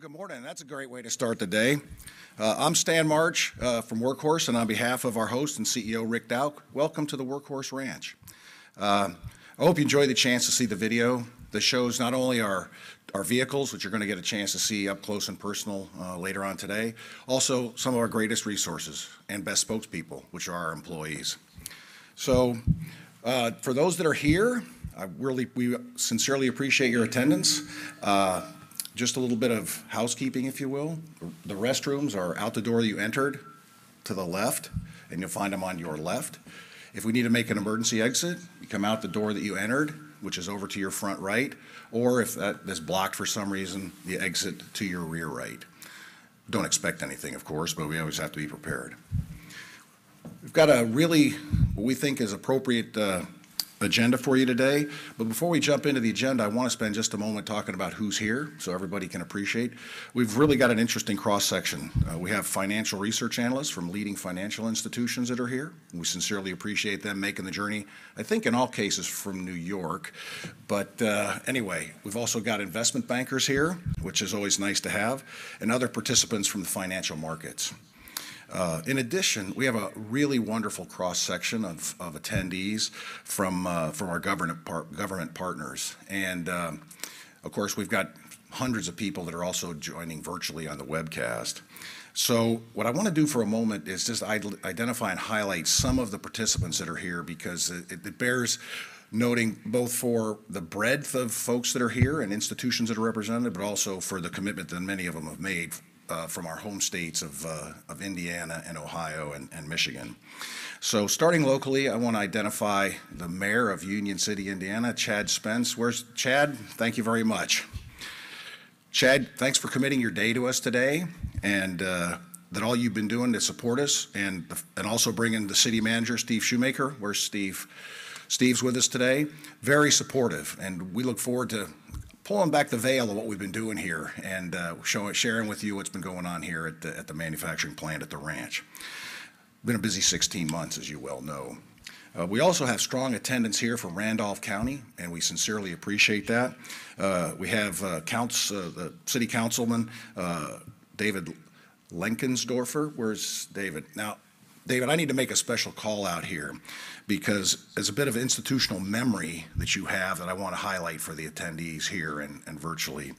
Good morning. That's a great way to start the day. I'm Stan March from Workhorse, and on behalf of our host and CEO Rick Dauch, welcome to the Workhorse Ranch. I hope you enjoy the chance to see the video that shows not only our vehicles, which you're gonna get a chance to see up close and personal, later on today, also some of our greatest resources and best spokespeople, which are our employees. For those that are here, we sincerely appreciate your attendance. Just a little bit of housekeeping if you will. The restrooms are out the door that you entered to the left, and you'll find them on your left. If we need to make an emergency exit, you come out the door that you entered, which is over to your front right, or if that is blocked for some reason, the exit to your rear right. Don't expect anything of course, but we always have to be prepared. We've got a really, what we think is appropriate, agenda for you today. Before we jump into the agenda, I wanna spend just a moment talking about who's here so everybody can appreciate. We've really got an interesting cross-section. We have financial research analysts from leading financial institutions that are here, and we sincerely appreciate them making the journey. I think in all cases from New York. Anyway, we've also got investment bankers here, which is always nice to have, and other participants from the financial markets. In addition, we have a really wonderful cross-section of attendees from our government partners. Of course, we've got hundreds of people that are also joining virtually on the webcast. What I wanna do for a moment is just identify and highlight some of the participants that are here because it bears noting both for the breadth of folks that are here and institutions that are represented, but also for the commitment that many of them have made from our home states of Indiana and Ohio and Michigan. Starting locally, I wanna identify the Mayor of Union City, Indiana, Chad Spence. Where's Chad? Thank you very much. Chad, thanks for committing your day to us today, and that all you've been doing to support us, and also bringing the City Manager, Steve Shoemaker. Where's Steve? Steve's with us today. Very supportive, and we look forward to pulling back the veil of what we've been doing here and sharing with you what's been going on here at the manufacturing plant at the ranch. Been a busy 16 months, as you well know. We also have strong attendance here from Randolph County, and we sincerely appreciate that. We have City Councilman David Lenkensdofer. Where's David? Now, David, I need to make a special call-out here because as a bit of institutional memory that you have that I wanna highlight for the attendees here and virtually.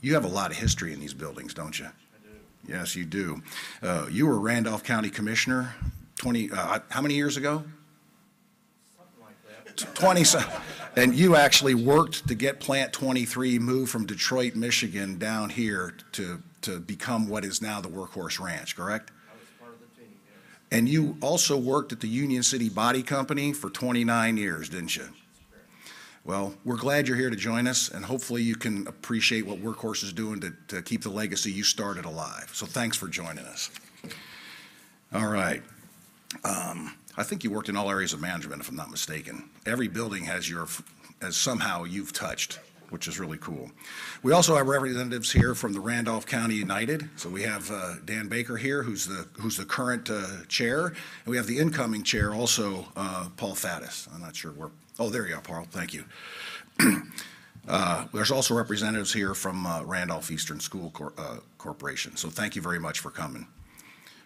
You have a lot of history in these buildings, don't you? I do. Yes, you do. You were Randolph County Commissioner 20, how many years ago? You actually worked to get Plant 23 moved from Detroit, Michigan, down here to become what is now the Workhorse Ranch, correct? You also worked at the Union City Body Company for 29 years, didn't you? Well, we're glad you're here to join us, and hopefully you can appreciate what Workhorse is doing to keep the legacy you started alive. Thanks for joining us. All right, I think you worked in all areas of management, if I'm not mistaken. Every building has somehow you've touched... ... which is really cool. We also have representatives here from the Randolph County United. We have Dan Baker here, who's the current chair, and we have the incoming chair also, Paul Fackler. I'm not sure where-- Oh, there you are, Paul. Thank you. There's also representatives here from Randolph Eastern School Corporation. Thank you very much for coming.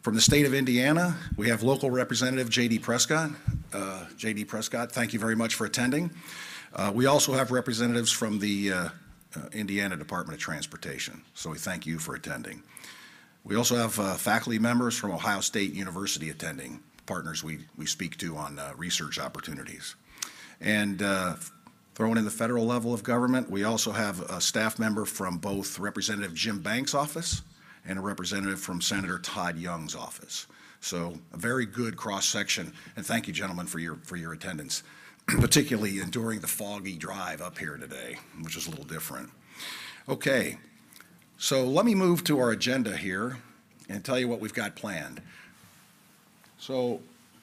From the state of Indiana, we have local representative J.D. Prescott. J.D. Prescott, thank you very much for attending. We also have representatives from the Indiana Department of Transportation, so we thank you for attending. We also have faculty members from The Ohio State University attending, partners we speak to on research opportunities. Throwing in the federal level of government, we also have a staff member from both Representative Jim Banks' office and a representative from Senator Todd Young's office. A very good cross-section, and thank you, gentlemen, for your attendance, particularly enduring the foggy drive up here today, which is a little different. Let me move to our agenda here and tell you what we've got planned.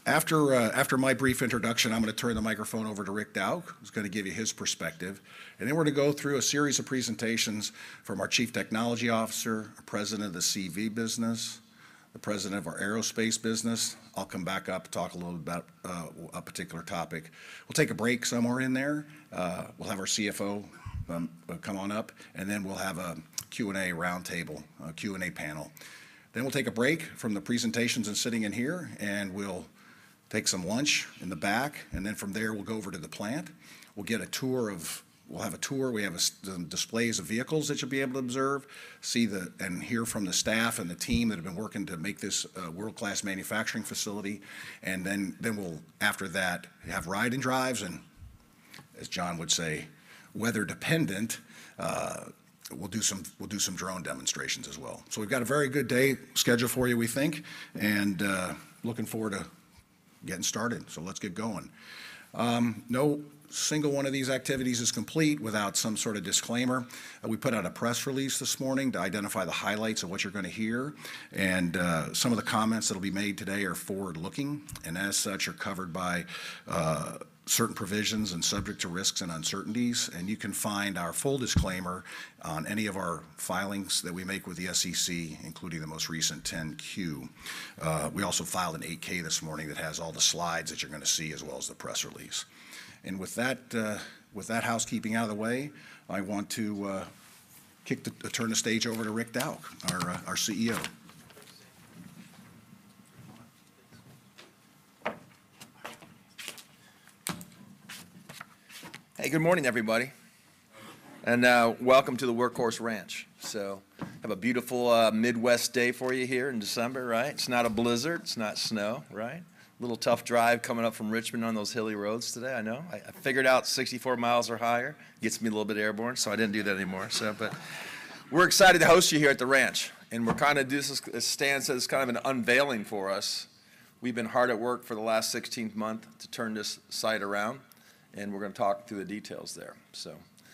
After my brief introduction, I'm gonna turn the microphone over to Richard Dauch, who's gonna give you his perspective. We're gonna go through a series of presentations from our Chief Technology Officer, President of the CV business, the President of our Aerospace business. I'll come back up, talk a little about a particular topic. We'll take a break somewhere in there. We'll have our CFO come on up. We'll have a Q&A roundtable, a Q&A panel. We'll take a break from the presentations and sitting in here. We'll take some lunch in the back. From there, we'll go over to the plant. We'll have a tour. We have displays of vehicles that you'll be able to observe, see the, and hear from the staff and the team that have been working to make this a world-class manufacturing facility. Then we'll, after that, have ride-and-drives, and as John would say, weather dependent, we'll do some drone demonstrations as well. We've got a very good day scheduled for you, we think, and looking forward to getting started. Let's get going. No single one of these activities is complete without some sort of disclaimer. We put out a press release this morning to identify the highlights of what you're gonna hear. Some of the comments that'll be made today are forward-looking, and as such are covered by certain provisions and subject to risks and uncertainties. You can find our full disclaimer on any of our filings that we make with the SEC, including the most recent 10-Q. We also filed an 8-K this morning that has all the slides that you're gonna see, as well as the press release. With that, with that housekeeping out of the way, I want to turn the stage over to Rick Dauch, our CEO. Hey, good morning, everybody. Welcome to the Workhorse Ranch. Have a beautiful Midwest day for you here in December, right? It's not a blizzard, it's not snow, right? Little tough drive coming up from Richmond on those hilly roads today, I know. I figured out 64 miles or higher gets me a little bit airborne, so I didn't do that anymore. We're excited to host you here at the ranch, and we're kinda do this as Stan says, kind of an unveiling for us. We've been hard at work for the last 16 month to turn this site around, and we're gonna talk through the details there.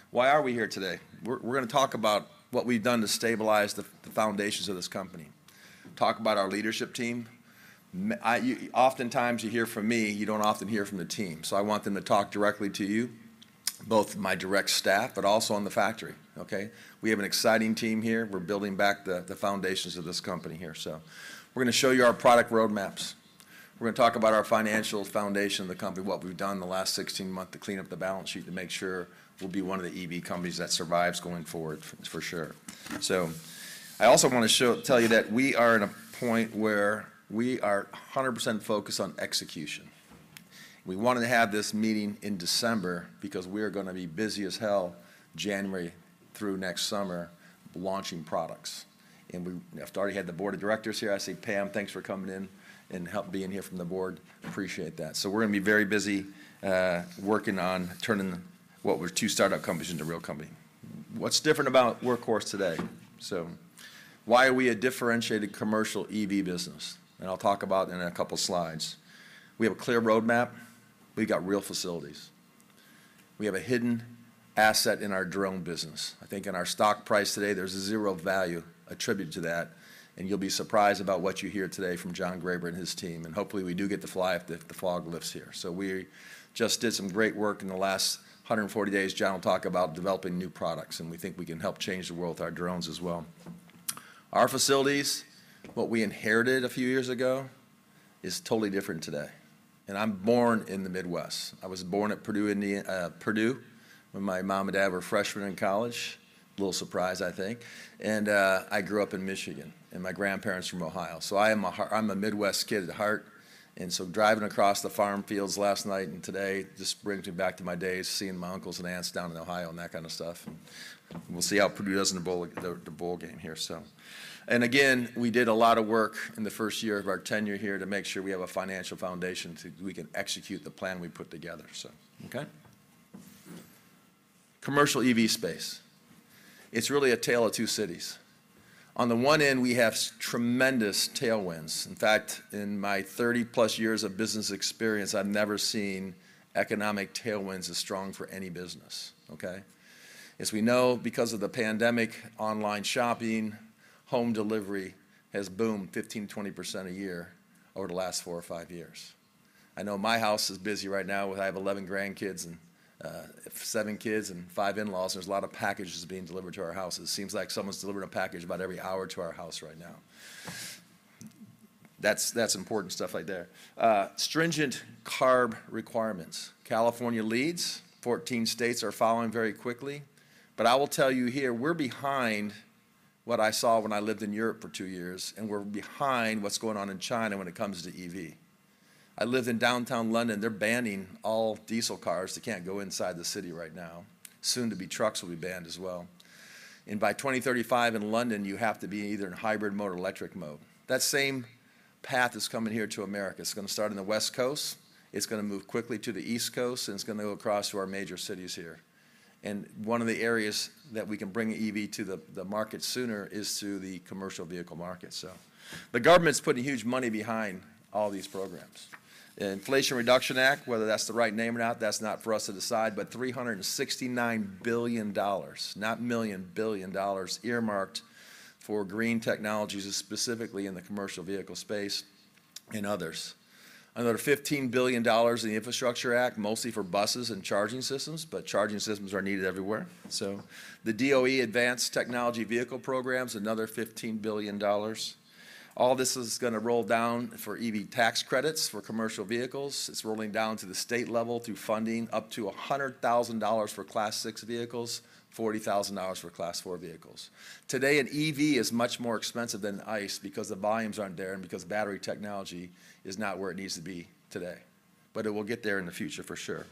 Why are we here today? We're gonna talk about what we've done to stabilize the foundations of this company, talk about our leadership team. Oftentimes you hear from me, you don't often hear from the team. I want them to talk directly to you, both my direct staff, but also in the factory, okay? We have an exciting team here. We're building back the foundations of this company here, so. We're gonna show you our product roadmaps. We're gonna talk about our financial foundation of the company, what we've done in the last 16 month to clean up the balance sheet to make sure we'll be one of the EV companies that survives going forward for sure. I also wanna show, tell you that we are at a point where we are 100% focused on execution. We wanted to have this meeting in December because we are gonna be busy as hell January through next summer launching products. We've already had the board of directors here. I see Pam. Thanks for coming in and help being here from the board. Appreciate that. We're gonna be very busy working on turning what were two startup companies into a real company. What's different about Workhorse today? Why are we a differentiated commercial EV business? I'll talk about in a couple slides. We have a clear roadmap. We've got real facilities. We have a hidden asset in our drone business. I think in our stock price today, there's a zero value attribute to that, and you'll be surprised about what you hear today from John Graber and his team. Hopefully we do get to fly if the fog lifts here. We just did some great work in the last 140 days. John will talk about developing new products, and we think we can help change the world with our drones as well. Our facilities, what we inherited a few years ago, is totally different today. I'm born in the Midwest. I was born at Purdue, when my mom and dad were freshman in college. Little surprise, I think. I grew up in Michigan, and my grandparents from Ohio. I'm a Midwest kid at heart. Driving across the farm fields last night and today just brings me back to my days seeing my uncles and aunts down in Ohio and that kind of stuff. We'll see how Purdue does in the bowl, the bowl game here, so. Again, we did a lot of work in the first year of our tenure here to make sure we have a financial foundation to, we can execute the plan we put together. Commercial EV space. It's really a tale of two cities. On the one end, we have tremendous tailwinds. In fact, in my 30-plus years of business experience, I've never seen economic tailwinds as strong for any business. As we know, because of the pandemic, online shopping, home delivery has boomed 15%-20% a year over the last four or five years. I know my house is busy right now with I have 11 grandkids and seven kids and five in-laws. There's a lot of packages being delivered to our house. It seems like someone's delivering a package about every hour to our house right now. That's important stuff right there. Stringent CARB requirements. California leads. 14 states are following very quickly. I will tell you here, we're behind what I saw when I lived in Europe for two years, and we're behind what's going on in China when it comes to EV. I lived in downtown London. They're banning all diesel cars. They can't go inside the city right now. Soon to be trucks will be banned as well. By 2035 in London, you have to be either in hybrid mode or electric mode. That same path is coming here to America. It's gonna start on the West Coast, it's gonna move quickly to the East Coast, and it's gonna go across to our major cities here. One of the areas that we can bring EV to the market sooner is through the commercial vehicle market. The government's putting huge money behind all these programs. Inflation Reduction Act, whether that's the right name or not, that's not for us to decide, but $369 billion, not million, billion dollars, earmarked for green technologies, specifically in the commercial vehicle space and others. Another $15 billion in the Infrastructure Act, mostly for buses and charging systems, but charging systems are needed everywhere. The DOE Advanced Technology Vehicle Program's another $15 billion. All this is gonna roll down for EV tax credits for commercial vehicles. It's rolling down to the state level through funding up to $100,000 for Class six vehicles, $40,000 for Class four vehicles. Today, an EV is much more expensive than ICE because the volumes aren't there and because battery technology is not where it needs to be today. It will get there in the future for sure.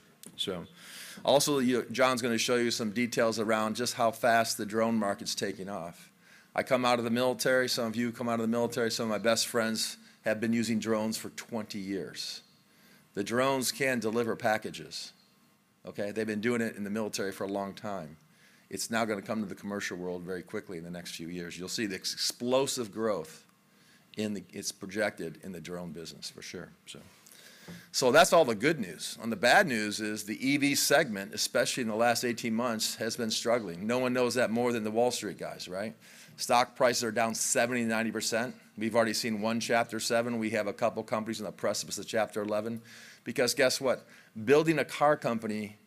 Also, John's gonna show you some details around just how fast the drone market's taking off. I come out of the military, some of you come out of the military, some of my best friends have been using drones for 20 years. The drones can deliver packages, okay? They've been doing it in the military for a long time. It's now gonna come to the commercial world very quickly in the next few years. You'll see the explosive growth it's projected in the drone business for sure. That's all the good news. On the bad news is the EV segment, especially in the last 18 months, has been struggling. No one knows that more than the Wall Street guys, right? Stock prices are down 70%-90%. We've already seen one Chapter seven. We have a couple companies on the precipice of Chapter 11. Guess what? Building a car company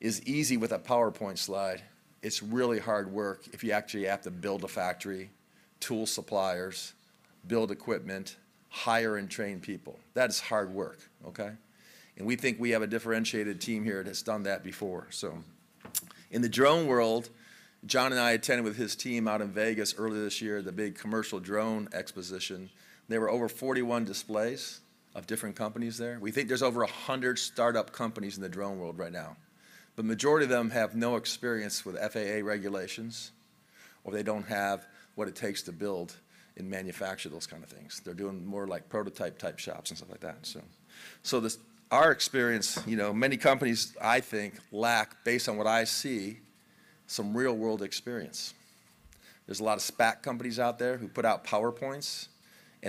is easy with a PowerPoint slide. It's really hard work if you actually have to build a factory, tool suppliers, build equipment, hire and train people. That is hard work, okay? We think we have a differentiated team here that's done that before. In the drone world, John and I attended with his team out in Vegas earlier this year, the big commercial drone exposition. There were over 41 displays of different companies there. We think there's over 100 startup companies in the drone world right now. The majority of them have no experience with FAA regulations, or they don't have what it takes to build and manufacture those kind of things. They're doing more like prototype type shops and stuff like that. Our experience, you know, many companies I think lack, based on what I see, some real-world experience. There's a lot of SPAC companies out there who put out PowerPoints,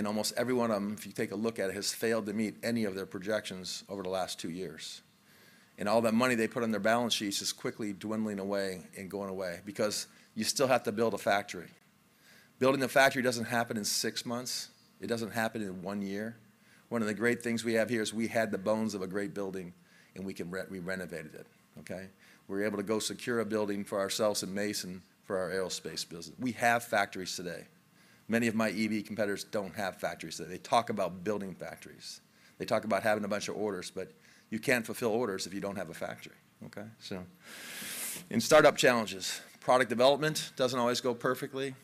almost every one of them, if you take a look at, has failed to meet any of their projections over the last two years. All that money they put on their balance sheets is quickly dwindling away and going away because you still have to build a factory. Building a factory doesn't happen in six months. It doesn't happen in one year. One of the great things we have here is we had the bones of a great building, we renovated it, okay? We were able to go secure a building for ourselves in Mason for our aerospace business. We have factories today. Many of my EV competitors don't have factories today. They talk about building factories. They talk about having a bunch of orders, you can't fulfill orders if you don't have a factory, okay? In startup challenges, product development doesn't always go perfectly,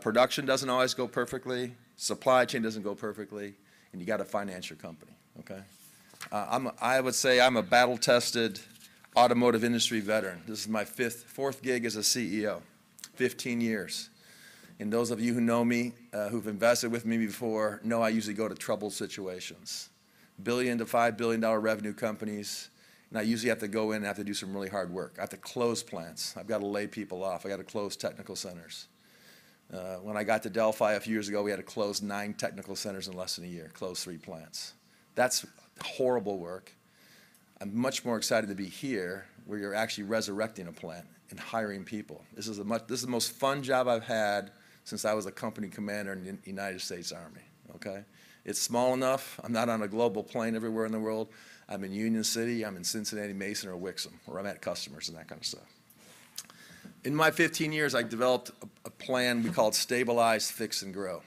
production doesn't always go perfectly, supply chain doesn't go perfectly, and you gotta finance your company, okay? I would say I'm a battle-tested automotive industry veteran. This is my fourth gig as a CEO, 15 years. Those of you who know me, who've invested with me before know I usually go to trouble situations, $1 billion-$5 billion revenue companies, and I usually have to go in and have to do some really hard work. I have to close plants. I've gotta lay people off. I gotta close technical centers. When I got to Delphi a few years ago, we had to close nine technical centers in less than a year, close three plants. That's horrible work. I'm much more excited to be here, where you're actually resurrecting a plant and hiring people. This is the most fun job I've had since I was a company commander in United States Army, okay? It's small enough. I'm not on a global plane everywhere in the world. I'm in Union City. I'm in Cincinnati, Mason, or Wixom, or I'm at customers and that kind of stuff. In my 15 years, I developed a plan. We call it Stabilize, Fix, and Grow.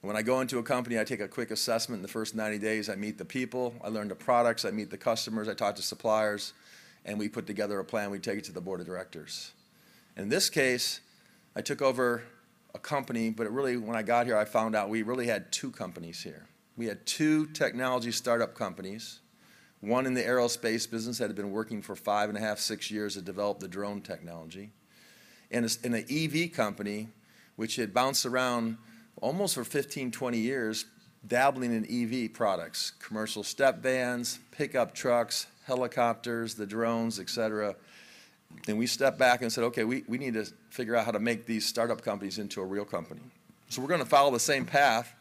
When I go into a company, I take a quick assessment. In the first 90 days, I meet the people, I learn the products, I meet the customers, I talk to suppliers, and we put together a plan. We take it to the board of directors. In this case, I took over a company, but when I got here, I found out we really had two companies here. We had two technology startup companies, one in the aerospace business that had been working for five and a half, six years to develop the drone technology, and an EV company which had bounced around almost for 15, 20 years dabbling in EV products, commercial step vans, pickup trucks, helicopters, the drones, et cetera. We stepped back and said, "Okay, we need to figure out how to make these startup companies into a real company." We're gonna follow the same path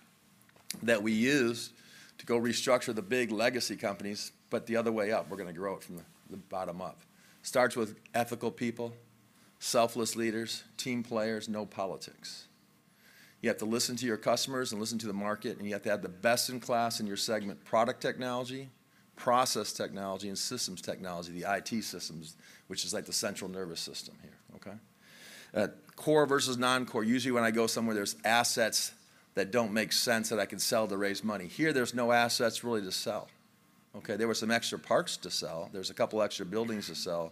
that we use to go restructure the big legacy companies, but the other way up. We're gonna grow it from the bottom up. Starts with ethical people, selfless leaders, team players, no politics. You have to listen to your customers and listen to the market, and you have to have the best in class in your segment, product technology, process technology, and systems technology, the IT systems, which is like the central nervous system here, okay? Core versus non-core. Usually, when I go somewhere, there's assets that don't make sense that I can sell to raise money. Here, there's no assets really to sell. Okay, there were some extra parts to sell. There's a couple extra buildings to sell.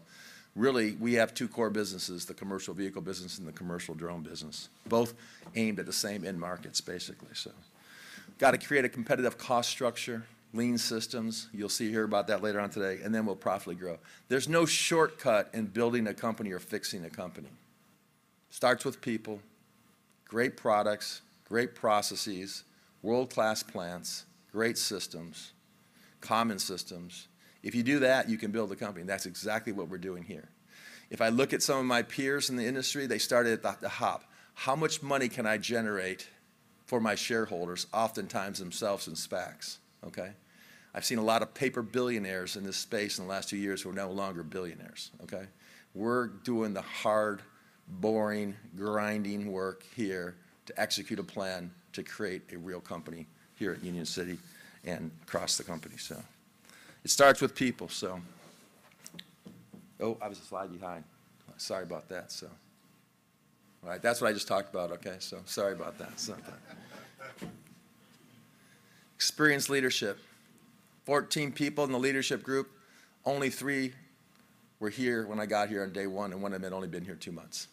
Really, we have 2 core businesses, the commercial vehicle business and the commercial drone business, both aimed at the same end markets, basically. Gotta create a competitive cost structure, lean systems. You'll see here about that later on today. We'll profitably grow. There's no shortcut in building a company or fixing a company. Starts with people, great products, great processes, world-class plants, great systems, common systems. If you do that, you can build a company. That's exactly what we're doing here. If I look at some of my peers in the industry, they started at the hop. How much money can I generate for my shareholders, oftentimes themselves in SPACs, okay? I've seen a lot of paper billionaires in this space in the last two years who are no longer billionaires, okay? We're doing the hard, boring, grinding work here to execute a plan to create a real company here at Union City and across the company. It starts with people. I was a slide behind. Sorry about that. All right, that's what I just talked about, okay? Sorry about that. Experienced leadership. 14 people in the leadership group. Only 3 were here when I got here on day 1, and one of them had only been here two months.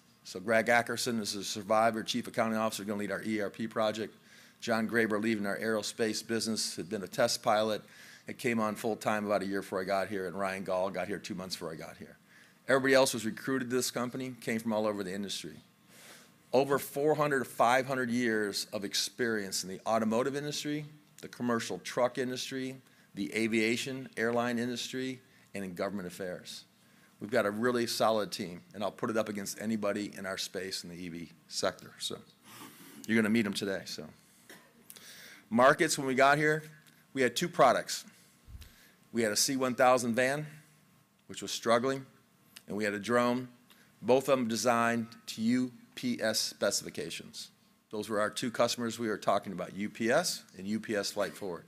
Greg Ackerson is a survivor, Chief Accounting Officer, gonna lead our ERP project. John Graber, leading our aerospace business, had been a test pilot, had came on full-time about 1 year before I got here, and Ryan Gaul got here 2 months before I got here. Everybody else was recruited to this company, came from all over the industry. Over 400-500 years of experience in the automotive industry, the commercial truck industry, the aviation airline industry, and in government affairs. We've got a really solid team. I'll put it up against anybody in our space in the EV sector, so. You're gonna meet them today, so. When we got here, we had 2 products. We had a C-1000 van, which was struggling, and we had a drone, both of them designed to UPS specifications. Those were our 2 customers we were talking about, UPS and UPS Flight Forward.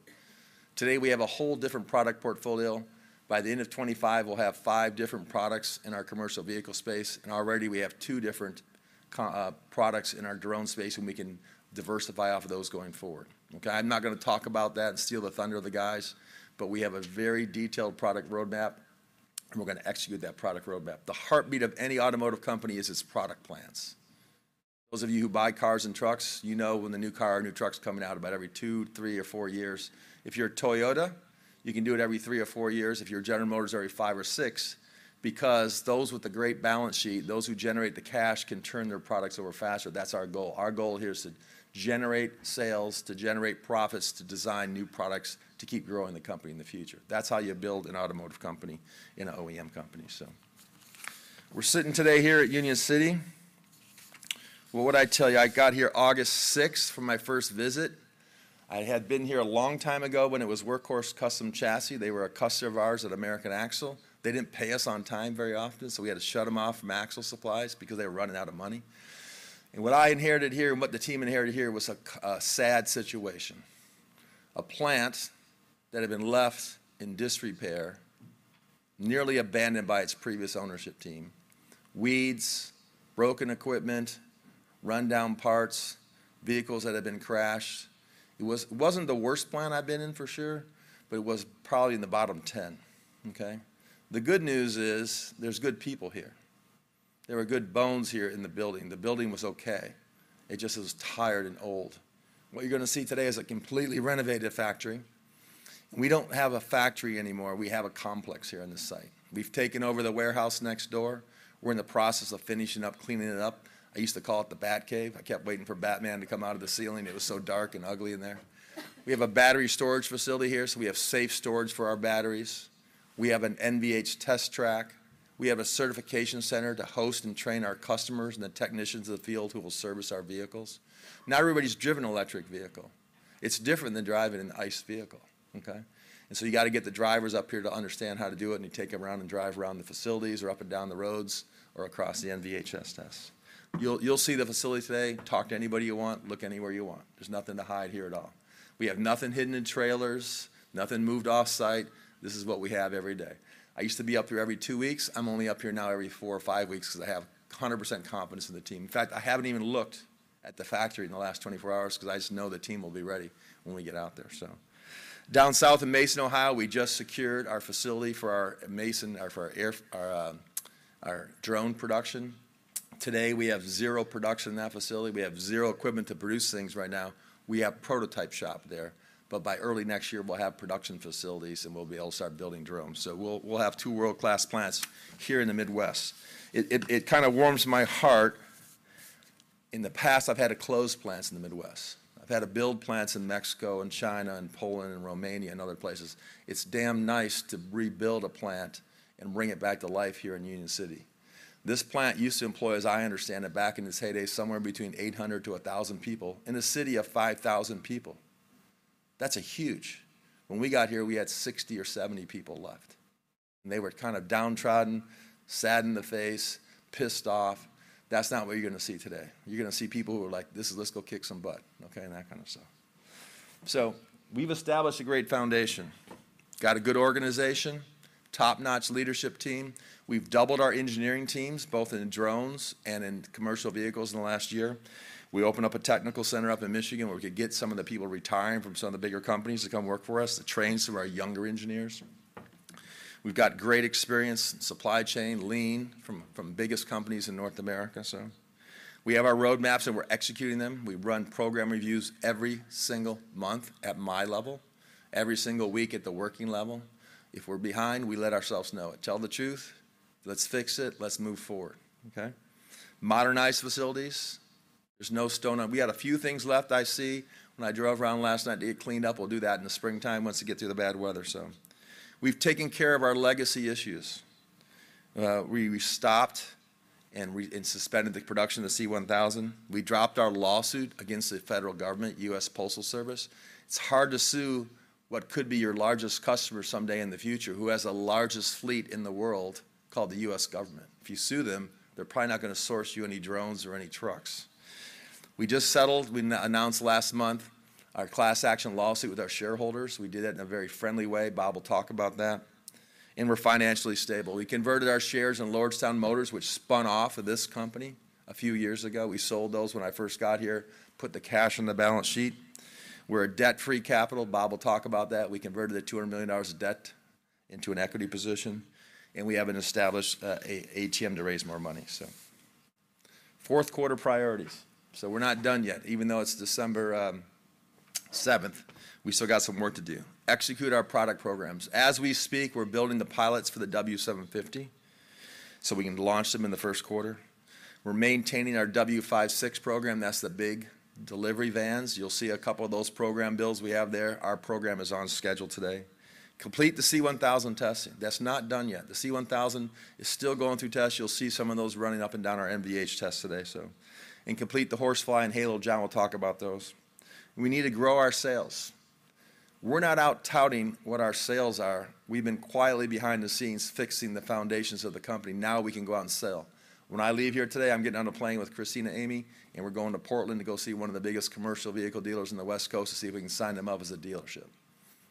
Today, we have a whole different product portfolio. By the end of 2025, we'll have 5 different products in our commercial vehicle space. Already we have 2 different products in our drone space. We can diversify off of those going forward. I'm not gonna talk about that and steal the thunder of the guys. We have a very detailed product roadmap. We're gonna execute that product roadmap. The heartbeat of any automotive company is its product plans. Those of you who buy cars and trucks, you know when the new car or new truck's coming out, about every two, three, or four years. If you're Toyota, you can do it every three or four years. If you're General Motors, every five or six. Because those with the great balance sheet, those who generate the cash, can turn their products over faster. That's our goal. Our goal here is to generate sales, to generate profits, to design new products, to keep growing the company in the future. That's how you build an automotive company and an OEM company. We're sitting today here at Union City. What'd I tell you? I got here August 6th for my first visit. I had been here a long time ago when it was Workhorse Custom Chassis. They were a customer of ours at American Axle. They didn't pay us on time very often, so we had to shut them off from axle supplies because they were running out of money. What I inherited here, and what the team inherited here, was a sad situation. A plant that had been left in disrepair, nearly abandoned by its previous ownership team. Weeds, broken equipment, run-down parts, vehicles that had been crashed. It wasn't the worst plant I've been in, for sure, but it was probably in the bottom 10, okay? The good news is there's good people here. There were good bones here in the building. The building was okay. It just was tired and old. What you're gonna see today is a completely renovated factory. We don't have a factory anymore. We have a complex here on this site. We've taken over the warehouse next door. We're in the process of finishing up cleaning it up. I used to call it the Bat Cave. I kept waiting for Batman to come out of the ceiling, it was so dark and ugly in there. We have a battery storage facility here, so we have safe storage for our batteries. We have an NVH test track. We have a certification center to host and train our customers and the technicians in the field who will service our vehicles. Not everybody's driven an electric vehicle. It's different than driving an ICE vehicle, okay? You gotta get the drivers up here to understand how to do it, and you take them around and drive around the facilities or up and down the roads or across the NVH test. You'll see the facility today. Talk to anybody you want. Look anywhere you want. There's nothing to hide here at all. We have nothing hidden in trailers, nothing moved off-site. This is what we have every day. I used to be up here every 2 weeks. I'm only up here now every 4 or 5 weeks because I have 100% confidence in the team. In fact, I haven't even looked at the factory in the last 24 hours because I just know the team will be ready when we get out there. Down south in Mason, Ohio, we just secured our facility for our Mason. For our drone production. Today, we have zero production in that facility. We have zero equipment to produce things right now. We have prototype shop there. By early next year, we'll have production facilities, and we'll be able to start building drones. We'll have two world-class plants here in the Midwest. It kinda warms my heart. In the past, I've had to close plants in the Midwest. I've had to build plants in Mexico and China and Poland and Romania and other places. It's damn nice to rebuild a plant and bring it back to life here in Union City. This plant used to employ, as I understand it, back in its heyday, somewhere between 800 to 1,000 people in a city of 5,000 people. That's a huge. When we got here, we had 60 or 70 people left, and they were kind of downtrodden, sad in the face, pissed off. That's not what you're gonna see today. You're gonna see people who are like, "This is let's go kick some butt," okay? That kind of stuff. We've established a great foundation, got a good organization, top-notch leadership team. We've doubled our engineering teams, both in drones and in commercial vehicles in the last year. We opened up a technical center up in Michigan, where we could get some of the people retiring from some of the bigger companies to come work for us, to train some of our younger engineers. We've got great experience in supply chain, lean from biggest companies in North America. We have our road maps, and we're executing them. We run program reviews every single month at my level, every single week at the working level. If we're behind, we let ourselves know it. Tell the truth. Let's fix it. Let's move forward, okay? Modernize facilities. There's no stone. We got a few things left I see when I drove around last night to get cleaned up. We'll do that in the springtime once we get through the bad weather. We've taken care of our legacy issues. We stopped and suspended the production of the C-1000. We dropped our lawsuit against the federal government, U.S. Postal Service. It's hard to sue what could be your largest customer someday in the future, who has the largest fleet in the world, called the U.S. government. If you sue them, they're probably not gonna source you any drones or any trucks. We just settled. We announced last month our class action lawsuit with our shareholders. We did that in a very friendly way. Bob will talk about that. We're financially stable. We converted our shares in Lordstown Motors, which spun off of this company a few years ago. We sold those when I first got here, put the cash on the balance sheet. We're a debt-free capital. Bob will talk about that. We converted the $200 million of debt into an equity position, and we have an established ATM to raise more money. Fourth quarter priorities. We're not done yet. Even though it's December seventh, we still got some work to do. Execute our product programs. As we speak, we're building the pilots for the W750, so we can launch them in the first quarter. We're maintaining our W56 program. That's the big delivery vans. You'll see a couple of those program builds we have there. Our program is on schedule today. Complete the C-1000 testing. That's not done yet. The C-1000 is still going through tests. You'll see some of those running up and down our NVH test today. Complete the Horsefly and Halo. John will talk about those. We need to grow our sales. We're not out touting what our sales are. We've been quietly behind the scenes fixing the foundations of the company. Now we can go out and sell. When I leave here today, I'm getting on a plane with Christina and Amy, and we're going to Portland to go see one of the biggest commercial vehicle dealers on the West Coast to see if we can sign them up as a dealership.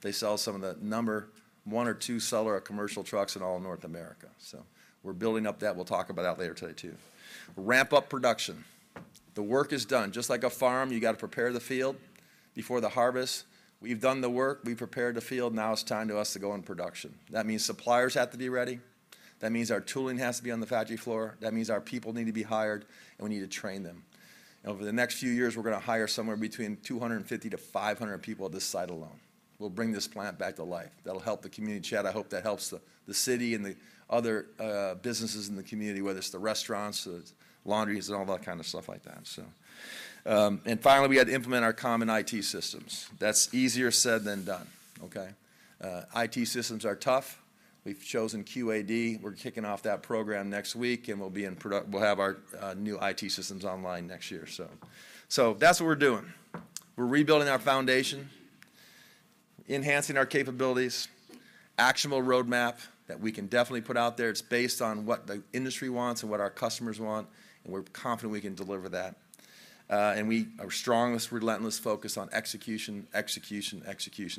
They sell some of the number 1 or 2 seller of commercial trucks in all North America. We're building up that. We'll talk about that later today too. Ramp up production. The work is done. Just like a farm, you gotta prepare the field before the harvest. We've done the work. We prepared the field. Now it's time to us to go in production. That means suppliers have to be ready. That means our tooling has to be on the factory floor. That means our people need to be hired, and we need to train them. Over the next few years, we're gonna hire somewhere between 250 to 500 people at this site alone. We'll bring this plant back to life. That'll help the community. Chad, I hope that helps the city and the other businesses in the community, whether it's the restaurants, the laundries, and all that kind of stuff like that. Finally, we had to implement our common IT systems. That's easier said than done. Okay? IT systems are tough. We've chosen QAD. We're kicking off that program next week, and we'll have our new IT systems online next year. That's what we're doing. We're rebuilding our foundation, enhancing our capabilities, actionable roadmap that we can definitely put out there. It's based on what the industry wants and what our customers want, and we're confident we can deliver that. We are strong with relentless focus on execution, execution.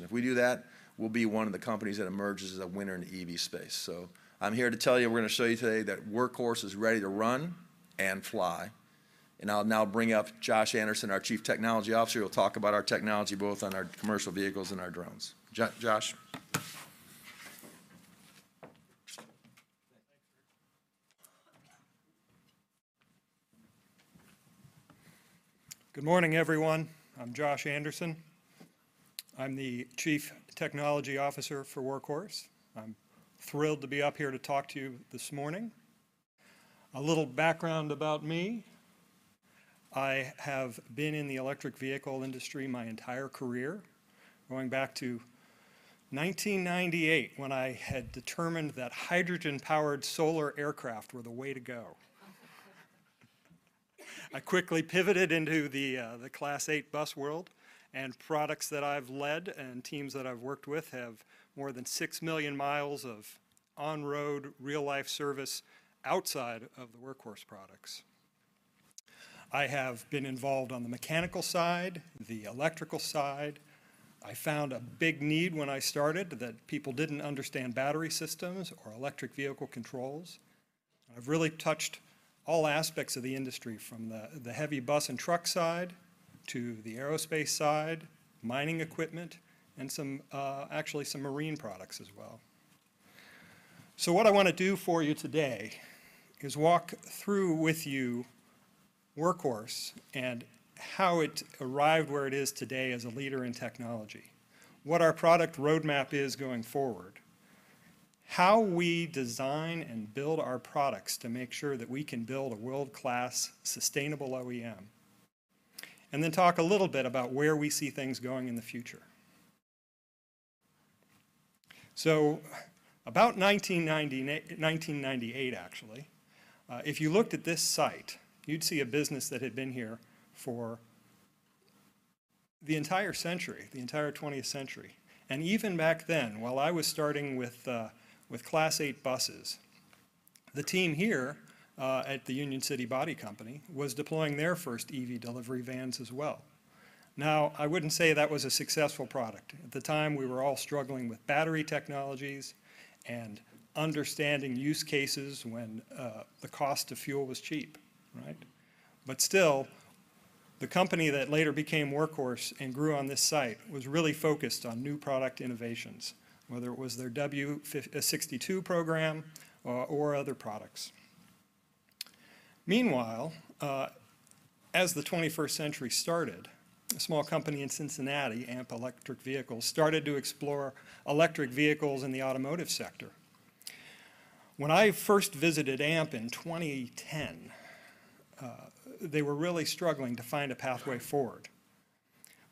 If we do that, we'll be one of the companies that emerges as a winner in the EV space. I'm here to tell you, we're gonna show you today that Workhorse is ready to run and fly. I'll now bring up Josh Anderson, our Chief Technology Officer, who'll talk about our technology both on our commercial vehicles and our drones. Josh? Thanks, Rick. Good morning, everyone. I'm Josh Anderson. I'm the Chief Technology Officer for Workhorse. I'm thrilled to be up here to talk to you this morning. A little background about me. I have been in the electric vehicle industry my entire career, going back to 1998 when I had determined that hydrogen-powered solar aircraft were the way to go. I quickly pivoted into the Class 8 bus world, and products that I've led and teams that I've worked with have more than 6 million miles of on-road, real-life service outside of the Workhorse products. I have been involved on the mechanical side, the electrical side. I found a big need when I started that people didn't understand battery systems or electric vehicle controls. I've really touched all aspects of the industry from the heavy bus and truck side to the aerospace side, mining equipment, and some actually some marine products as well. What I wanna do for you today is walk through with you Workhorse and how it arrived where it is today as a leader in technology, what our product roadmap is going forward, how we design and build our products to make sure that we can build a world-class sustainable OEM, and then talk a little bit about where we see things going in the future. About 1998 actually, if you looked at this site, you'd see a business that had been here for the entire century, the entire twentieth century. Even back then, while I was starting with Class 8 buses, the team here at the Union City Body Company was deploying their first EV delivery vans as well. I wouldn't say that was a successful product. At the time, we were all struggling with battery technologies and understanding use cases when the cost of fuel was cheap, right? The company that later became Workhorse and grew on this site was really focused on new product innovations, whether it was their W62 program or other products. As the 21st century started, a small company in Cincinnati, AMP Electric Vehicles, started to explore electric vehicles in the automotive sector. When I first visited AMP in 2010, they were really struggling to find a pathway forward.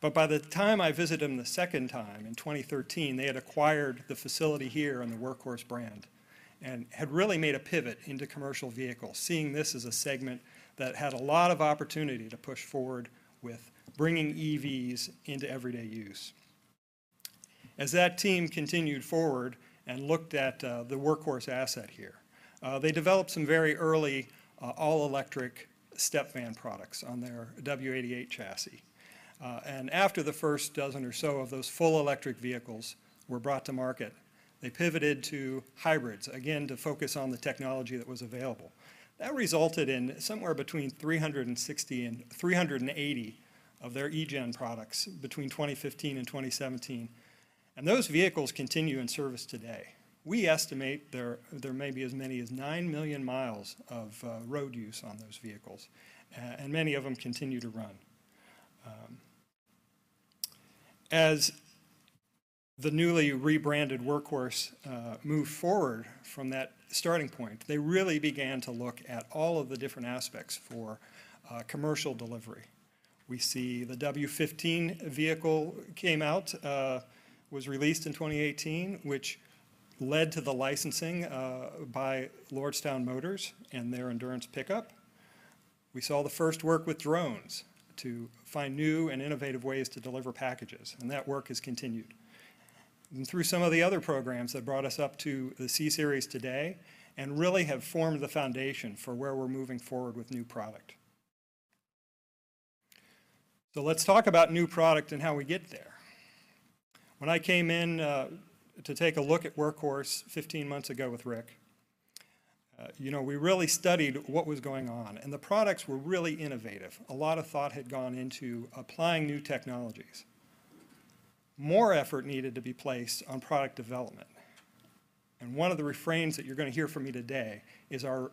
By the time I visited them the second time in 2013, they had acquired the facility here and the Workhorse brand and had really made a pivot into commercial vehicles, seeing this as a segment that had a lot of opportunity to push forward with bringing EVs into everyday use. As that team continued forward and looked at the Workhorse asset here, they developed some very early all-electric step van products on their W88 chassis. After the first dozen or so of those full electric vehicles were brought to market, they pivoted to hybrids, again, to focus on the technology that was available. That resulted in somewhere between 360 and 380 of their E-GEN products between 2015 and 2017, and those vehicles continue in service today. We estimate there may be as many as 9 million miles of road use on those vehicles, and many of them continue to run. As the newly rebranded Workhorse moved forward from that starting point, they really began to look at all of the different aspects for commercial delivery. We see the W15 vehicle came out, was released in 2018, which led to the licensing by Lordstown Motors and their Endurance pickup. We saw the first work with drones to find new and innovative ways to deliver packages, and that work has continued. Through some of the other programs that brought us up to the C-Series today and really have formed the foundation for where we're moving forward with new product. Let's talk about new product and how we get there. When I came in, to take a look at Workhorse 15 months ago with Rick, you know, we really studied what was going on, and the products were really innovative. A lot of thought had gone into applying new technologies. More effort needed to be placed on product development. One of the refrains that you're gonna hear from me today is our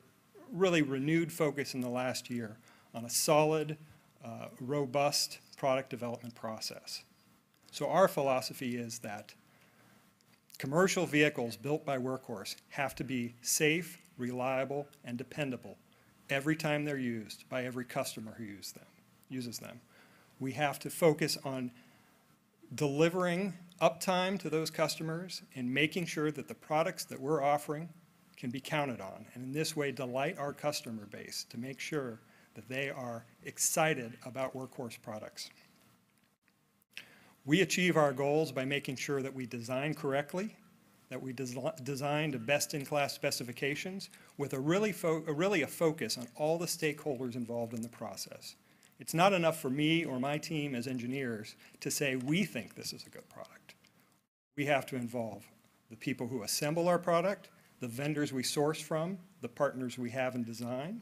really renewed focus in the last year on a solid, robust product development process. Our philosophy is that commercial vehicles built by Workhorse have to be safe, reliable, and dependable every time they're used by every customer who uses them. We have to focus on delivering uptime to those customers and making sure that the products that we're offering can be counted on, and in this way, delight our customer base to make sure that they are excited about Workhorse products. We achieve our goals by making sure that we design correctly, that we design to best-in-class specifications with a really a focus on all the stakeholders involved in the process. It's not enough for me or my team as engineers to say we think this is a good product. We have to involve the people who assemble our product, the vendors we source from, the partners we have in design,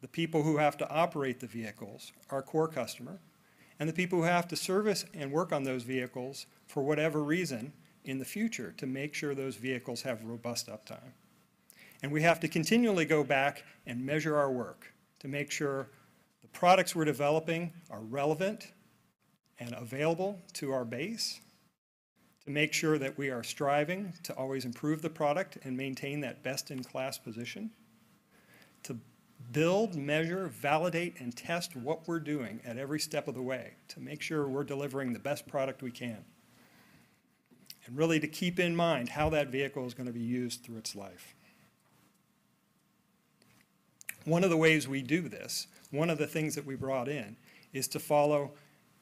the people who have to operate the vehicles, our core customer, and the people who have to service and work on those vehicles for whatever reason in the future to make sure those vehicles have robust uptime. We have to continually go back and measure our work to make sure the products we're developing are relevant and available to our base, to make sure that we are striving to always improve the product and maintain that best-in-class position, to build, measure, validate, and test what we're doing at every step of the way to make sure we're delivering the best product we can, and really to keep in mind how that vehicle is gonna be used through its life. One of the ways we do this, one of the things that we brought in, is to follow,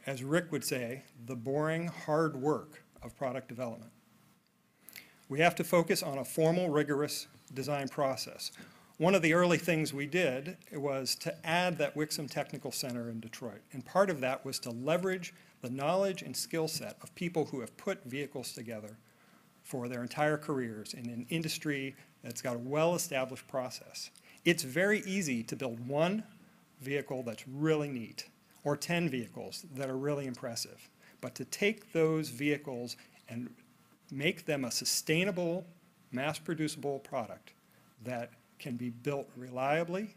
as Rick would say, the boring hard work of product development. We have to focus on a formal, rigorous design process. One of the early things we did was to add that Wixom Technical Center in Detroit. Part of that was to leverage the knowledge and skill set of people who have put vehicles together for their entire careers in an industry that's got a well-established process. It's very easy to build one vehicle that's really neat or 10 vehicles that are really impressive, but to take those vehicles and make them a sustainable, mass-producible product that can be built reliably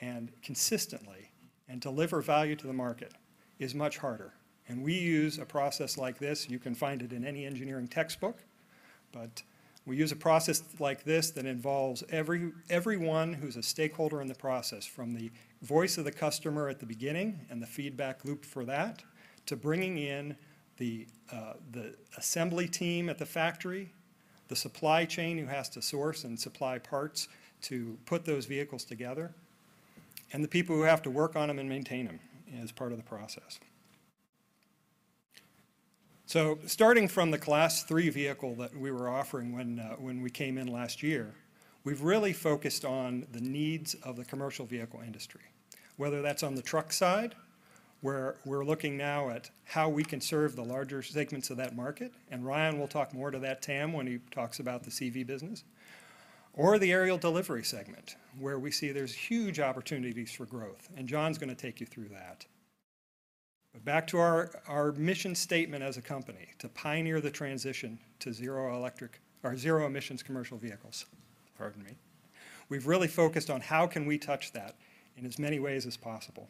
and consistently and deliver value to the market is much harder. We use a process like this. You can find it in any engineering textbook. We use a process like this that involves everyone who's a stakeholder in the process, from the voice of the customer at the beginning and the feedback loop for that, to bringing in the assembly team at the factory, the supply chain who has to source and supply parts to put those vehicles together, and the people who have to work on them and maintain them as part of the process. Starting from the Class 3 vehicle that we were offering when we came in last year, we've really focused on the needs of the commercial vehicle industry, whether that's on the truck side, where we're looking now at how we can serve the larger segments of that market, and Ryan will talk more to that TAM when he talks about the CV business, or the aerial delivery segment, where we see there's huge opportunities for growth, and John's gonna take you through that. Back to our mission statement as a company, to pioneer the transition to zero emissions commercial vehicles. Pardon me. We've really focused on how can we touch that in as many ways as possible.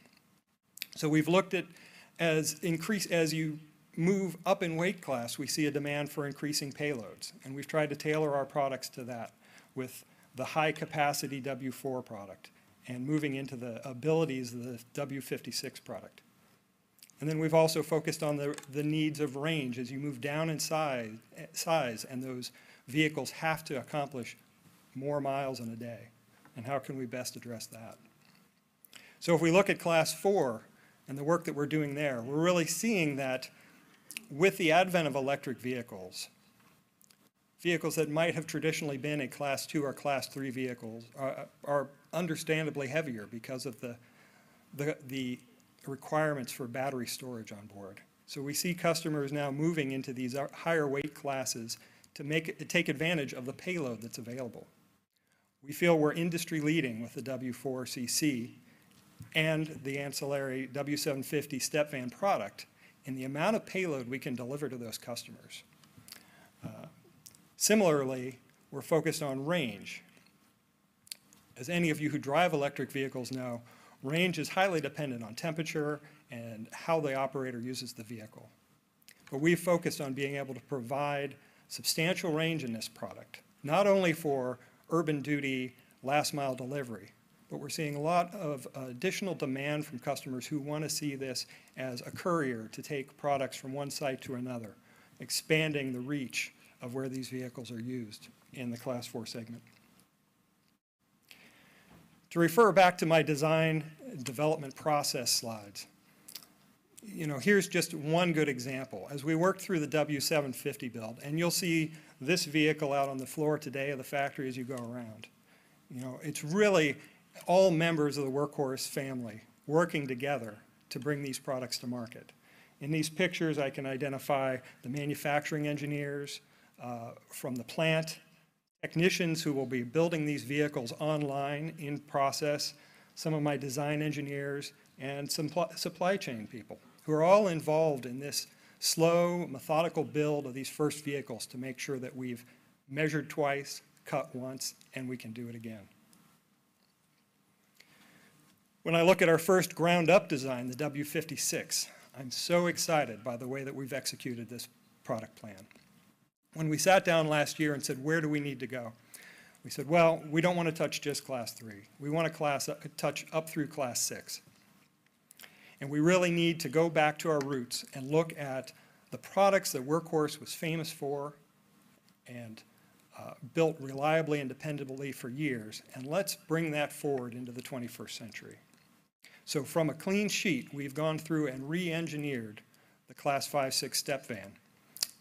We've looked at as you move up in weight class, we see a demand for increasing payloads, and we've tried to tailor our products to that with the high-capacity W4 product and moving into the abilities of the W56 product. Then we've also focused on the needs of range as you move down in size, and those vehicles have to accomplish more miles in a day, and how can we best address that? If we look at Class 4 and the work that we're doing there, we're really seeing that with the advent of electric vehicles that might have traditionally been a Class 2 or Class 3 vehicles are understandably heavier because of the requirements for battery storage on board. We see customers now moving into these higher weight classes to take advantage of the payload that's available. We feel we're industry-leading with the W4 CC and the ancillary W750 step van product and the amount of payload we can deliver to those customers. Similarly, we're focused on range. As any of you who drive electric vehicles know, range is highly dependent on temperature and how the operator uses the vehicle. We've focused on being able to provide substantial range in this product, not only for urban duty last mile delivery, but we're seeing a lot of additional demand from customers who wanna see this as a courier to take products from one site to another, expanding the reach of where these vehicles are used in the Class 4 segment. To refer back to my design development process slides, you know, here's just one good example. As we work through the W750 build, and you'll see this vehicle out on the floor today at the factory as you go around, you know, it's really all members of the Workhorse family working together to bring these products to market. In these pictures, I can identify the manufacturing engineers from the plant. Technicians who will be building these vehicles online in process, some of my design engineers, and some supply chain people who are all involved in this slow, methodical build of these first vehicles to make sure that we've measured twice, cut once, and we can do it again. When I look at our first ground-up design, the W56, I'm so excited by the way that we've executed this product plan. When we sat down last year and said, "Where do we need to go?" We said, "Well, we don't wanna touch just Class 3. We wanna touch up through Class 6. We really need to go back to our roots and look at the products that Workhorse was famous for and built reliably and dependably for years, and let's bring that forward into the twenty-first century." From a clean sheet, we've gone through and re-engineered the Class 5, 6 step van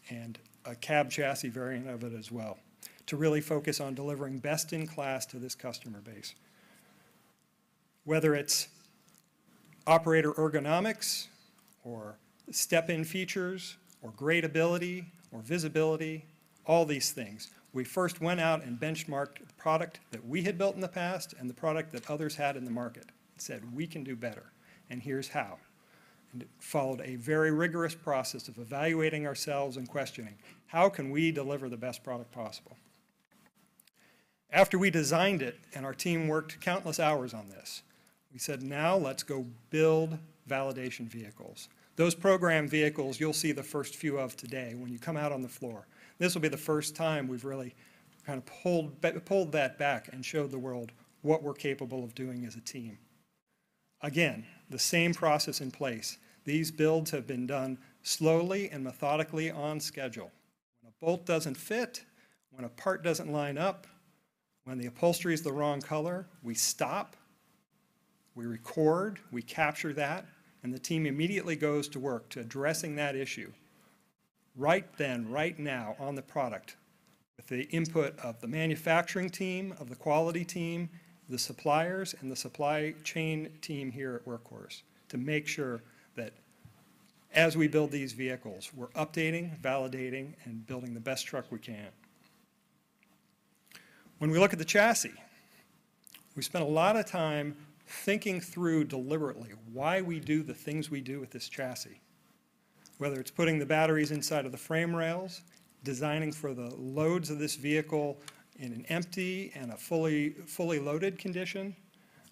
and a cab chassis variant of it as well to really focus on delivering best in class to this customer base. Whether it's operator ergonomics or step-in features or gradability or visibility, all these things, we first went out and benchmarked the product that we had built in the past and the product that others had in the market and said, "We can do better, and here's how." It followed a very rigorous process of evaluating ourselves and questioning, how can we deliver the best product possible? After we designed it and our team worked countless hours on this, we said, "Now let's go build validation vehicles." Those program vehicles you'll see the first few of today when you come out on the floor. This will be the first time we've really kind of pulled that back and showed the world what we're capable of doing as a team. The same process in place. These builds have been done slowly and methodically on schedule. When a bolt doesn't fit, when a part doesn't line up, when the upholstery is the wrong color, we stop, we record, we capture that, and the team immediately goes to work to addressing that issue right then, right now on the product with the input of the manufacturing team, of the quality team, the suppliers, and the supply chain team here at Workhorse to make sure that as we build these vehicles, we're updating, validating, and building the best truck we can. When we look at the chassis, we spent a lot of time thinking through deliberately why we do the things we do with this chassis. Whether it's putting the batteries inside of the frame rails, designing for the loads of this vehicle in an empty and a fully loaded condition,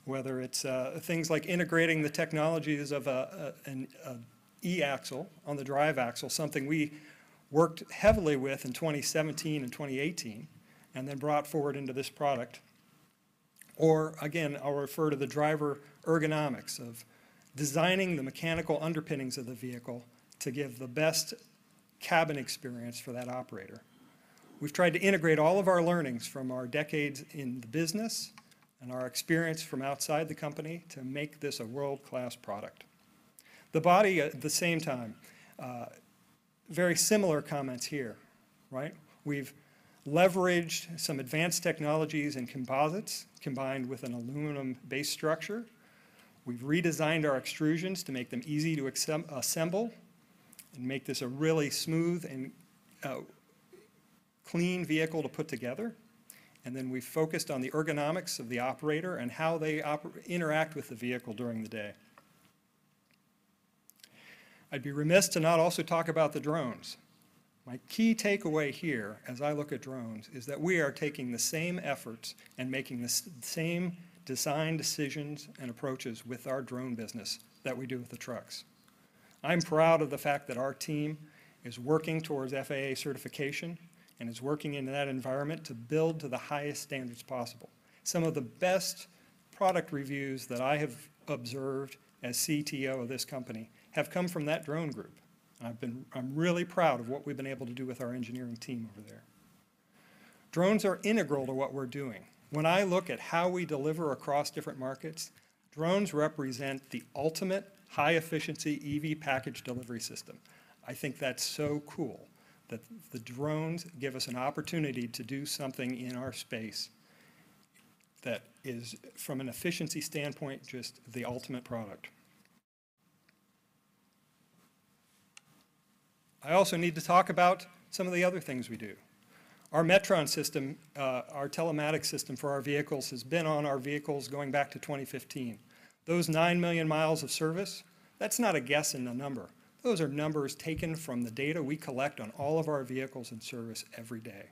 whether it's things like integrating the technologies of an eAxle on the drive axle, something we worked heavily with in 2017 and 2018, and then brought forward into this product. Or again, I'll refer to the driver ergonomics of designing the mechanical underpinnings of the vehicle to give the best cabin experience for that operator. We've tried to integrate all of our learnings from our decades in the business and our experience from outside the company to make this a world-class product. The body at the same time, very similar comments here, right? We've leveraged some advanced technologies and composites combined with an aluminum base structure. We've redesigned our extrusions to make them easy to assemble and make this a really smooth and clean vehicle to put together. We focused on the ergonomics of the operator and how they interact with the vehicle during the day. I'd be remiss to not also talk about the drones. My key takeaway here as I look at drones is that we are taking the same efforts and making the same design decisions and approaches with our drone business that we do with the trucks. I'm proud of the fact that our team is working towards FAA certification and is working in that environment to build to the highest standards possible. Some of the best product reviews that I have observed as CTO of this company have come from that drone group. I'm really proud of what we've been able to do with our engineering team over there. Drones are integral to what we're doing. When I look at how we deliver across different markets, drones represent the ultimate high-efficiency EV package delivery system. I think that's so cool that the drones give us an opportunity to do something in our space that is, from an efficiency standpoint, just the ultimate product. I also need to talk about some of the other things we do. Our Metron system, our telematic system for our vehicles, has been on our vehicles going back to 2015. Those 9 million miles of service, that's not a guess and a number. Those are numbers taken from the data we collect on all of our vehicles in service every day.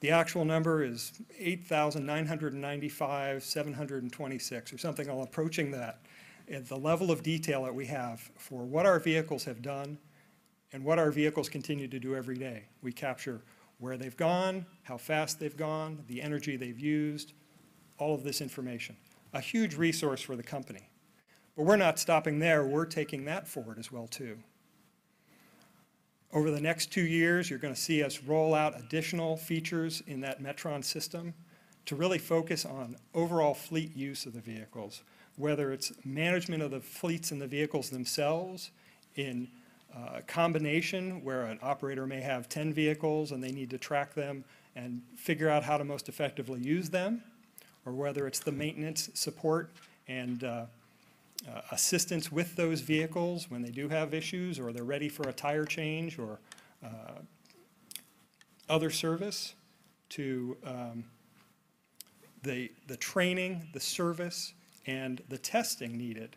The actual number is 8,995,726 or something all approaching that. The level of detail that we have for what our vehicles have done and what our vehicles continue to do every day. We capture where they've gone, how fast they've gone, the energy they've used, all of this information. A huge resource for the company. We're not stopping there. We're taking that forward as well too. Over the next two years, you're gonna see us roll out additional features in that Metron system to really focus on overall fleet use of the vehicles, whether it's management of the fleets and the vehicles themselves in a combination where an operator may have 10 vehicles and they need to track them and figure out how to most effectively use them, or whether it's the maintenance support and assistance with those vehicles when they do have issues or they're ready for a tire change or other service to the training, the service, and the testing needed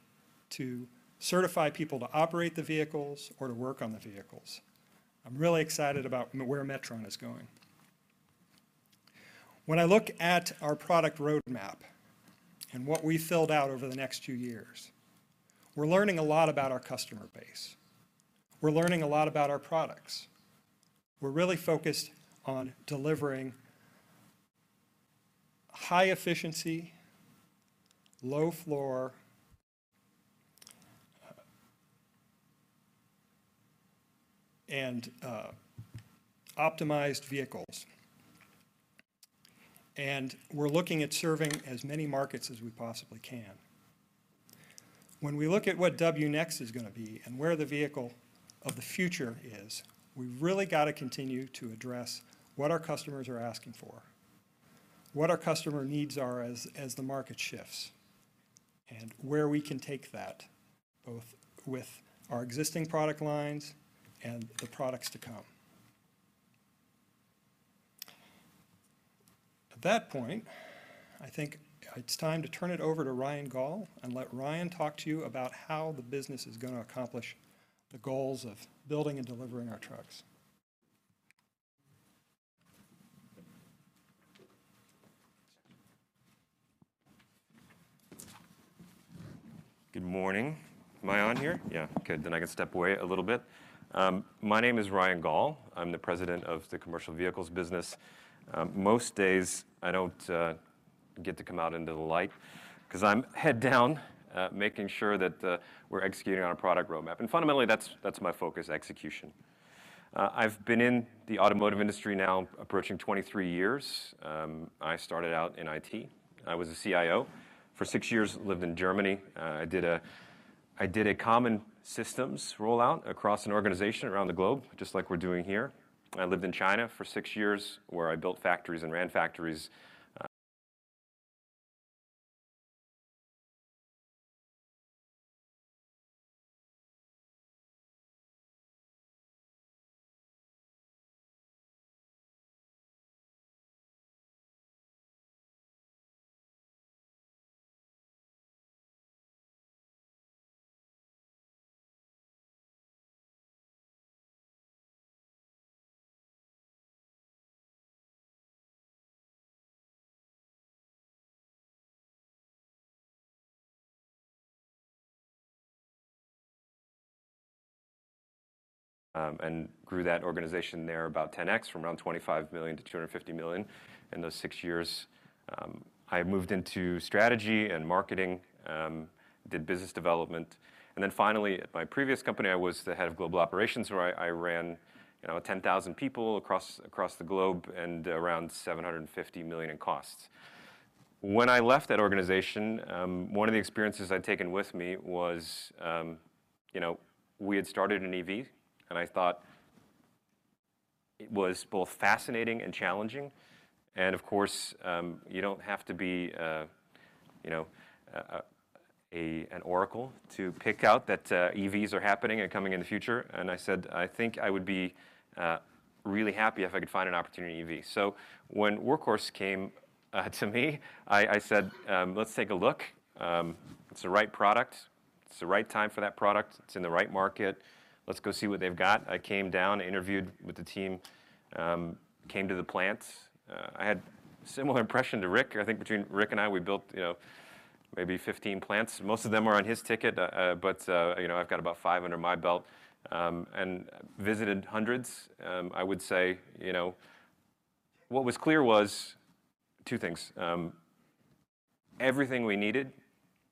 to certify people to operate the vehicles or to work on the vehicles. I'm really excited about where Metron is going. When I look at our product roadmap and what we filled out over the next two years, we're learning a lot about our customer base. We're learning a lot about our products. We're really focused on delivering high efficiency, low floor, and optimized vehicles. We're looking at serving as many markets as we possibly can. When we look at what WNext is gonna be and where the vehicle of the future is, we've really gotta continue to address what our customers are asking for, what our customer needs are as the market shifts, and where we can take that, both with our existing product lines and the products to come. At that point, I think it's time to turn it over to Ryan Gaul and let Ryan talk to you about how the business is gonna accomplish the goals of building and delivering our trucks. Good morning. Am I on here? Yeah. Good. I can step away a little bit. My name is Ryan Gaul. I'm the President of the Commercial Vehicles business. Most days I don't get to come out into the light 'cause I'm head down making sure that we're executing on our product roadmap. Fundamentally, that's my focus: execution. I've been in the automotive industry now approaching 23 years. I started out in IT. I was a CIO. For 6 years, lived in Germany. I did a common systems rollout across an organization around the globe, just like we're doing here. I lived in China for 6 years, where I built factories and ran factories and grew that organization there about 10X, from around $25 million to $250 million in those 6 years. I moved into strategy and marketing, did business development, and then finally, at my previous company, I was the head of global operations, where I ran, you know, 10,000 people across the globe and around $750 million in costs. When I left that organization, one of the experiences I'd taken with me was, you know, we had started an EV. I thought it was both fascinating and challenging, and of course, you don't have to be, you know, an oracle to pick out that, EVs are happening and coming in the future. I said, "I think I would be really happy if I could find an opportunity in EV." When Workhorse came to me, I said, "Let's take a look. It's the right product. It's the right time for that product. It's in the right market. Let's go see what they've got." I came down, interviewed with the team, came to the plant. I had similar impression to Rick. I think between Rick and I, we built, you know, maybe 15 plants. Most of them are on his ticket, but, you know, I've got about 5 under my belt, and visited hundreds. I would say, you know, what was clear was 2 things. Everything we needed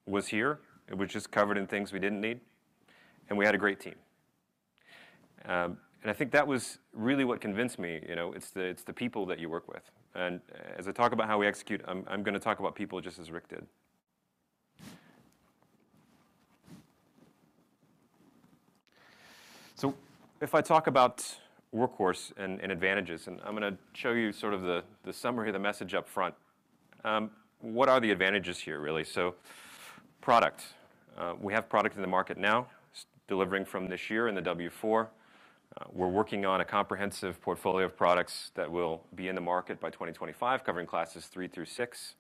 was here. It was just covered in things we didn't need, and we had a great team. I think that was really what convinced me. You know, it's the, it's the people that you work with. As I talk about how we execute, I'm gonna talk about people just as Rick did. If I talk about Workhorse and advantages, and I'm gonna show you sort of the summary, the message up front. What are the advantages here, really? product, we have product in the market now, delivering from this year in the W4. We're working on a comprehensive portfolio of products that will be in the market by 2025, covering classes 3 through 6.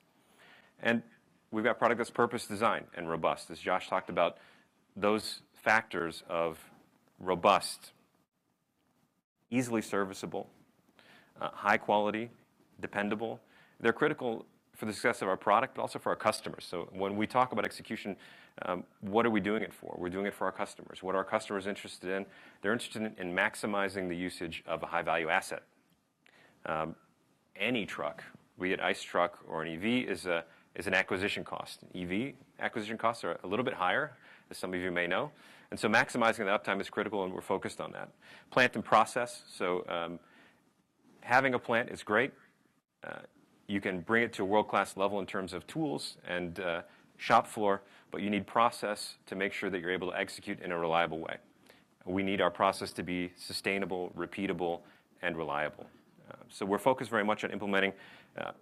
We've got product that's purpose-designed and robust. As Josh talked about, those factors of robust, easily serviceable, high quality, dependable, they're critical for the success of our product, but also for our customers. When we talk about execution, what are we doing it for? We're doing it for our customers. What are customers interested in? They're interested in maximizing the usage of a high-value asset. Any truck, be it ICE truck or an EV, is an acquisition cost. EV acquisition costs are a little bit higher, as some of you may know. Maximizing the uptime is critical, and we're focused on that. Plant and process, having a plant is great. You can bring it to a world-class level in terms of tools and shop floor, but you need process to make sure that you're able to execute in a reliable way. We need our process to be sustainable, repeatable, and reliable. We're focused very much on implementing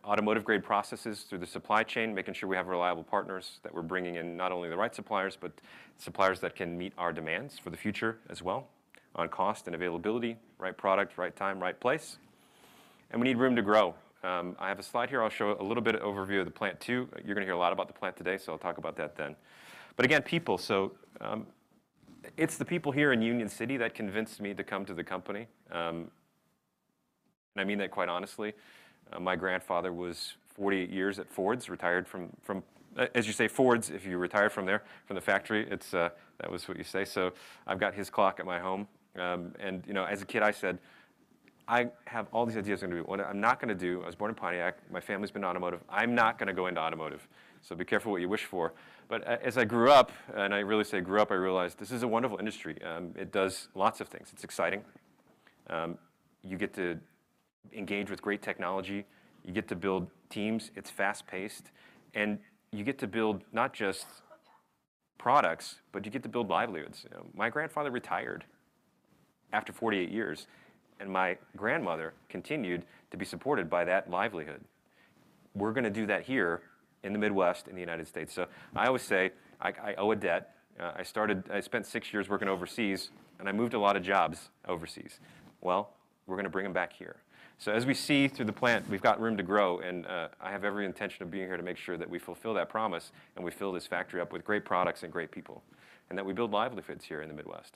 automotive-grade processes through the supply chain, making sure we have reliable partners that we're bringing in not only the right suppliers, but suppliers that can meet our demands for the future as well on cost and availability, right product, right time, right place. We need room to grow. I have a slide here. I'll show a little bit of overview of the plant too. You're gonna hear a lot about the plant today, so I'll talk about that then. Again, people. It's the people here in Union City that convinced me to come to the company, and I mean that quite honestly. My grandfather was 48 years at Ford's, retired from, as you say, Ford's, if you retired from there, from the factory, it's that was what you say. I've got his clock at my home. You know, as a kid, I said, "I have all these ideas I'm gonna do. What I'm not gonna do, I was born in Pontiac, my family's been automotive, I'm not gonna go into automotive." Be careful what you wish for. As I grew up, and I really say grew up, I realized this is a wonderful industry. It does lots of things. It's exciting. You get to engage with great technology. You get to build teams. It's fast-paced. You get to build not just products, but you get to build livelihoods. My grandfather retired after 48 years, and my grandmother continued to be supported by that livelihood. We're gonna do that here in the Midwest, in the United States. I always say I owe a debt. I spent six years working overseas, and I moved a lot of jobs overseas. We're gonna bring them back here. As we see through the plant, we've got room to grow and I have every intention of being here to make sure that we fulfill that promise and we fill this factory up with great products and great people, and that we build livelihoods here in the Midwest.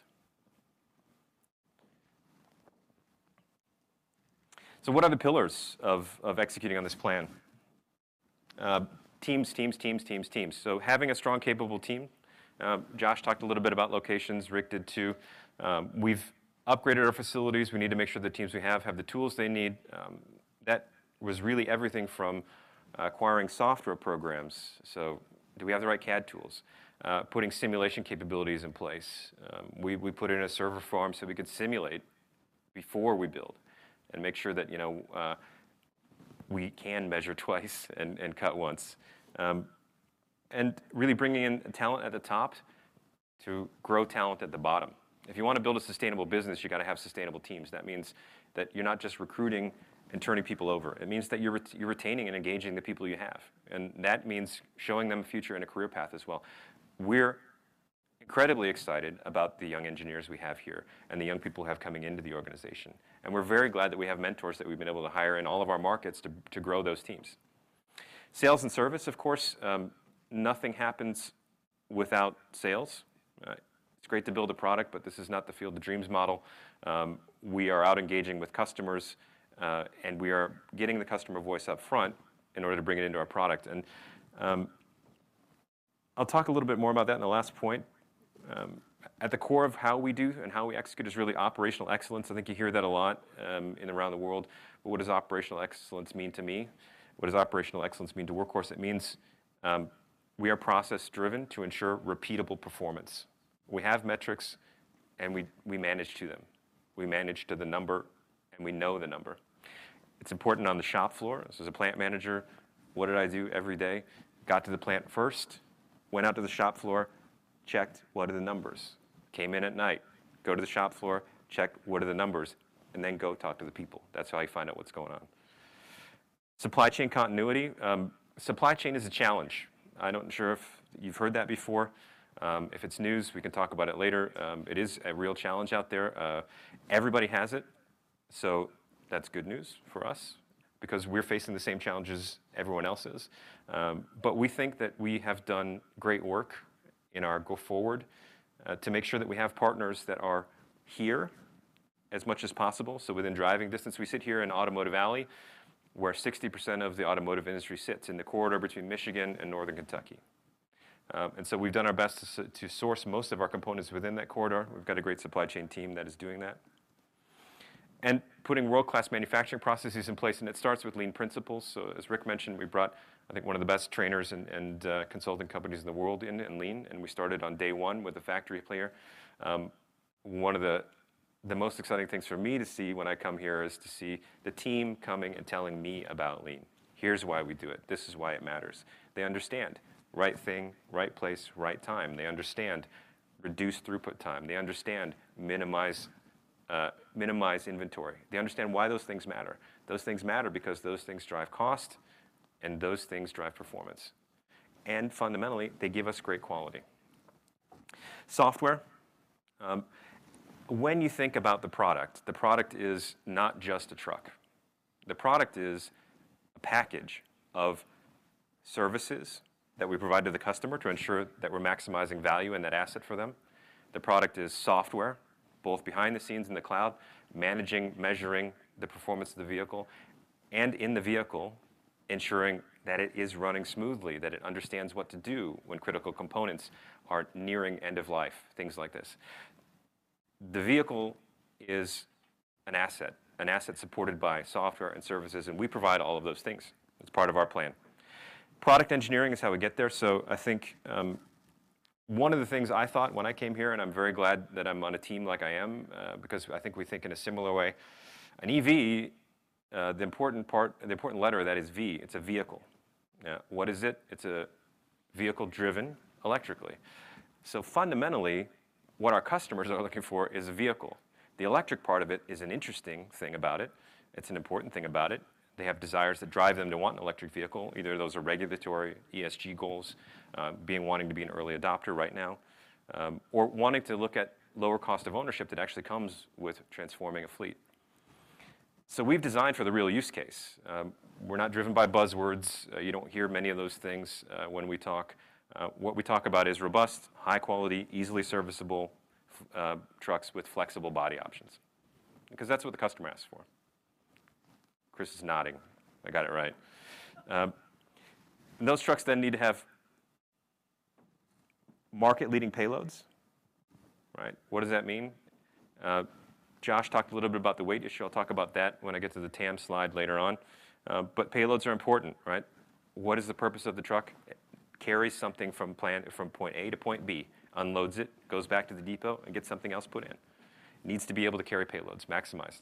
What are the pillars of executing on this plan? Teams, teams, teams. Having a strong, capable team. Josh talked a little bit about locations. Rick did too. We've upgraded our facilities. We need to make sure the teams we have have the tools they need. That was really everything from acquiring software programs. Do we have the right CAD tools? Putting simulation capabilities in place. We put in a server farm so we could simulate before we build and make sure that, you know, we can measure twice and cut once. Really bringing in talent at the top to grow talent at the bottom. If you wanna build a sustainable business, you gotta have sustainable teams. That means that you're not just recruiting and turning people over. It means that you're retaining and engaging the people you have. That means showing them a future and a career path as well. We're incredibly excited about the young engineers we have here and the young people we have coming into the organization. We're very glad that we have mentors that we've been able to hire in all of our markets to grow those teams. Sales and service, of course. Nothing happens without sales, right? It's great to build a product, but this is not the field of dreams model. We are out engaging with customers, and we are getting the customer voice up front in order to bring it into our product. I'll talk a little bit more about that in the last point. At the core of how we do and how we execute is really operational excellence. I think you hear that a lot in and around the world. What does operational excellence mean to me? What does operational excellence mean to Workhorse? It means, we are process-driven to ensure repeatable performance. We have metrics, and we manage to them. We manage to the number, and we know the number. It's important on the shop floor. As a plant manager, what did I do every day? Got to the plant first, went out to the shop floor, checked what are the numbers. Came in at night, go to the shop floor, check what are the numbers, then go talk to the people. That's how I find out what's going on. Supply chain continuity. Supply chain is a challenge. I'm not sure if you've heard that before. If it's news, we can talk about it later. It is a real challenge out there. Everybody has it, so that's good news for us because we're facing the same challenge as everyone else is. We think that we have done great work in our go forward to make sure that we have partners that are here as much as possible, so within driving distance. We sit here in Automotive Alley, where 60% of the automotive industry sits in the corridor between Michigan and Northern Kentucky. We've done our best to source most of our components within that corridor. We've got a great supply chain team that is doing that. Putting world-class manufacturing processes in place, and it starts with lean principles. As Rick mentioned, we brought, I think, one of the best trainers and consulting companies in the world in lean, and we started on day 1 with the factory clear. One of the most exciting things for me to see when I come here is to see the team coming and telling me about lean. Here's why we do it. This is why it matters. They understand right thing, right place, right time. They understand reduced throughput time. They understand minimize inventory. They understand why those things matter. Those things matter because those things drive cost and those things drive performance. Fundamentally, they give us great quality. Software. When you think about the product, the product is not just a truck. The product is a package of services that we provide to the customer to ensure that we're maximizing value and that asset for them. The product is software, both behind the scenes in the cloud, managing, measuring the performance of the vehicle, and in the vehicle, ensuring that it is running smoothly, that it understands what to do when critical components are nearing end of life, things like this. The vehicle is an asset, an asset supported by software and services, and we provide all of those things. It's part of our plan. Product engineering is how we get there. I think, one of the things I thought when I came here, and I'm very glad that I'm on a team like I am, because I think we think in a similar way, an EV. The important letter of that is V. It's a vehicle. What is it? It's a vehicle driven electrically. Fundamentally, what our customers are looking for is a vehicle. The electric part of it is an interesting thing about it. It's an important thing about it. They have desires that drive them to want an electric vehicle. Either those are regulatory ESG goals, wanting to be an early adopter right now, or wanting to look at lower cost of ownership that actually comes with transforming a fleet. We've designed for the real use case. We're not driven by buzzwords. You don't hear many of those things when we talk. What we talk about is robust, high quality, easily serviceable trucks with flexible body options. That's what the customer asks for. Chris is nodding. I got it right. Those trucks then need to have market-leading payloads, right? What does that mean? Josh talked a little bit about the weight issue. I'll talk about that when I get to the TAM slide later on. Payloads are important, right? What is the purpose of the truck? It carries something from point A to point B, unloads it, goes back to the depot, and gets something else put in. Needs to be able to carry payloads, maximize.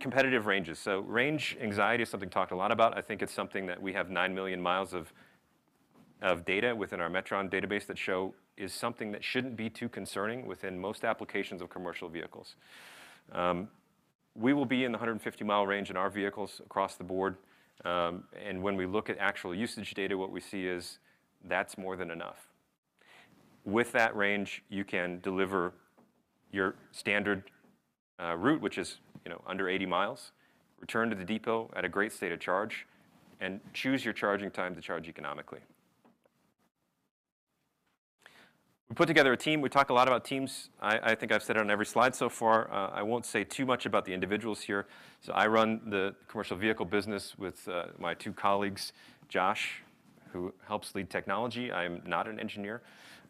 Competitive ranges. Range anxiety is something talked a lot about. I think it's something that we have 9 million miles of data within our Metron database that show is something that shouldn't be too concerning within most applications of commercial vehicles. We will be in the 150 mile range in our vehicles across the board. When we look at actual usage data, what we see is that's more than enough. With that range, you can deliver your standard route, which is, you know, under 80 miles, return to the depot at a great state of charge, and choose your charging time to charge economically. We put together a team. We talk a lot about teams. I think I've said it on every slide so far. I won't say too much about the individuals here. I run the commercial vehicle business with, my two colleagues, Josh, who helps lead technology. I'm not an engineer.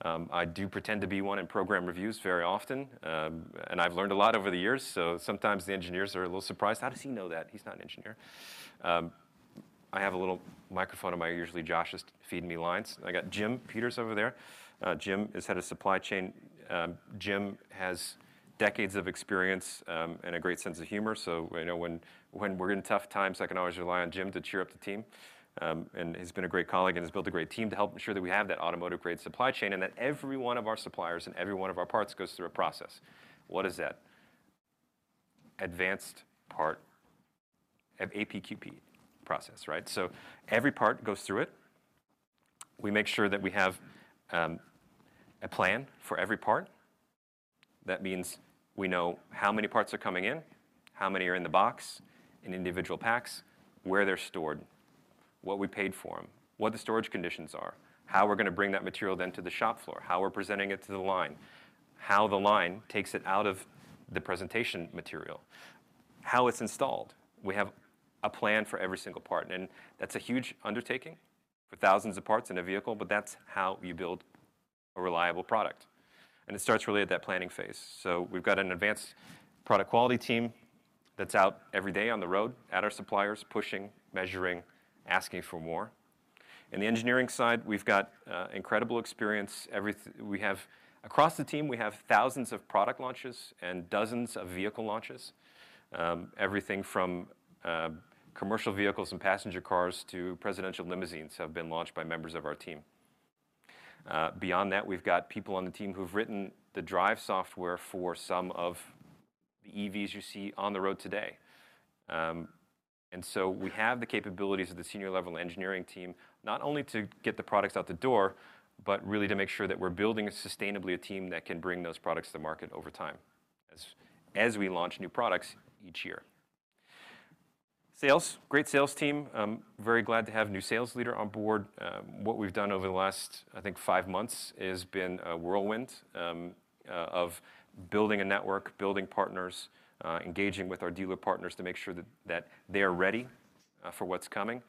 I do pretend to be one in program reviews very often, and I've learned a lot over the years, so sometimes the engineers are a little surprised. How does he know that? He's not an engineer. I have a little microphone on my ear. Usually, Josh is feeding me lines. I got Jim Peters over there. Jim is head of supply chain. Jim has decades of experience, and a great sense of humor. I know when we're in tough times, I can always rely on Jim to cheer up the team. He's been a great colleague and has built a great team to help ensure that we have that automotive-grade supply chain and that every one of our suppliers and every one of our parts goes through a process. What is that? Advanced part APQP process, right? Every part goes through it. We make sure that we have a plan for every part. That means we know how many parts are coming in, how many are in the box, in individual packs, where they're stored, what we paid for them, what the storage conditions are, how we're gonna bring that material then to the shop floor, how we're presenting it to the line, how the line takes it out of the presentation material, how it's installed. We have a plan for every single part. That's a huge undertaking for thousands of parts in a vehicle, but that's how you build a reliable product. It starts really at that planning phase. We've got an advanced product quality team that's out every day on the road at our suppliers, pushing, measuring, asking for more. In the engineering side, we've got incredible experience. Across the team, we have thousands of product launches and dozens of vehicle launches. Everything from commercial vehicles and passenger cars to presidential limousines have been launched by members of our team. Beyond that, we've got people on the team who've written the drive software for some of the EVs you see on the road today. We have the capabilities of the senior level engineering team, not only to get the products out the door, but really to make sure that we're building sustainably a team that can bring those products to market over time as we launch new products each year. Sales. Great sales team. Very glad to have a new sales leader on board. What we've done over the last, I think, five months is been a whirlwind of building a network, building partners, engaging with our dealer partners to make sure that they are ready for what's coming.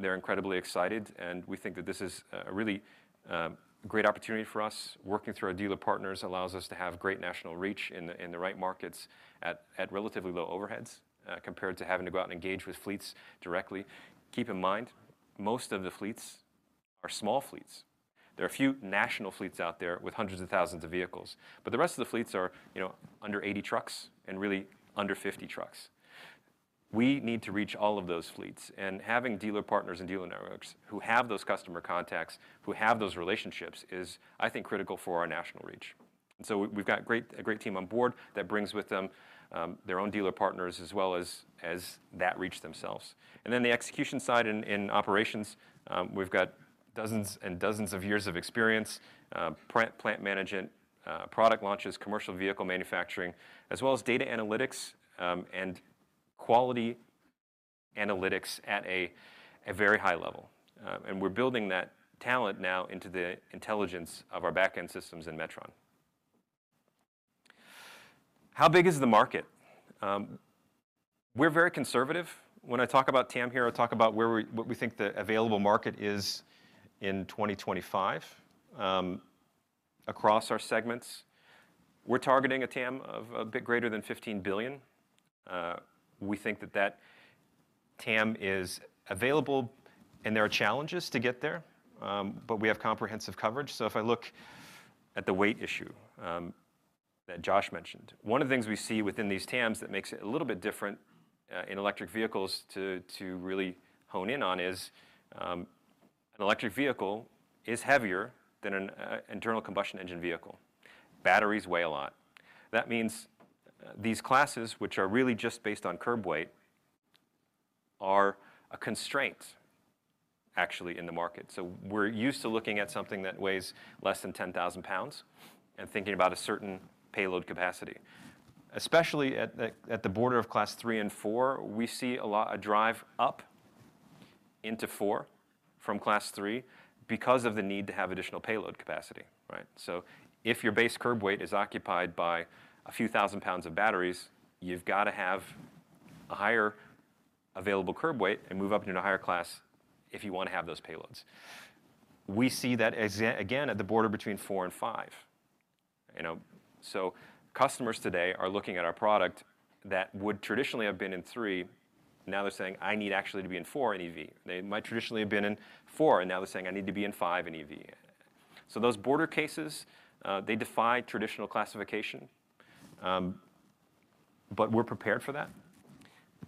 We think that this is a really great opportunity for us. Working through our dealer partners allows us to have great national reach in the right markets at relatively low overheads compared to having to go out and engage with fleets directly. Keep in mind, most of the fleets are small fleets. There are a few national fleets out there with hundreds of thousands of vehicles, the rest of the fleets are, you know, under 80 trucks and really under 50 trucks. We need to reach all of those fleets and having dealer partners and dealer networks who have those customer contacts, who have those relationships is, I think, critical for our national reach. We've got a great team on board that brings with them their own dealer partners as well as that reach themselves. Then the execution side in operations, we've got dozens and dozens of years of experience, plant management, product launches, commercial vehicle manufacturing, as well as data analytics and quality analytics at a very high level. We're building that talent now into the intelligence of our back-end systems in Metron. How big is the market? We're very conservative. When I talk about TAM here, I talk about what we think the available market is in 2025 across our segments. We're targeting a TAM of a bit greater than $15 billion. We think that that TAM is available and there are challenges to get there, but we have comprehensive coverage. If I look at the weight issue that Josh mentioned, one of the things we see within these TAMs that makes it a little bit different in electric vehicles to really hone in on is an electric vehicle is heavier than an internal combustion engine vehicle. Batteries weigh a lot. That means these classes, which are really just based on curb weight, are a constraint actually in the market. We're used to looking at something that weighs less than 10,000 pounds and thinking about a certain payload capacity. Especially at the border of Class 3 and 4, we see a drive up into 4 from Class 3 because of the need to have additional payload capacity, right? If your base curb weight is occupied by a few thousand pounds of batteries, you've gotta have a higher available curb weight and move up into a higher class if you wanna have those payloads. We see that again at the border between 4 and 5. You know, customers today are looking at our product that would traditionally have been in 3. Now they're saying, "I need actually to be in 4 in EV." They might traditionally have been in 4, and now they're saying, "I need to be in 5 in EV." Those border cases, they defy traditional classification. But we're prepared for that.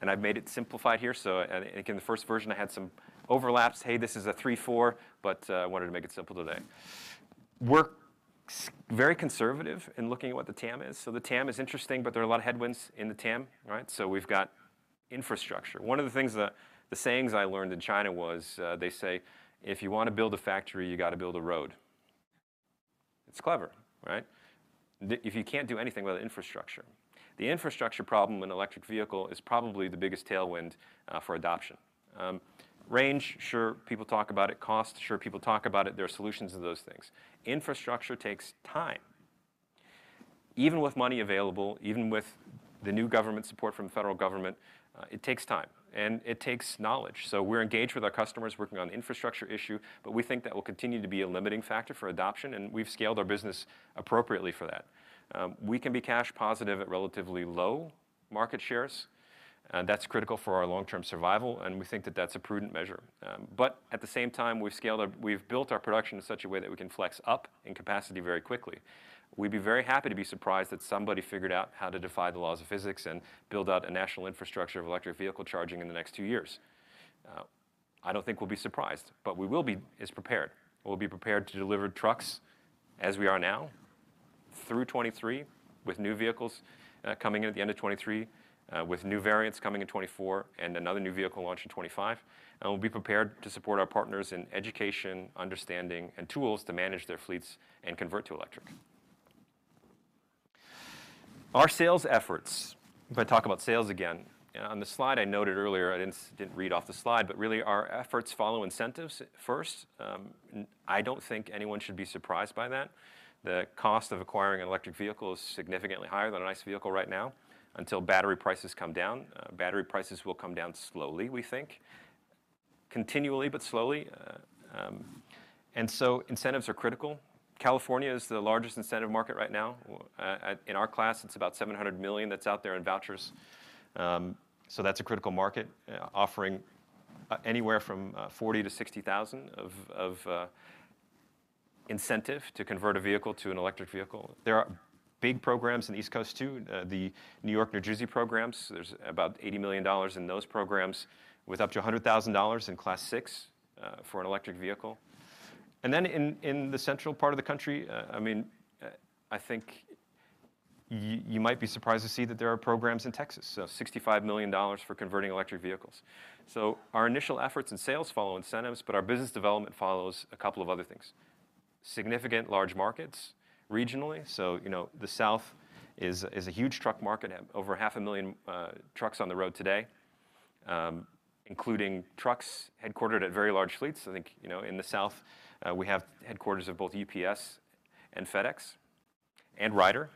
I've made it simplified here. Again, the first version, I had some overlaps. Hey, this is a 3-4, but I wanted to make it simple today. We're very conservative in looking at what the TAM is. The TAM is interesting, but there are a lot of headwinds in the TAM, right? We've got infrastructure. One of the things that the sayings I learned in China was, they say, "If you wanna build a factory, you gotta build a road." It's clever, right? If you can't do anything without infrastructure. The infrastructure problem in electric vehicle is probably the biggest tailwind for adoption. Range, sure, people talk about it. Cost, sure, people talk about it. There are solutions to those things. Infrastructure takes time. Even with money available, even with the new government support from the federal government, it takes time, and it takes knowledge. We're engaged with our customers, working on the infrastructure issue, but we think that will continue to be a limiting factor for adoption, and we've scaled our business appropriately for that. We can be cash positive at relatively low market shares. That's critical for our long-term survival, and we think that that's a prudent measure. At the same time, we've built our production in such a way that we can flex up in capacity very quickly. We'd be very happy to be surprised that somebody figured out how to defy the laws of physics and build out a national infrastructure of electric vehicle charging in the next 2 years. I don't think we'll be surprised, but we will be as prepared. We'll be prepared to deliver trucks as we are now through 2023, with new vehicles coming in at the end of 2023, with new variants coming in 2024 and another new vehicle launch in 2025. We'll be prepared to support our partners in education, understanding, and tools to manage their fleets and convert to electric. Our sales efforts, if I talk about sales again. On the slide I noted earlier, I didn't read off the slide, but really our efforts follow incentives first. I don't think anyone should be surprised by that. The cost of acquiring an electric vehicle is significantly higher than an ICE vehicle right now until battery prices come down. Battery prices will come down slowly, we think. Continually, but slowly. Incentives are critical. California is the largest incentive market right now. in our class, it's about $700 million that's out there in vouchers. That's a critical market, offering anywhere from $40,000-$60,000 of incentive to convert a vehicle to an electric vehicle. There are big programs in the East Coast too. The New York-New Jersey programs, there's about $80 million in those programs, with up to $100,000 in Class 6 for an electric vehicle. In the central part of the country, I mean, I think you might be surprised to see that there are programs in Texas. $65 million for converting electric vehicles. Our initial efforts in sales follow incentives, but our business development follows a couple of other things. Significant large markets regionally. You know, the South is a huge truck market. Have over half a million trucks on the road today, including trucks headquartered at very large fleets. I think, you know, in the South, we have headquarters of both UPS and FedEx and Ryder.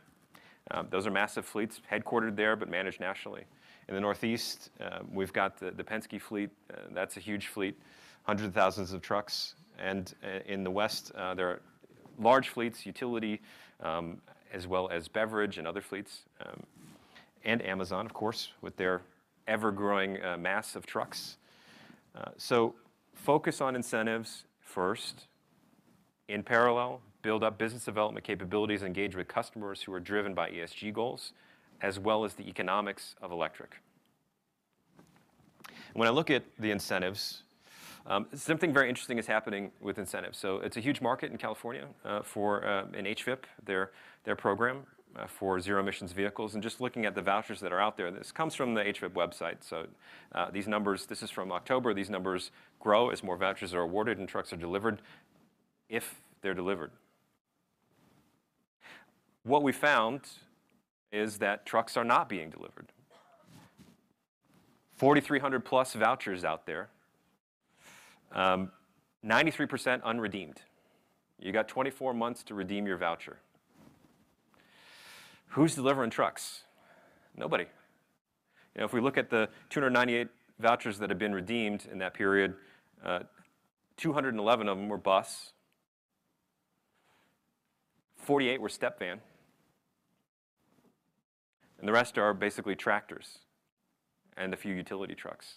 Those are massive fleets headquartered there but managed nationally. In the Northeast, we've got the Penske fleet. That's a huge fleet, 100,000s of trucks. In the West, there are large fleets, utility, as well as beverage and other fleets. Amazon, of course, with their ever-growing mass of trucks. Focus on incentives first. In parallel, build up business development capabilities, engage with customers who are driven by ESG goals, as well as the economics of electric. When I look at the incentives, something very interesting is happening with incentives. It's a huge market in California for an HVIP, their program for zero-emissions vehicles. Just looking at the vouchers that are out there, this comes from the HVIP website. This is from October. These numbers grow as more vouchers are awarded and trucks are delivered, if they're delivered. What we found is that trucks are not being delivered. 4,300-plus vouchers out there, 93% unredeemed. You got 24 months to redeem your voucher. Who's delivering trucks? Nobody. You know, if we look at the 298 vouchers that have been redeemed in that period, 211 of them were bus, 48 were step van, and the rest are basically tractors and a few utility trucks.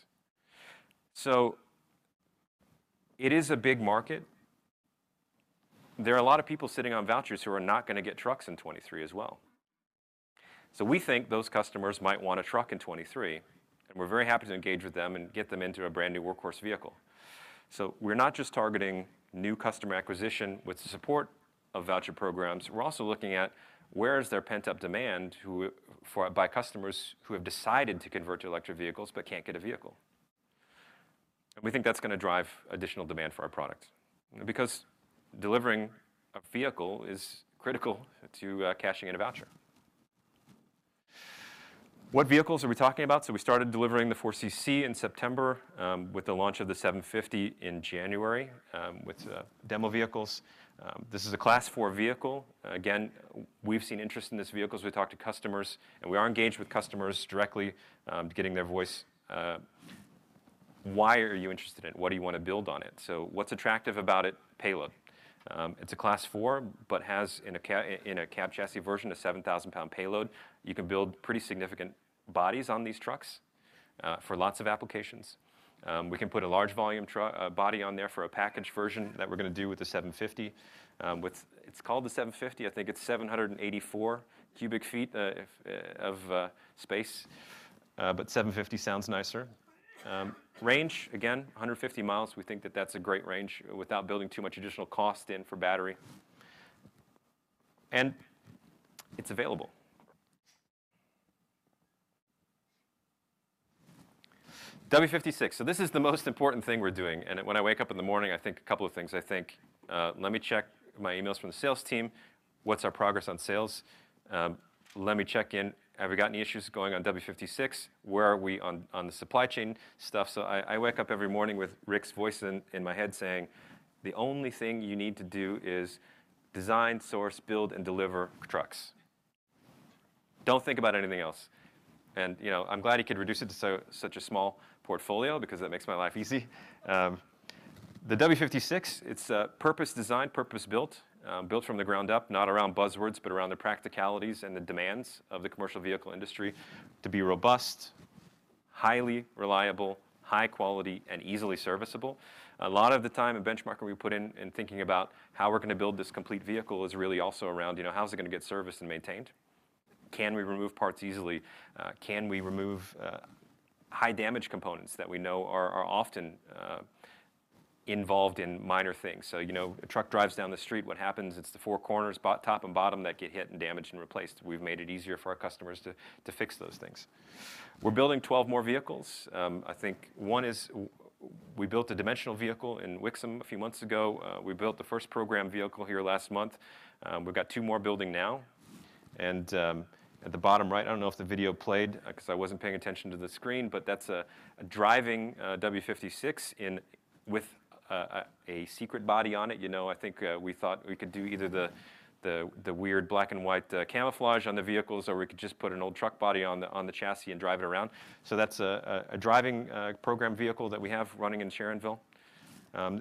It is a big market. There are a lot of people sitting on vouchers who are not gonna get trucks in 2023 as well. We think those customers might want a truck in 2023, and we're very happy to engage with them and get them into a brand-new Workhorse vehicle. We're not just targeting new customer acquisition with the support of voucher programs. We're also looking at where is there pent-up demand by customers who have decided to convert to electric vehicles but can't get a vehicle. We think that's gonna drive additional demand for our product. Delivering a vehicle is critical to cashing in a voucher. What vehicles are we talking about? We started delivering the 4CC in September with the launch of the 750 in January with the demo vehicles. This is a Class 4 vehicle. Again, we've seen interest in this vehicle as we talk to customers, and we are engaged with customers directly getting their voice. Why are you interested in it? What do you wanna build on it? What's attractive about it? Payload. It's a Class 4, but has in a cab chassis version, a 7,000-pound payload. You can build pretty significant bodies on these trucks for lots of applications. We can put a large volume body on there for a package version that we're going to do with the 750. It's called the 750. I think it's 784 cubic feet of space. 750 sounds nicer. Range, again, 150 miles. We think that that's a great range without building too much additional cost in for battery. It's available. W56. This is the most important thing we're doing. When I wake up in the morning, I think a couple of things. I think, let me check my emails from the sales team. What's our progress on sales? Let me check in. Have we got any issues going on W56? Where are we on the supply chain stuff? I wake up every morning with Rick's voice in my head saying, "The only thing you need to do is design, source, build, and deliver trucks. Don't think about anything else." You know, I'm glad he could reduce it to such a small portfolio because that makes my life easy. The W56, it's purpose designed, purpose built from the ground up, not around buzzwords, but around the practicalities and the demands of the commercial vehicle industry to be robust, highly reliable, high quality and easily serviceable. A lot of the time and benchmarking we put in thinking about how we're gonna build this complete vehicle is really also around, you know, how is it gonna get serviced and maintained? Can we remove parts easily? Can we remove high damage components that we know are often involved in minor things? You know, a truck drives down the street, what happens? It's the four corners, top and bottom that get hit and damaged and replaced. We've made it easier for our customers to fix those things. We're building 12 more vehicles. I think one is we built a dimensional vehicle in Wixom a few months ago. We built the first program vehicle here last month. We've got two more building now. At the bottom right, I don't know if the video played, 'cause I wasn't paying attention to the screen, but that's a driving W56 with a secret body on it. You know, I think, we thought we could do either the weird black and white camouflage on the vehicles, or we could just put an old truck body on the chassis and drive it around. That's a driving program vehicle that we have running in Sharonville.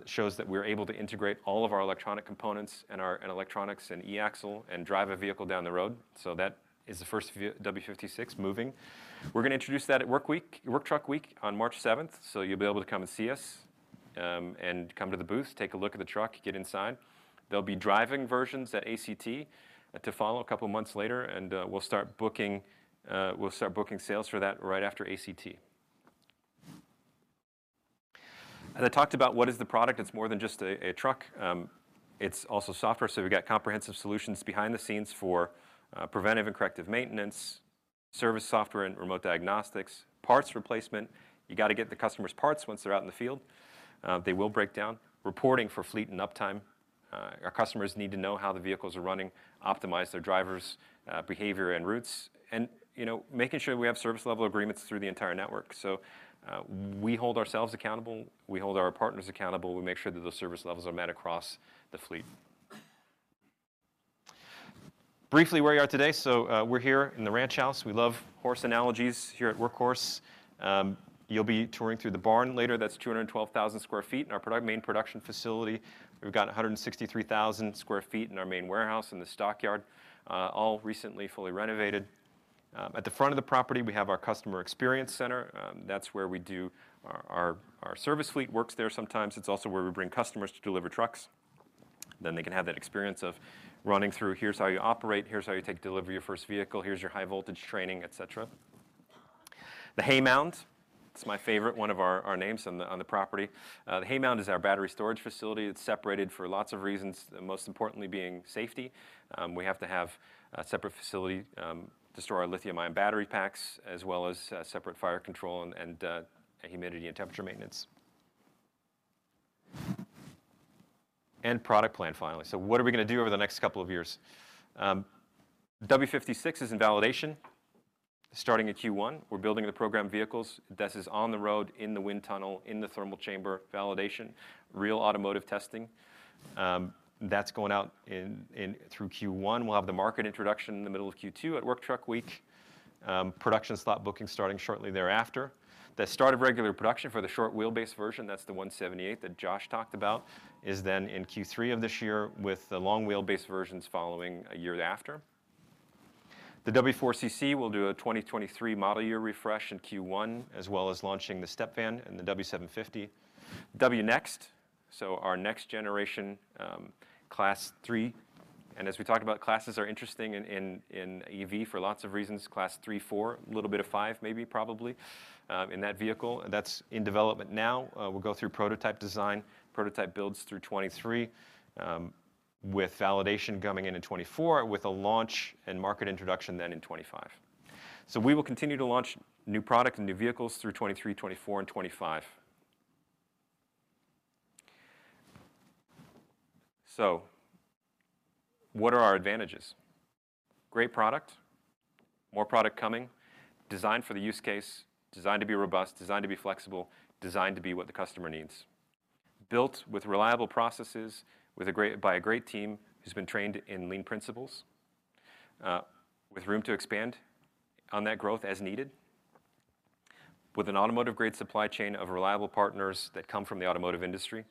Shows that we're able to integrate all of our electronic components and electronics and eAxle and drive a vehicle down the road. That is the first W56 moving. We're gonna introduce that at Work Truck Week on March seventh. You'll be able to come and see us, and come to the booth, take a look at the truck, get inside. There'll be driving versions at ACT to follow 2 months later, we'll start booking sales for that right after ACT. As I talked about, what is the product? It's more than just a truck. It's also software. We got comprehensive solutions behind the scenes for preventive and corrective maintenance, service software and remote diagnostics, parts replacement. You gotta get the customers parts once they're out in the field. They will break down. Reporting for fleet and uptime. Our customers need to know how the vehicles are running, optimize their drivers, behavior and routes, and, you know, making sure we have service level agreements through the entire network. We hold ourselves accountable, we hold our partners accountable, we make sure that those service levels are met across the fleet. Briefly, where we are today. We're here in the ranch house. We love horse analogies here at Workhorse. You'll be touring through the barn later. That's 212,000 sq ft in our main production facility. We've got 163,000 sq ft in our main warehouse in the stockyard, all recently fully renovated. At the front of the property, we have our customer experience center. That's where we do our service fleet works there sometimes. It's also where we bring customers to deliver trucks. They can have that experience of running through, here's how you operate, here's how you take delivery of your first vehicle, here's your high voltage training, et cetera. The Haymound, it's my favorite one of our names on the property. The Haymound is our battery storage facility. It's separated for lots of reasons, most importantly being safety. We have to have a separate facility to store our lithium-ion battery packs as well as separate fire control and humidity and temperature maintenance. Product plan, finally. What are we gonna do over the next couple of years? W56 is in validation starting at Q1. We're building the program vehicles. This is on the road, in the wind tunnel, in the thermal chamber validation, real automotive testing. That's going out through Q1. We'll have the market introduction in the middle of Q2 at Work Truck Week. Production slot booking starting shortly thereafter. The start of regular production for the short wheelbase version, that's the 178 that Josh talked about, is then in Q3 of this year with the long wheelbase versions following a year after. The W4 CC will do a 2023 model year refresh in Q1, as well as launching the step van and the W750. Our next generation, Class 3, and as we talked about, classes are interesting in EV for lots of reasons. Class 3, 4, a little bit of 5 maybe probably, in that vehicle. That's in development now. We'll go through prototype design, prototype builds through 23, with validation coming in in 24, with a launch and market introduction then in 25. We will continue to launch new product and new vehicles through 23, 24, and 25. What are our advantages? Great product, more product coming, designed for the use case, designed to be robust, designed to be flexible, designed to be what the customer needs. Built with reliable processes by a great team who's been trained in lean principles, with room to expand on that growth as needed, with an automotive-grade supply chain of reliable partners that come from the automotive industry,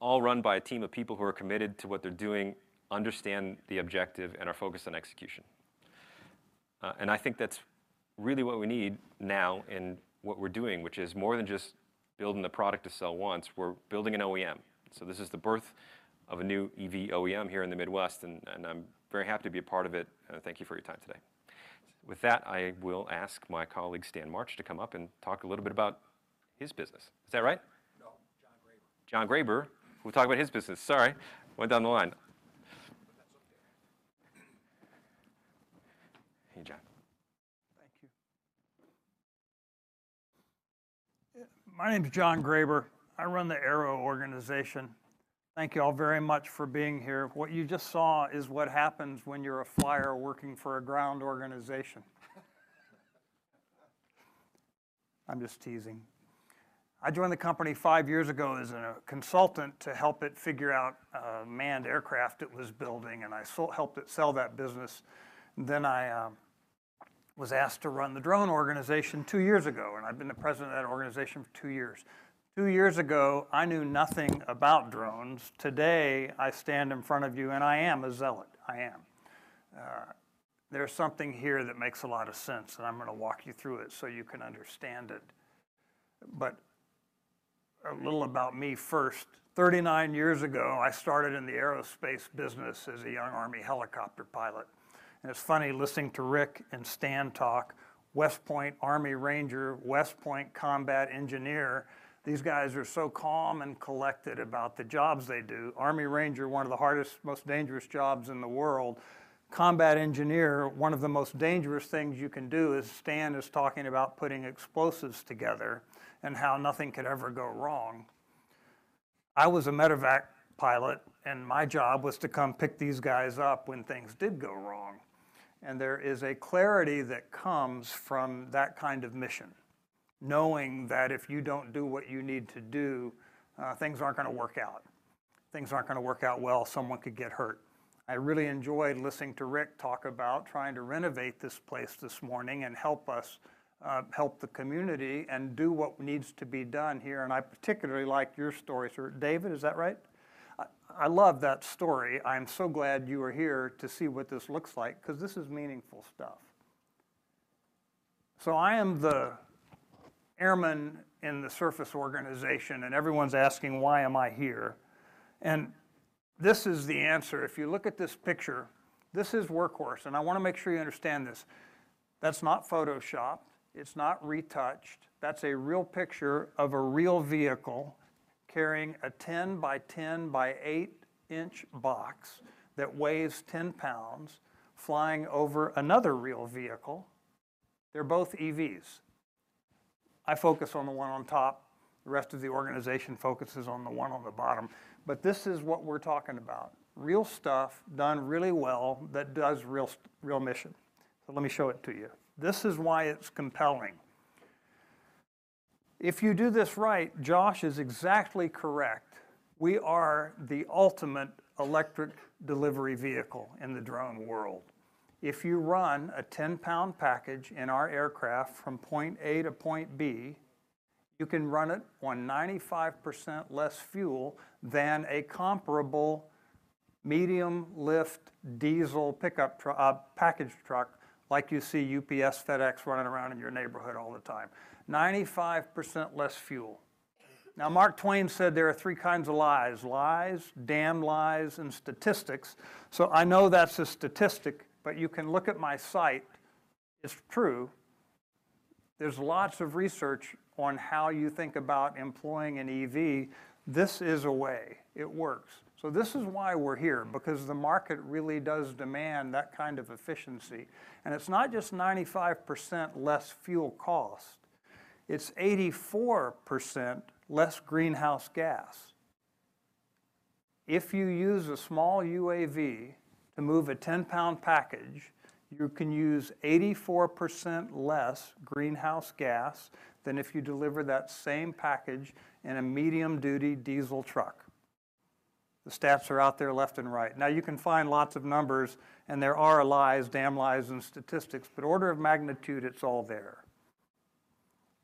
all run by a team of people who are committed to what they're doing, understand the objective, and are focused on execution. I think that's really what we need now in what we're doing, which is more than just building the product to sell once. We're building an OEM. This is the birth of a new EV OEM here in the Midwest, and I'm very happy to be a part of it. Thank you for your time today. With that, I will ask my colleague, Stan March, to come up and talk a little bit about his business. Is that right? John Graber will talk about his business. Sorry. Went down the line. Hey, John. Thank you. My name's John Graber. I run the Aero organization. Thank you all very much for being here. What you just saw is what happens when you're a flyer working for a ground organization. I'm just teasing. I joined the company 5 years ago as a consultant to help it figure out a manned aircraft it was building, I helped it sell that business. I was asked to run the drone organization 2 years ago, I've been the President of that organization for 2 years. 2 years ago, I knew nothing about drones. Today, I stand in front of you, I am a zealot. I am. There's something here that makes a lot of sense, I'm gonna walk you through it so you can understand it. A little about me first. 39 years ago, I started in the aerospace business as a young Army helicopter pilot. It's funny listening to Rick and Stan talk, West Point, Army Ranger, West Point Combat Engineer. These guys are so calm and collected about the jobs they do. Army Ranger, one of the hardest, most dangerous jobs in the world. Combat Engineer, one of the most dangerous things you can do, as Stan is talking about putting explosives together and how nothing could ever go wrong. I was a medevac pilot, and my job was to come pick these guys up when things did go wrong, and there is a clarity that comes from that kind of mission, knowing that if you don't do what you need to do, things aren't gonna work out. Things aren't gonna work out well. Someone could get hurt. I really enjoyed listening to Rick talk about trying to renovate this place this morning and help us, help the community and do what needs to be done here. I particularly liked your story, sir. David, is that right? I love that story. I'm so glad you are here to see what this looks like, 'cause this is meaningful stuff. I am the airman in the surface organization. Everyone's asking why am I here? This is the answer. If you look at this picture, this is Workhorse. I wanna make sure you understand this. That's not Photoshopped. It's not retouched. That's a real picture of a real vehicle carrying a 10-by-10-by-8-inch box that weighs 10 pounds flying over another real vehicle. They're both EVs. I focus on the one on top. The rest of the organization focuses on the one on the bottom. This is what we're talking about, real stuff done really well that does real mission. Let me show it to you. This is why it's compelling. If you do this right, Josh is exactly correct. We are the ultimate electric delivery vehicle in the drone world. If you run a 10-pound package in our aircraft from point A to point B, you can run it on 95% less fuel than a comparable medium-lift diesel pickup package truck like you see UPS, FedEx running around in your neighborhood all the time. 95% less fuel. Mark Twain said there are 3 kinds of lies, damn lies, and statistics, I know that's a statistic, you can look at my site. It's true. There's lots of research on how you think about employing an EV. This is a way. It works. This is why we're here, because the market really does demand that kind of efficiency, and it's not just 95% less fuel cost. It's 84% less greenhouse gas. If you use a small UAV to move a 10-pound package, you can use 84% less greenhouse gas than if you deliver that same package in a medium-duty diesel truck. The stats are out there left and right. Now, you can find lots of numbers, and there are lies, damn lies, and statistics, but order of magnitude, it's all there.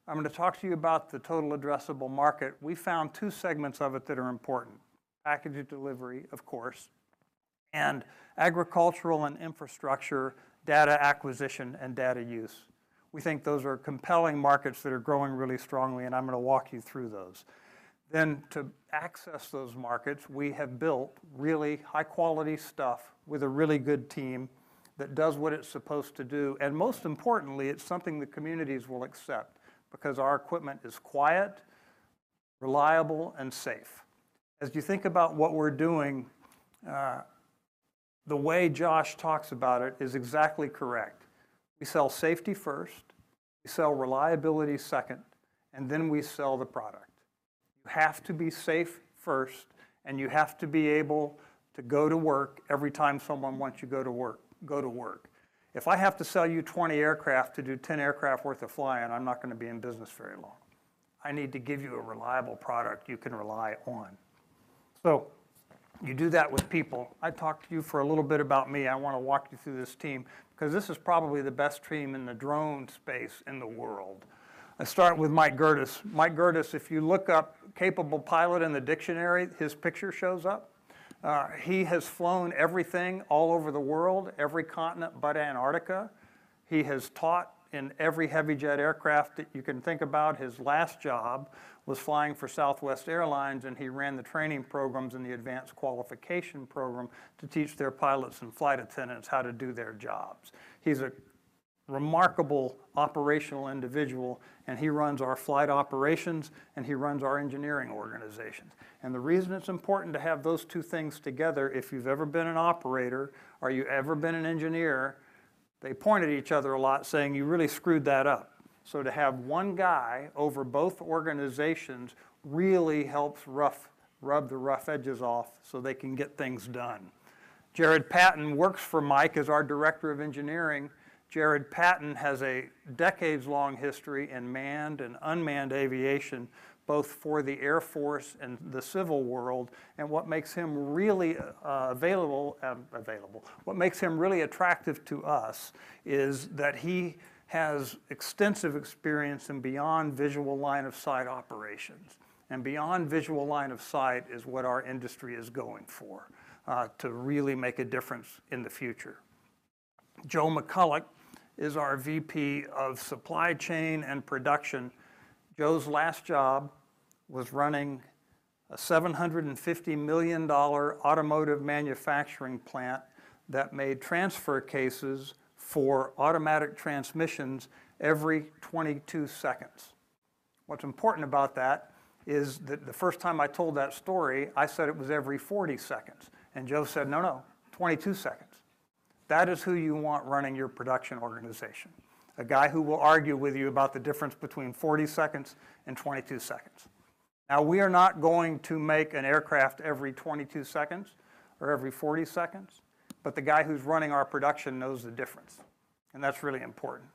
I'm gonna talk to you about the total addressable market. We found two segments of it that are important. Package delivery, of course, and agricultural and infrastructure, data acquisition, and data use. We think those are compelling markets that are growing really strongly, and I'm gonna walk you through those. To access those markets, we have built really high-quality stuff with a really good team that does what it's supposed to do, and most importantly, it's something the communities will accept because our equipment is quiet, reliable, and safe. You think about what we're doing, the way Josh talks about it is exactly correct. We sell safety first, we sell reliability second, and then we sell the product. You have to be safe first, and you have to be able to go to work every time someone wants you go to work, go to work. If I have to sell you 20 aircraft to do 10 aircraft worth of flying, I'm not gonna be in business very long. I need to give you a reliable product you can rely on. You do that with people. I talked to you for a little bit about me. I wanna walk you through this team 'cause this is probably the best team in the drone space in the world. I start with Mike Gerdes. Mike Gerdes, if you look up capable pilot in the dictionary, his picture shows up. He has flown everything all over the world, every continent but Antarctica. He has taught in every heavy jet aircraft that you can think about. His last job was flying for Southwest Airlines, and he ran the training programs and the advanced qualification program to teach their pilots and flight attendants how to do their jobs. He's a remarkable operational individual, and he runs our flight operations, and he runs our engineering organization. The reason it's important to have those 2 things together, if you've ever been an operator or you ever been an engineer, they point at each other a lot saying, "You really screwed that up." To have 1 guy over both organizations really helps rub the rough edges off so they can get things done. Jared Patton works for Mike as our Director of Engineering. Jared Patton has a decades-long history in manned and unmanned aviation, both for the Air Force and the civil world. What makes him really attractive to us is that he has extensive experience in Beyond Visual Line of Sight operations. Beyond Visual Line of Sight is what our industry is going for to really make a difference in the future. Joe McCullough is our VP of Supply Chain and Production. Joe's last job was running a $750 million automotive manufacturing plant that made transfer cases for automatic transmissions every 22 seconds. What's important about that is the first time I told that story, I said it was every 40 seconds, and Joe said, "No, no, 22 seconds." That is who you want running your production organization, a guy who will argue with you about the difference between 40 seconds and 22 seconds. We are not going to make an aircraft every 22 seconds or every 40 seconds, but the guy who's running our production knows the difference, and that's really important.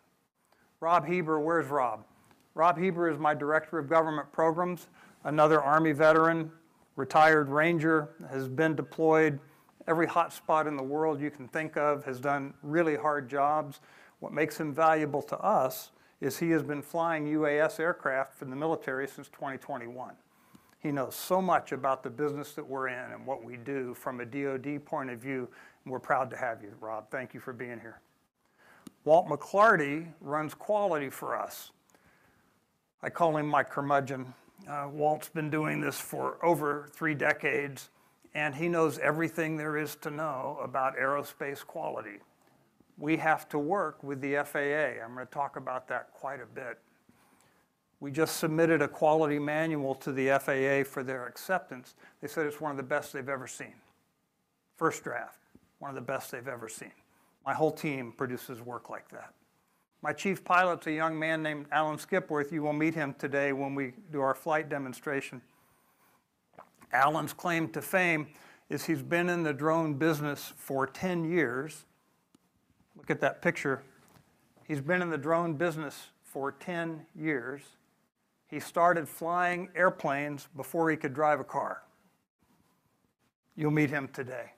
Rob Hebert, where's Rob? Rob Hebert is my director of government programs, another Army veteran, retired Ranger, has been deployed every hotspot in the world you can think of, has done really hard jobs. What makes him valuable to us is he has been flying UAS aircraft for the military since 2021. He knows so much about the business that we're in and what we do from a DoD point of view, and we're proud to have you, Rob. Thank you for being here. Walt McClarty runs quality for us. I call him my curmudgeon. Walt's been doing this for over three decades, and he knows everything there is to know about aerospace quality. We have to work with the FAA. I'm gonna talk about that quite a bit. We just submitted a quality manual to the FAA for their acceptance. They said it's one of the best they've ever seen. First draft, one of the best they've ever seen. My whole team produces work like that. My chief pilot's a young man named Allen Skipworth. You will meet him today when we do our flight demonstration. Allen's claim to fame is he's been in the drone business for 10 years. Look at that picture. He's been in the drone business for 10 years. He started flying airplanes before he could drive a car. You'll meet him today.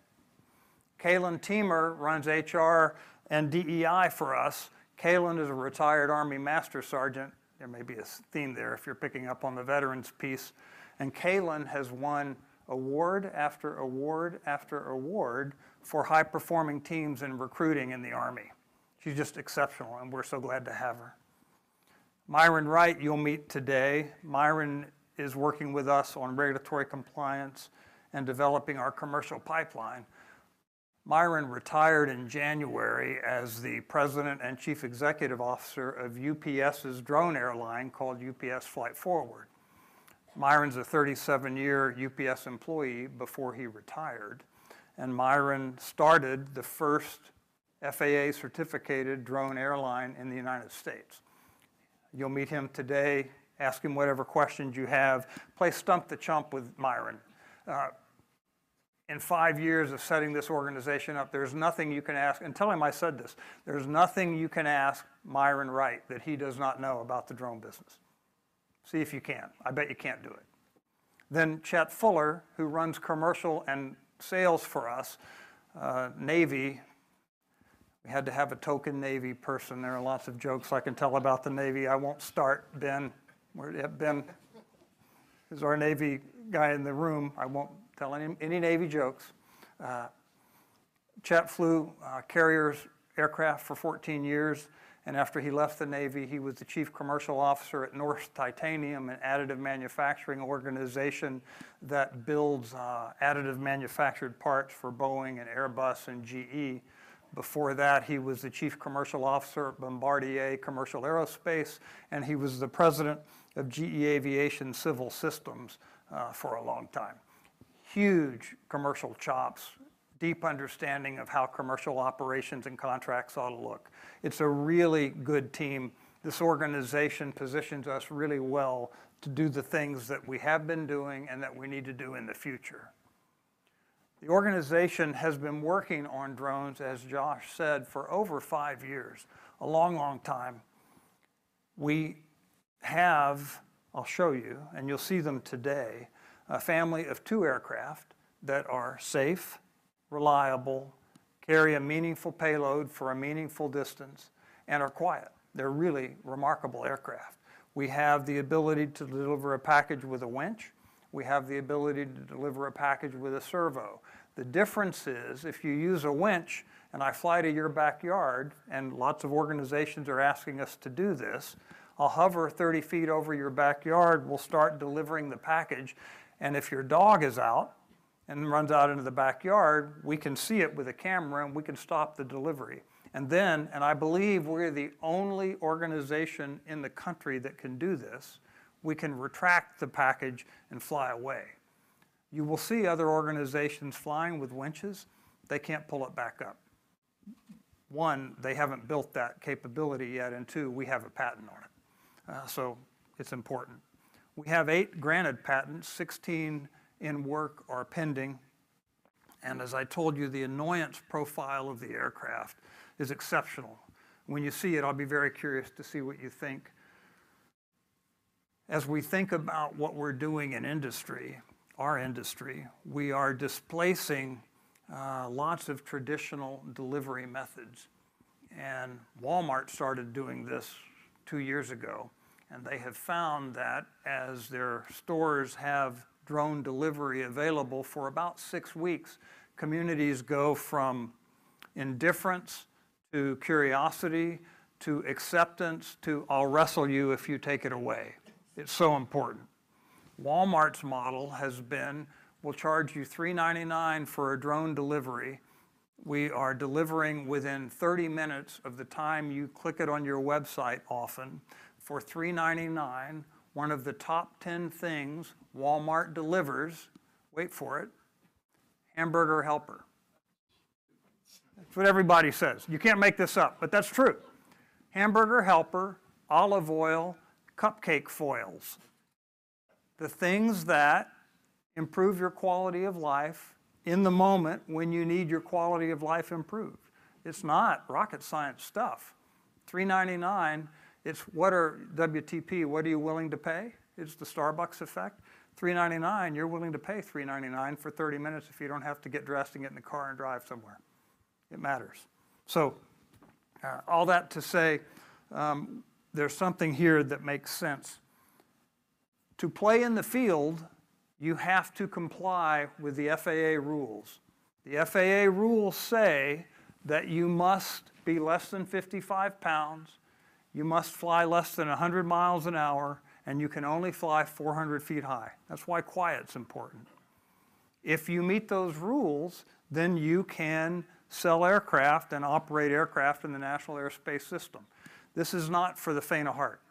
Kaylin Teemer runs HR and DEI for us. Kaylin is a retired Army master sergeant. There may be a theme there if you're picking up on the veterans piece. Kaylin has won award after award after award for high-performing teams and recruiting in the Army. She's just exceptional, and we're so glad to have her. Myron Wright, you'll meet today. Myron is working with us on regulatory compliance and developing our commercial pipeline. Myron retired in January as the president and Chief Executive Officer of UPS's drone airline called UPS Flight Forward. Myron's a 37-year UPS employee before he retired. Myron started the first FAA-certificated drone airline in the United States. You'll meet him today. Ask him whatever questions you have. Play stump the chump with Myron. In five years of setting this organization up, there's nothing you can ask. Tell him I said this. There's nothing you can ask Myron Wright that he does not know about the drone business. See if you can. I bet you can't do it. Chet Fuller, who runs commercial and sales for us, Navy. We had to have a token Navy person. There are lots of jokes I can tell about the Navy. I won't start. Ben is our Navy guy in the room. I won't tell any Navy jokes. Chet flew carriers aircraft for 14 years. After he left the Navy, he was the chief commercial officer at Norsk Titanium, an additive manufacturing organization that builds additive manufactured parts for Boeing and Airbus and GE. Before that, he was the chief commercial officer at Bombardier Commercial Aerospace. He was the president of GE Aviation Civil Systems for a long time. Huge commercial chops, deep understanding of how commercial operations and contracts ought to look. It's a really good team. This organization positions us really well to do the things that we have been doing and that we need to do in the future. The organization has been working on drones, as Josh said, for over 5 years, a long time. We have, I'll show you, and you'll see them today, a family of 2 aircraft that are safe, reliable, carry a meaningful payload for a meaningful distance, and are quiet. They're really remarkable aircraft. We have the ability to deliver a package with a winch. We have the ability to deliver a package with a servo. The difference is, if you use a winch and I fly to your backyard, and lots of organizations are asking us to do this, I'll hover 30 feet over your backyard. We'll start delivering the package, and if your dog is out and runs out into the backyard, we can see it with a camera, and we can stop the delivery. I believe we're the only organization in the country that can do this, we can retract the package and fly away. You will see other organizations flying with winches. They can't pull it back up. One, they haven't built that capability yet. Two, we have a patent on it. It's important. We have 8 granted patents, 16 in work or pending. As I told you, the annoyance profile of the aircraft is exceptional. When you see it, I'll be very curious to see what you think. As we think about what we're doing in industry, our industry, we are displacing lots of traditional delivery methods. Walmart started doing this 2 years ago, and they have found that as their stores have drone delivery available for about 6 weeks, communities go from indifference to curiosity to acceptance to, "I'll wrestle you if you take it away." It's so important. Walmart's model has been, we'll charge you $3.99 for a drone delivery. We are delivering within 30 minutes of the time you click it on your website often. For $3.99, one of the top 10 things Walmart delivers, wait for it, Hamburger Helper. That's what everybody says. You can't make this up, but that's true. Hamburger Helper, olive oil, cupcake foils. The things that improve your quality of life in the moment when you need your quality of life improved. It's not rocket science stuff. $3.99, it's what are WTP, what are you willing to pay? It's the Starbucks effect. $3.99, you're willing to pay $3.99 for 30 minutes if you don't have to get dressed and get in the car and drive somewhere. It matters. All that to say, there's something here that makes sense. To play in the field, you have to comply with the FAA rules. The FAA rules say that you must be less than 55 pounds, you must fly less than 100 miles an hour, and you can only fly 400 feet high. That's why quiet's important. If you meet those rules, you can sell aircraft and operate aircraft in the National Aerospace System. This is not for the faint of heart.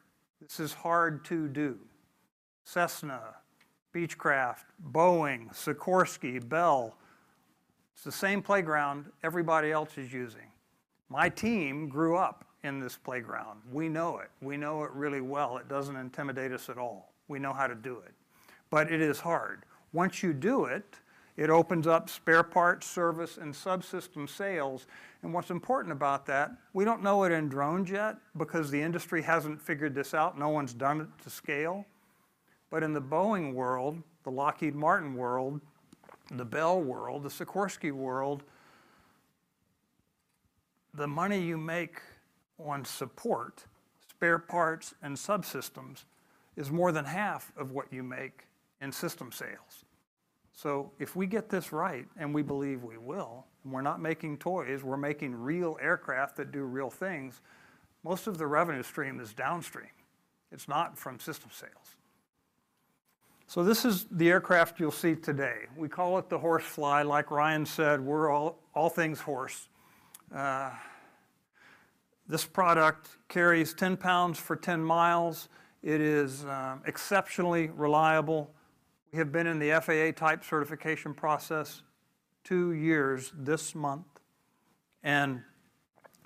This is hard to do. Cessna, Beechcraft, Boeing, Sikorsky, Bell, it's the same playground everybody else is using. My team grew up in this playground. We know it. We know it really well. It doesn't intimidate us at all. We know how to do it, but it is hard. Once you do it opens up spare parts, service, and subsystem sales. What's important about that, we don't know it in drones yet because the industry hasn't figured this out. No one's done it to scale. In the Boeing world, the Lockheed Martin world, the Bell world, the Sikorsky world, the money you make on support, spare parts, and subsystems is more than half of what you make in system sales. If we get this right, and we believe we will, and we're not making toys, we're making real aircraft that do real things, most of the revenue stream is downstream. It's not from system sales. This is the aircraft you'll see today. We call it the Horsefly. Like Ryan said, we're all things horse. This product carries 10 lbs for 10 mi. It is exceptionally reliable. We have been in the FAA type certification process 2 years this month, and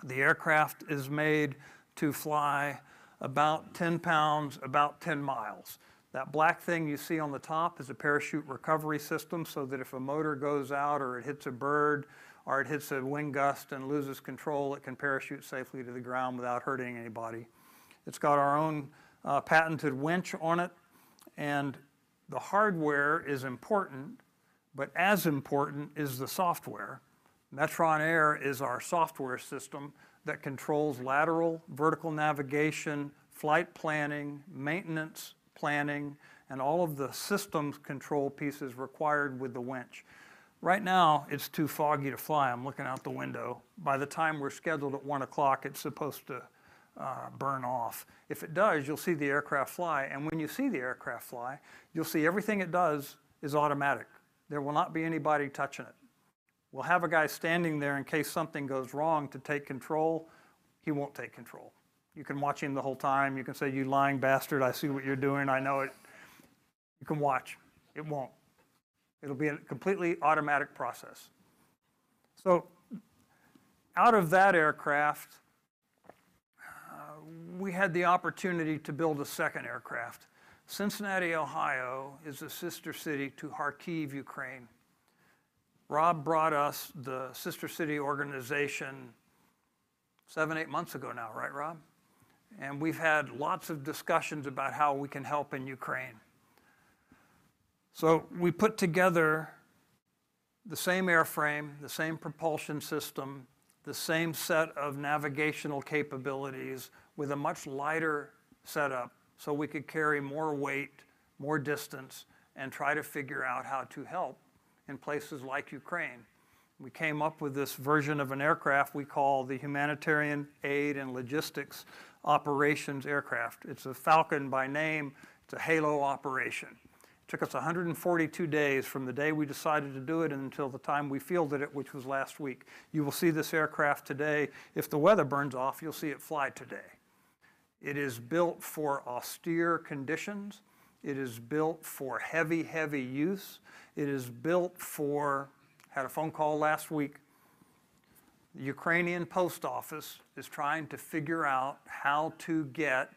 the aircraft is made to fly about 10 lbs about 10 mi. That black thing you see on the top is a parachute recovery system so that if a motor goes out or it hits a bird or it hits a wind gust and loses control, it can parachute safely to the ground without hurting anybody. It's got our own patented winch on it. The hardware is important but as important is the software. Metron Air is our software system that controls lateral, vertical navigation, flight planning, maintenance planning, and all of the systems control pieces required with the winch. Right now, it's too foggy to fly. I'm looking out the window. By the time we're scheduled at 1:00, it's supposed to burn off. If it does, you'll see the aircraft fly, and when you see the aircraft fly, you'll see everything it does is automatic. There will not be anybody touching it. We'll have a guy standing there in case something goes wrong to take control. He won't take control. You can watch him the whole time. You can say, "You lying bastard, I see what you're doing. I know it." You can watch. It won't. It'll be a completely automatic process. Out of that aircraft, we had the opportunity to build a second aircraft. Cincinnati, Ohio, is a sister city to Kharkiv, Ukraine. Rob brought us the sister city organization seven, eight months ago now, right, Rob? We've had lots of discussions about how we can help in Ukraine. We put together the same airframe, the same propulsion system, the same set of navigational capabilities with a much lighter setup, so we could carry more weight, more distance, and try to figure out how to help in places like Ukraine. We came up with this version of an aircraft we call the Humanitarian Aid and Logistics Operations Aircraft. It's a Falcon by name. It's a HALO operation. It took us 142 days from the day we decided to do it until the time we fielded it, which was last week. You will see this aircraft today. If the weather burns off, you'll see it fly today. It is built for austere conditions. It is built for heavy use. Had a phone call last week. Ukrainian Post Office is trying to figure out how to get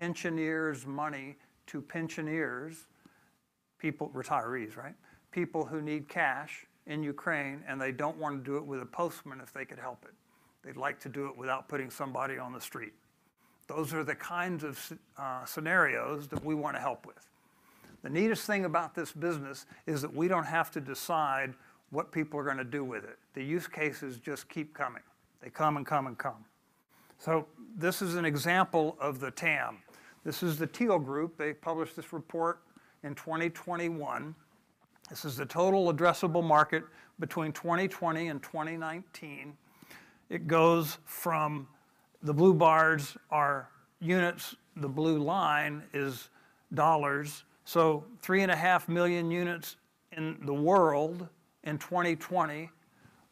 pensioners' money to pensioners, retirees, right? People who need cash in Ukraine, they don't wanna do it with a postman if they could help it. They'd like to do it without putting somebody on the street. Those are the kinds of scenarios that we wanna help with. The neatest thing about this business is that we don't have to decide what people are gonna do with it. The use cases just keep coming. They come and come and come. This is an example of the TAM. This is the Teal Group. They published this report in 2021. This is the total addressable market between 2020 and 2019. It goes from the blue bars are units, the blue line is dollars. 3.5 million units in the world in 2020,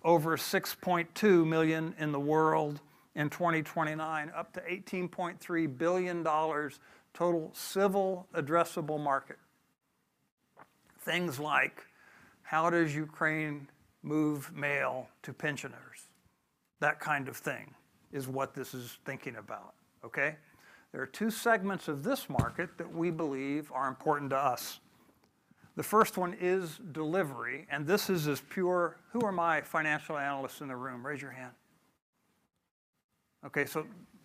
over 6.2 million in the world in 2029, up to $18.3 billion total civil addressable market. Things like, how does Ukraine move mail to pensioners? That kind of thing is what this is thinking about, okay? There are two segments of this market that we believe are important to us. The first one is delivery. This is as pure... Who are my financial analysts in the room? Raise your hand. Okay,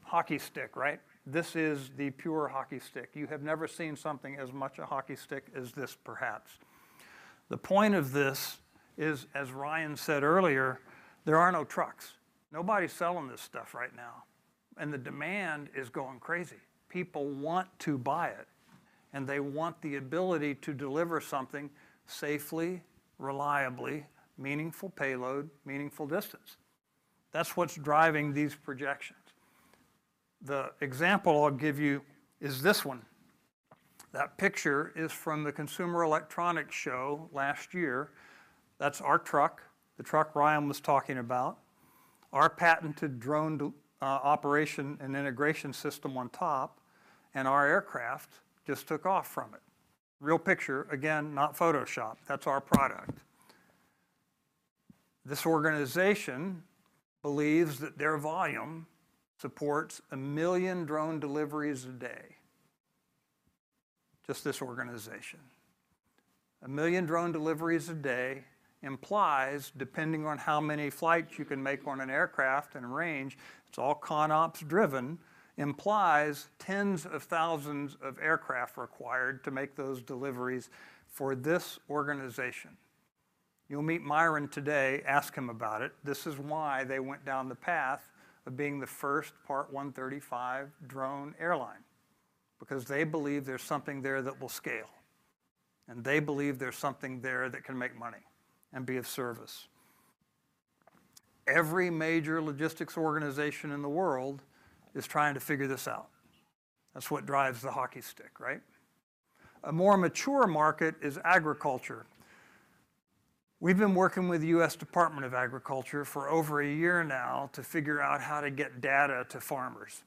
hockey stick, right? This is the pure hockey stick. You have never seen something as much a hockey stick as this perhaps. The point of this is, as Ryan said earlier, there are no trucks. Nobody's selling this stuff right now. The demand is going crazy. People want to buy it. They want the ability to deliver something safely, reliably, meaningful payload, meaningful distance. That's what's driving these projections. The example I'll give you is this one. That picture is from the Consumer Electronics Show last year. That's our truck, the truck Ryan was talking about. Our patented drone operation and integration system on top, our aircraft just took off from it. Real picture, again, not Photoshopped. That's our product. This organization believes that their volume supports 1 million drone deliveries a day. Just this organization. 1 million drone deliveries a day implies, depending on how many flights you can make on an aircraft and range, it's all ConOps driven, implies tens of thousands of aircraft required to make those deliveries for this organization. You'll meet Myron today. Ask him about it. This is why they went down the path of being the first Part 135 drone airline, because they believe there's something there that will scale, they believe there's something there that can make money and be of service. Every major logistics organization in the world is trying to figure this out. That's what drives the hockey stick, right? A more mature market is agriculture. We've been working with the U.S. Department of Agriculture for over a year now to figure out how to get data to farmers.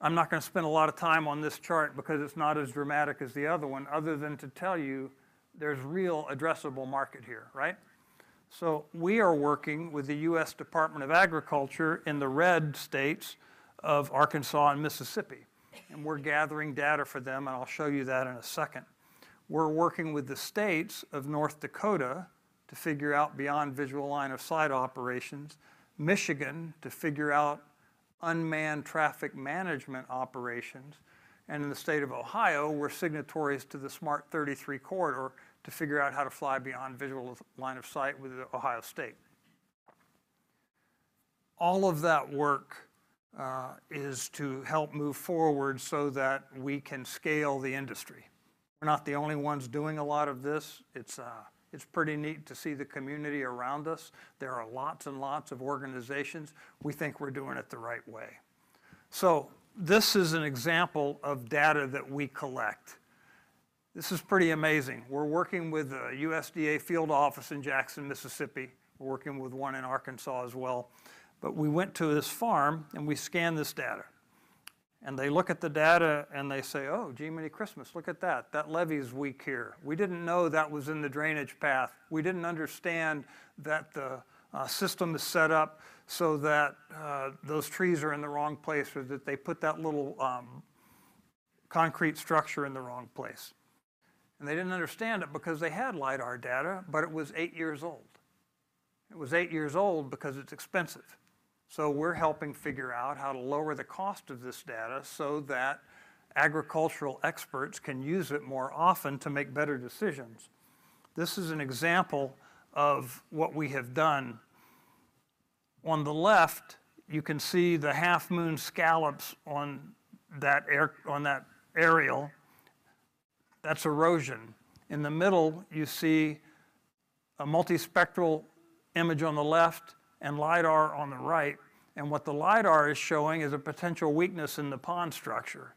I'm not gonna spend a lot of time on this chart because it's not as dramatic as the other one, other than to tell you there's real addressable market here, right? We are working with the U.S. Department of Agriculture in the red states of Arkansas and Mississippi, and we're gathering data for them, and I'll show you that in a second. We're working with the states of North Dakota to figure out beyond visual line of sight operations, Michigan to figure out unmanned traffic management operations, and in the state of Ohio, we're signatories to the Smart33 Corridor to figure out how to fly beyond visual of line of sight with the Ohio State. All of that work is to help move forward so that we can scale the industry. We're not the only ones doing a lot of this. It's pretty neat to see the community around us. There are lots and lots of organizations. We think we're doing it the right way. This is an example of data that we collect. This is pretty amazing. We're working with a USDA field office in Jackson, Mississippi. We're working with one in Arkansas as well. We went to this farm, and we scanned this data. They look at the data, and they say, "Oh, jiminy Christmas, look at that. That levee is weak here. We didn't know that was in the drainage path. We didn't understand that the system is set up so that those trees are in the wrong place or that they put that little concrete structure in the wrong place. They didn't understand it because they had lidar data, but it was eight years old. It was eight years old because it's expensive. We're helping figure out how to lower the cost of this data so that agricultural experts can use it more often to make better decisions. This is an example of what we have done. On the left, you can see the half-moon scallops on that aerial. That's erosion. In the middle, you see a multispectral image on the left and lidar on the right, and what the lidar is showing is a potential weakness in the pond structure.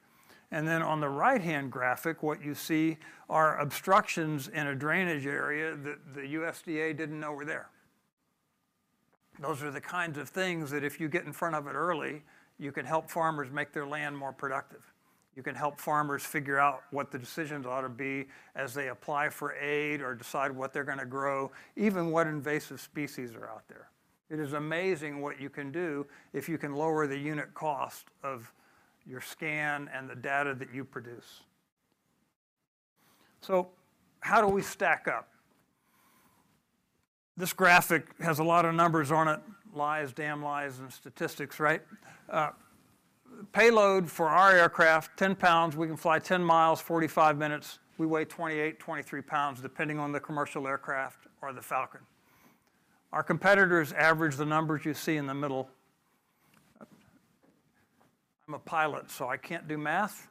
On the right-hand graphic, what you see are obstructions in a drainage area that the USDA didn't know were there. Those are the kinds of things that if you get in front of it early, you can help farmers make their land more productive. You can help farmers figure out what the decisions ought to be as they apply for aid or decide what they're gonna grow, even what invasive species are out there. It is amazing what you can do if you can lower the unit cost of your scan and the data that you produce. How do we stack up? This graphic has a lot of numbers on it. Lies, damn lies, and statistics, right? Payload for our aircraft, 10 lbs. We can fly 10 mi, 45 minutes. We weigh 28, 23 lbs, depending on the commercial aircraft or the Falcon. Our competitors average the numbers you see in the middle. I'm a pilot. I can't do math.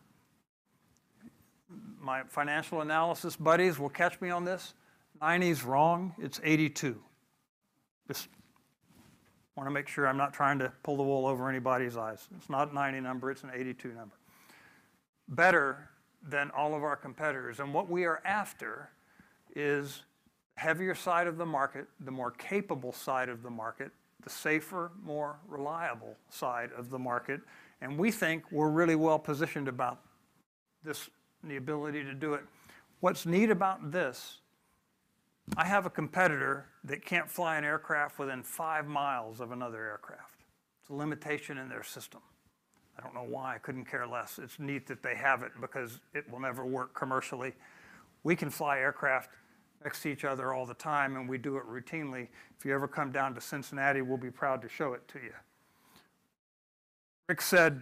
My financial analysis buddies will catch me on this. 90's wrong. It's 82. Just wanna make sure I'm not trying to pull the wool over anybody's eyes. It's not a 90 number, it's an 82 number. Better than all of our competitors. What we are after is heavier side of the market, the more capable side of the market, the safer, more reliable side of the market, and we think we're really well-positioned about this, the ability to do it. What's neat about this, I have a competitor that can't fly an aircraft within 5 miles of another aircraft. It's a limitation in their system. I don't know why. Couldn't care less. It's neat that they have it because it will never work commercially. We can fly aircraft next to each other all the time, and we do it routinely. If you ever come down to Cincinnati, we'll be proud to show it to you. Rick said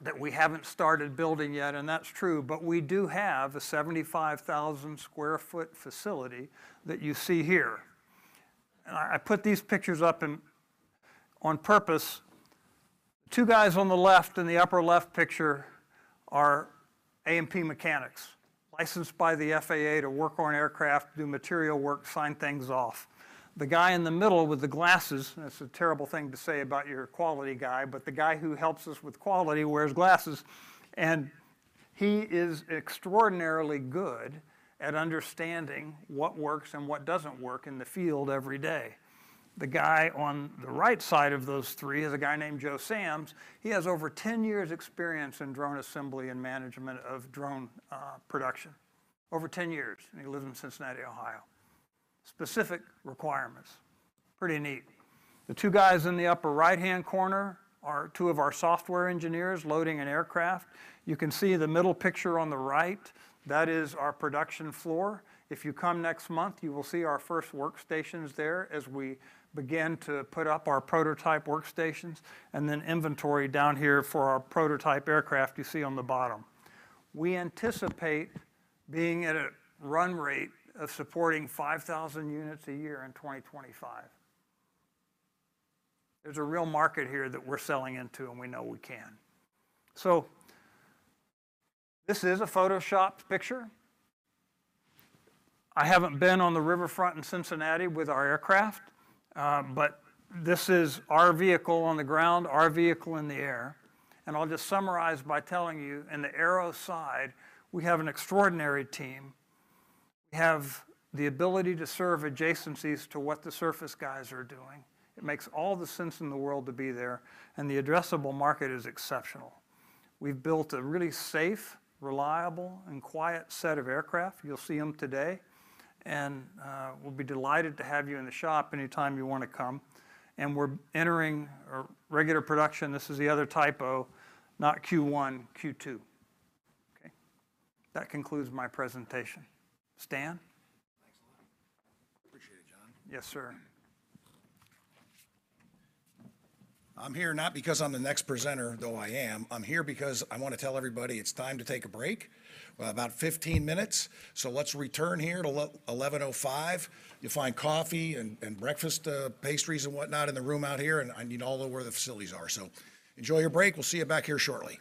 that we haven't started building yet, and that's true, but we do have a 75,000-square-foot facility that you see here. I put these pictures up on purpose. Two guys on the left in the upper left picture are A&P mechanics, licensed by the FAA to work on aircraft, do material work, sign things off. The guy in the middle with the glasses, and it's a terrible thing to say about your quality guy, but the guy who helps us with quality wears glasses, and he is extraordinarily good at understanding what works and what doesn't work in the field every day. The guy on the right side of those 3 is a guy named Joe Sams. He has over 10 years' experience in drone assembly and management of drone production. Over 10 years, he lives in Cincinnati, Ohio. Specific requirements. Pretty neat. The 2 guys in the upper right-hand corner are 2 of our software engineers loading an aircraft. You can see the middle picture on the right, that is our production floor. If you come next month, you will see our first workstations there as we begin to put up our prototype workstations and then inventory down here for our prototype aircraft you see on the bottom. We anticipate being at a run rate of supporting 5,000 units a year in 2025. There's a real market here that we're selling into, and we know we can. This is a photoshopped picture. I haven't been on the riverfront in Cincinnati with our aircraft, but this is our vehicle on the ground, our vehicle in the air. I'll just summarize by telling you, in the aero side, we have an extraordinary team. We have the ability to serve adjacencies to what the surface guys are doing. It makes all the sense in the world to be there, and the addressable market is exceptional. We've built a really safe, reliable, and quiet set of aircraft. You'll see them today, and we'll be delighted to have you in the shop anytime you wanna come. We're entering our regular production. This is the other typo, not Q1, Q2. Okay. That concludes my presentation. Stan? Yes, sir. I'm here not because I'm the next presenter, though I am. I'm here because I wanna tell everybody it's time to take a break. We've about 15 minutes. Let's return here at 11:05. You'll find coffee and breakfast pastries and whatnot in the room out here, and, I mean, all of where the facilities are. Enjoy your break. We'll see you back here shortly.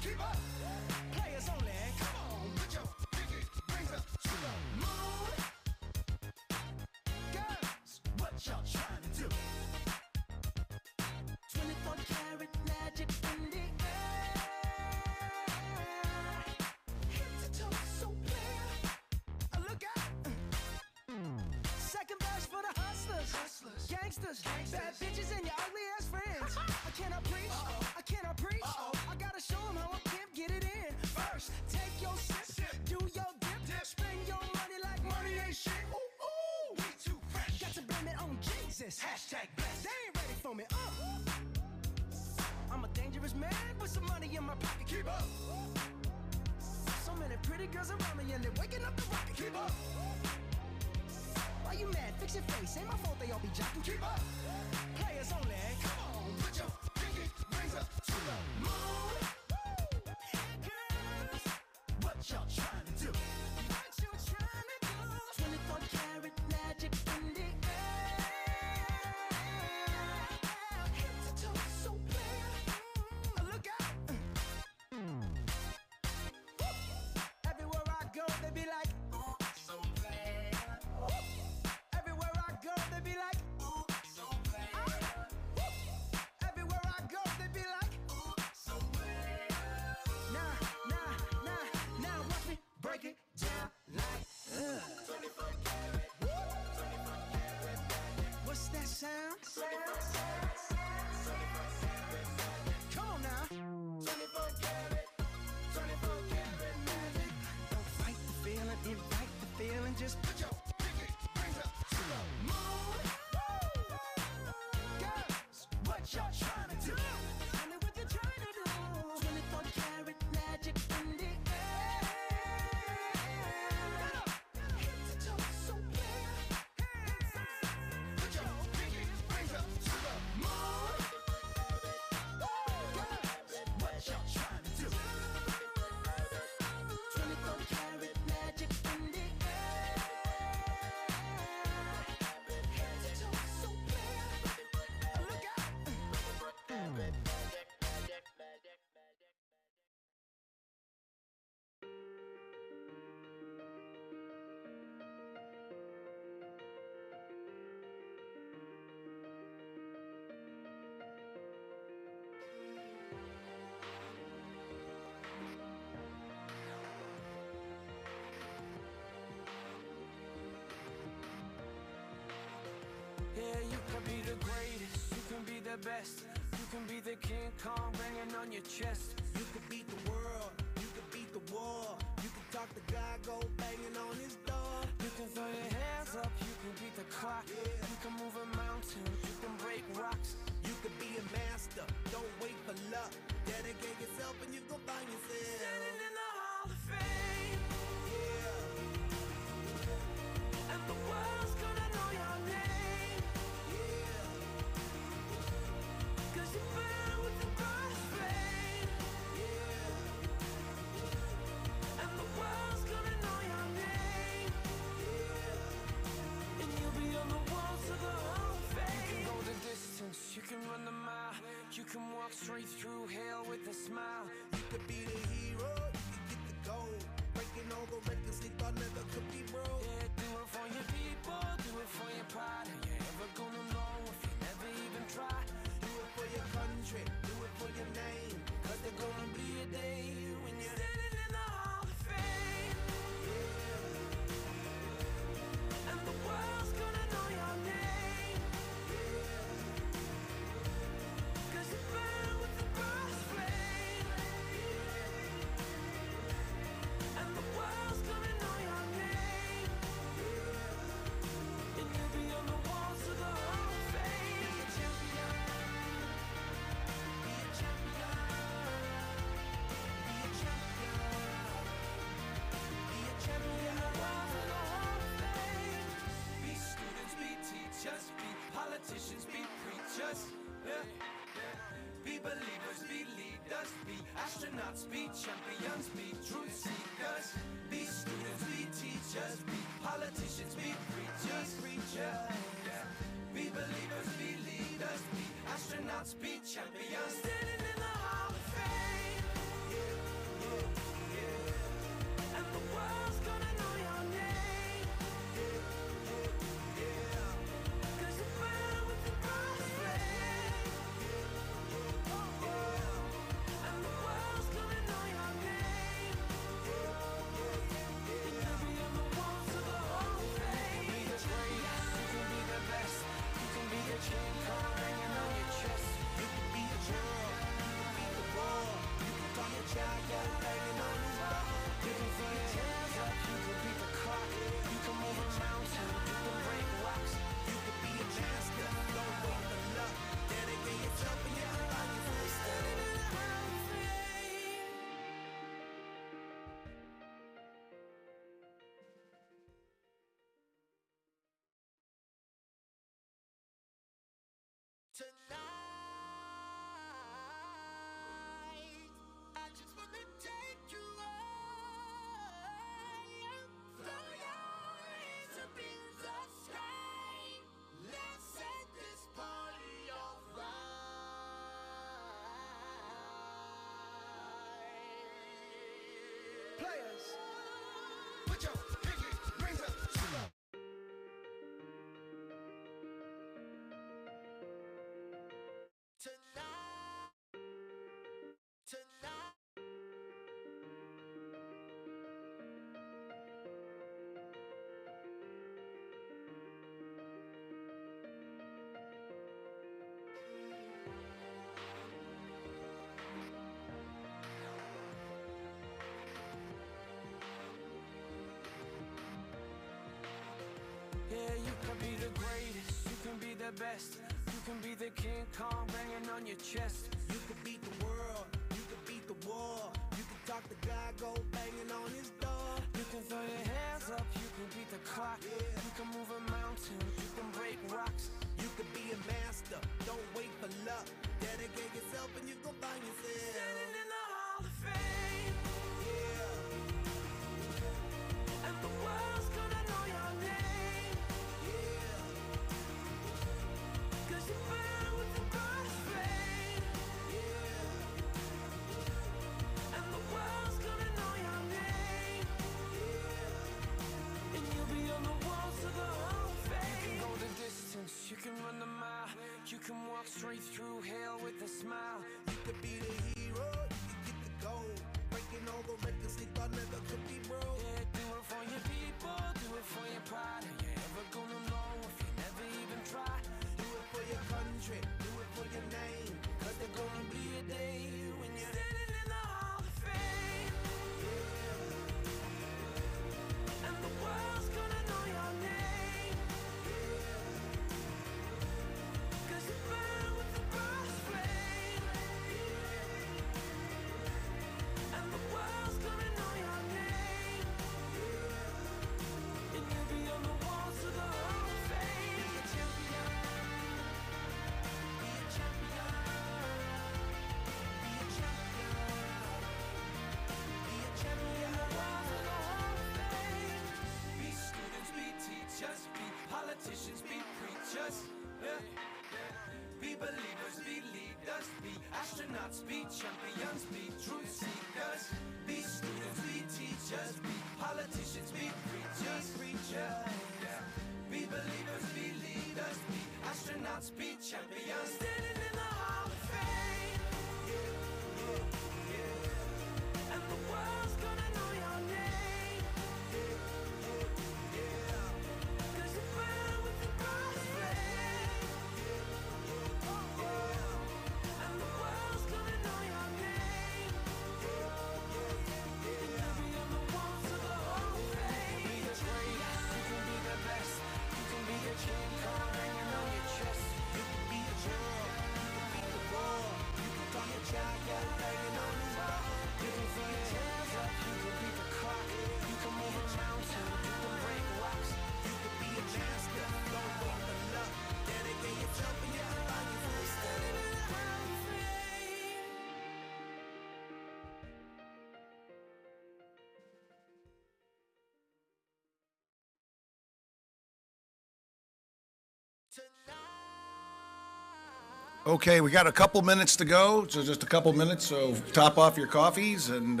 Okay, we got a couple minutes to go. Just a couple minutes, top off your coffees and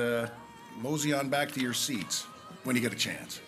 mosey on back to your seats when you get a chance.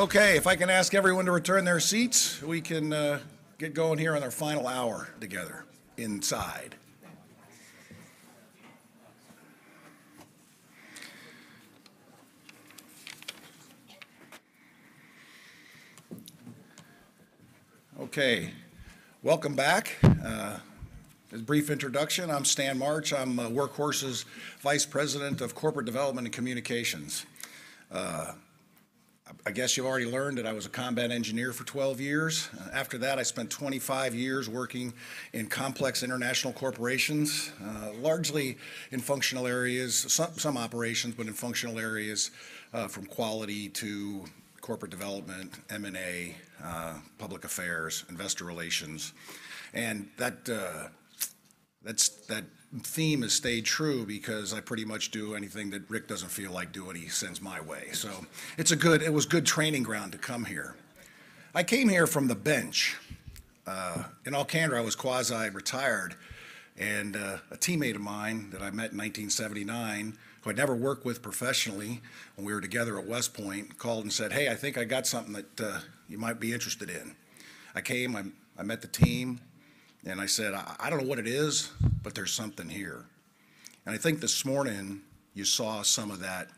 Okay, if I can ask everyone to return to their seats, we can get going here on our final hour together inside. Welcome back. As brief introduction, I'm Stan March. I'm Workhorse's Vice President of Corporate Development and Communications. I guess you've already learned that I was a combat engineer for 12 years. After that, I spent 25 years working in complex international corporations, largely in functional areas. Some operations, but in functional areas, from quality to corporate development, M&A, public affairs, investor relations. That theme has stayed true because I pretty much do anything that Rick doesn't feel like doing, he sends my way. It was good training ground to come here. I came here from the bench. In Alcandra, I was quasi-retired, and a teammate of mine that I met in 1979, who I'd never worked with professionally when we were together at West Point, called and said, "Hey, I think I got something that you might be interested in." I came, I met the team, and I said, "I don't know what it is, but there's something here." I think this morning you saw some of that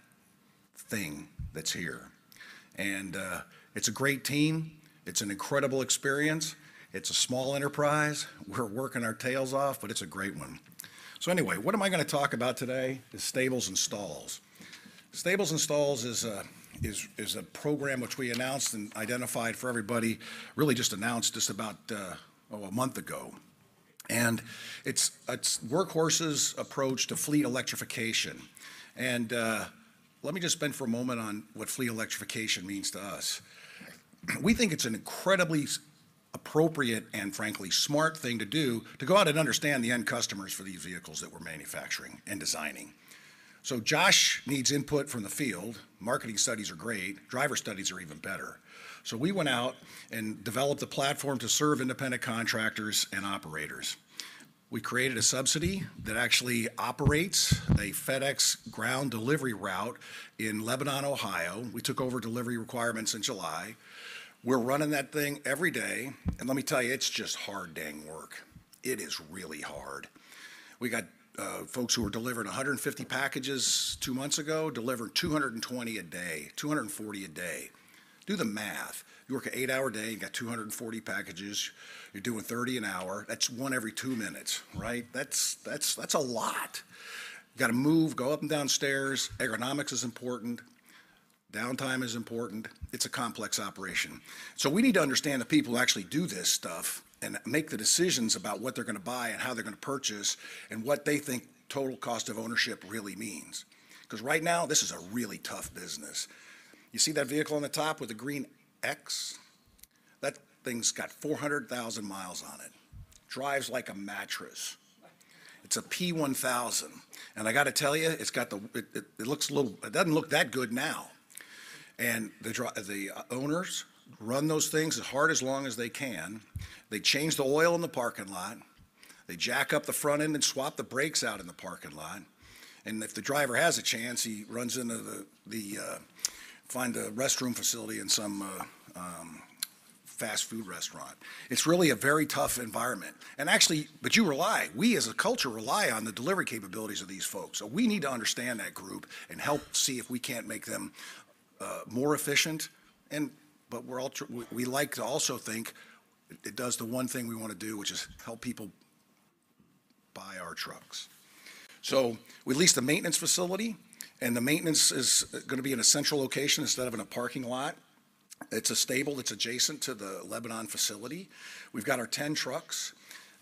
thing that's here. It's a great team. It's an incredible experience. It's a small enterprise. We're working our tails off, but it's a great one. What am I gonna talk about today is Stables and Stalls. Stables and Stalls is a program which we announced and identified for everybody, really just announced just about a month ago. It's Workhorse's approach to fleet electrification. Let me just spend for a moment on what fleet electrification means to us. We think it's an incredibly appropriate and frankly smart thing to do to go out and understand the end customers for these vehicles that we're manufacturing and designing. Josh needs input from the field. Marketing studies are great. Driver studies are even better. We went out and developed a platform to serve independent contractors and operators. We created a subsidy that actually operates a FedEx Ground delivery route in Lebanon, Ohio. We took over delivery requirements in July. We're running that thing every day, and let me tell you, it's just hard dang work. It is really hard. We got folks who were delivering 150 packages two months ago, delivering 220 a day, 240 a day. Do the math. You work an 8-hour day, you got 240 packages, you're doing 30 an hour, that's 1 every 2 minutes, right? That's a lot. You gotta move, go up and down stairs. Ergonomics is important. Downtime is important. It's a complex operation. We need to understand the people who actually do this stuff and make the decisions about what they're gonna buy and how they're gonna purchase and what they think total cost of ownership really means. 'Cause right now, this is a really tough business. You see that vehicle on the top with the green X? That thing's got 400,000 miles on it. Drives like a mattress. It's a P1000. I gotta tell you, it doesn't look that good now. The owners run those things as hard, as long as they can. They change the oil in the parking lot. They jack up the front end and swap the brakes out in the parking lot. If the driver has a chance, he runs into the find a restroom facility in some fast food restaurant. It's really a very tough environment. Actually, but you rely, we as a culture rely on the delivery capabilities of these folks, so we need to understand that group and help see if we can't make them more efficient. But we're all We like to also think it does the one thing we wanna do, which is help people buy our trucks. We leased a maintenance facility, and the maintenance is gonna be in a central location instead of in a parking lot. It's a stable that's adjacent to the Lebanon facility. We've got our 10 trucks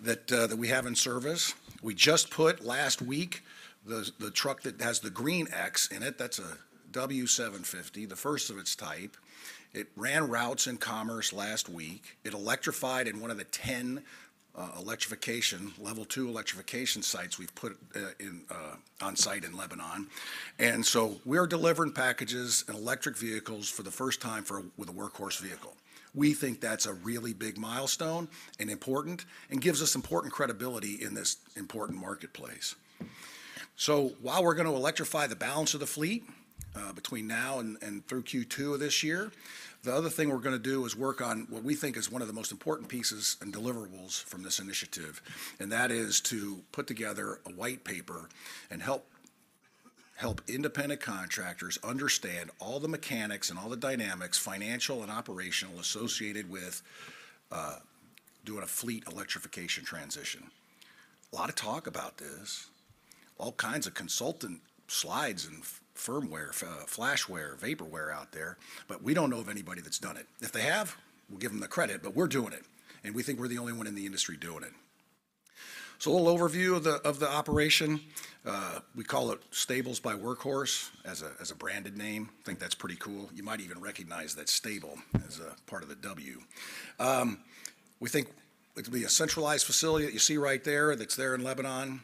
that we have in service. We just put, last week, the truck that has the green X in it. That's a W750, the first of its type. It ran routes in commerce last week. It electrified in one of the 10 electrification, level two electrification sites we've put in on site in Lebanon. We're delivering packages in electric vehicles for the first time with a Workhorse vehicle. We think that's a really big milestone and important and gives us important credibility in this important marketplace. While we're gonna electrify the balance of the fleet between now and through Q2 of this year, the other thing we're gonna do is work on what we think is one of the most important pieces and deliverables from this initiative, and that is to put together a white paper and help independent contractors understand all the mechanics and all the dynamics, financial and operational, associated with doing a fleet electrification transition. A lot of talk about this. All kinds of consultant slides and firmware, flashware, vaporware out there, but we don't know of anybody that's done it. If they have, we'll give them the credit, but we're doing it, and we think we're the only one in the industry doing it. A little overview of the operation. We call it Stables by Workhorse as a branded name. Think that's pretty cool. You might even recognize that stable as a part of the W. We think it could be a centralized facility that you see right there, that's there in Lebanon.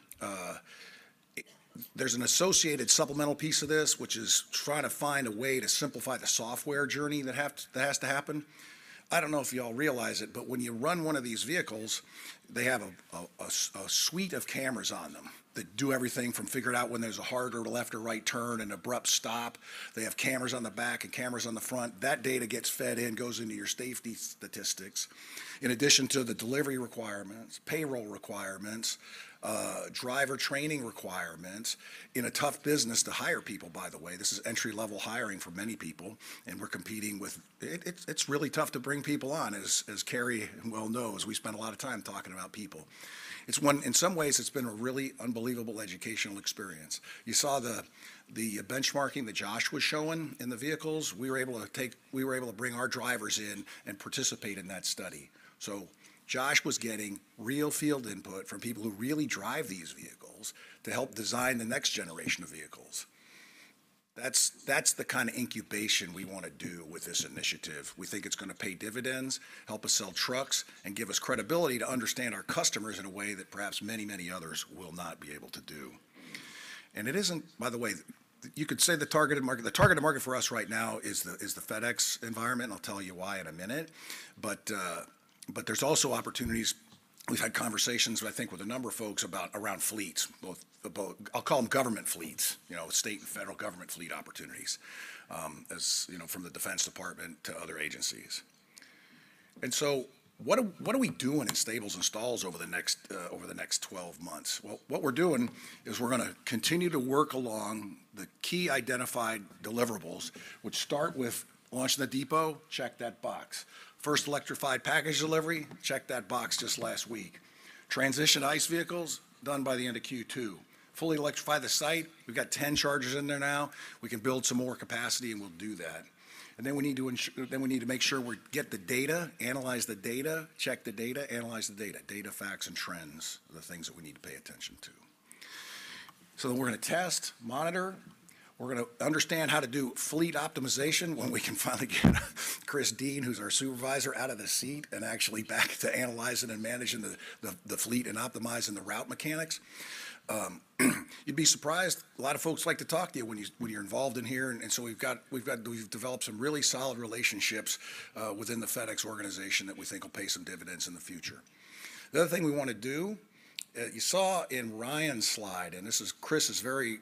There's an associated supplemental piece of this, which is trying to find a way to simplify the software journey that has to happen. I don't know if y'all realize it, but when you run one of these vehicles, they have a suite of cameras on them that do everything from figuring out when there's a hard or a left or right turn, an abrupt stop. They have cameras on the back and cameras on the front. That data gets fed in, goes into your safety statistics. In addition to the delivery requirements, payroll requirements, driver training requirements, in a tough business to hire people, by the way. This is entry-level hiring for many people. It's really tough to bring people on, as Carrie well knows. We spend a lot of time talking about people. In some ways, it's been a really unbelievable educational experience. You saw the benchmarking that Josh was showing in the vehicles. We were able to bring our drivers in and participate in that study. Josh was getting real field input from people who really drive these vehicles to help design the next generation of vehicles. That's the kind of incubation we wanna do with this initiative. We think it's gonna pay dividends, help us sell trucks, and give us credibility to understand our customers in a way that perhaps many others will not be able to do. By the way, you could say the targeted market for us right now is the FedEx environment, and I'll tell you why in a minute. There's also opportunities, we've had conversations, I think, with a number of folks about, around fleets, both. I'll call them government fleets. You know, state and federal government fleet opportunities, as, you know, from the Defense Department to other agencies. What are we doing in Stables and Stalls over the next over the next 12 months? What we're doing is we're gonna continue to work along the key identified deliverables, which start with launching the depot, check that box. First electrified package delivery, check that box just last week. Transition ICE vehicles, done by the end of Q2. Fully electrify the site, we've got 10 chargers in there now. We can build some more capacity, and we'll do that. We need to make sure we get the data, analyze the data, check the data, analyze the data. Data, facts, and trends are the things that we need to pay attention to. We're gonna test, monitor. We're gonna understand how to do fleet optimization when we can finally get Chris Dean, who's our supervisor, out of the seat and actually back to analyzing and managing the fleet and optimizing the route mechanics. You'd be surprised, a lot of folks like to talk to you when you're involved in here. We've developed some really solid relationships within the FedEx organization that we think will pay some dividends in the future. The other thing we wanna do, you saw in Ryan's slide, and this is Chris is very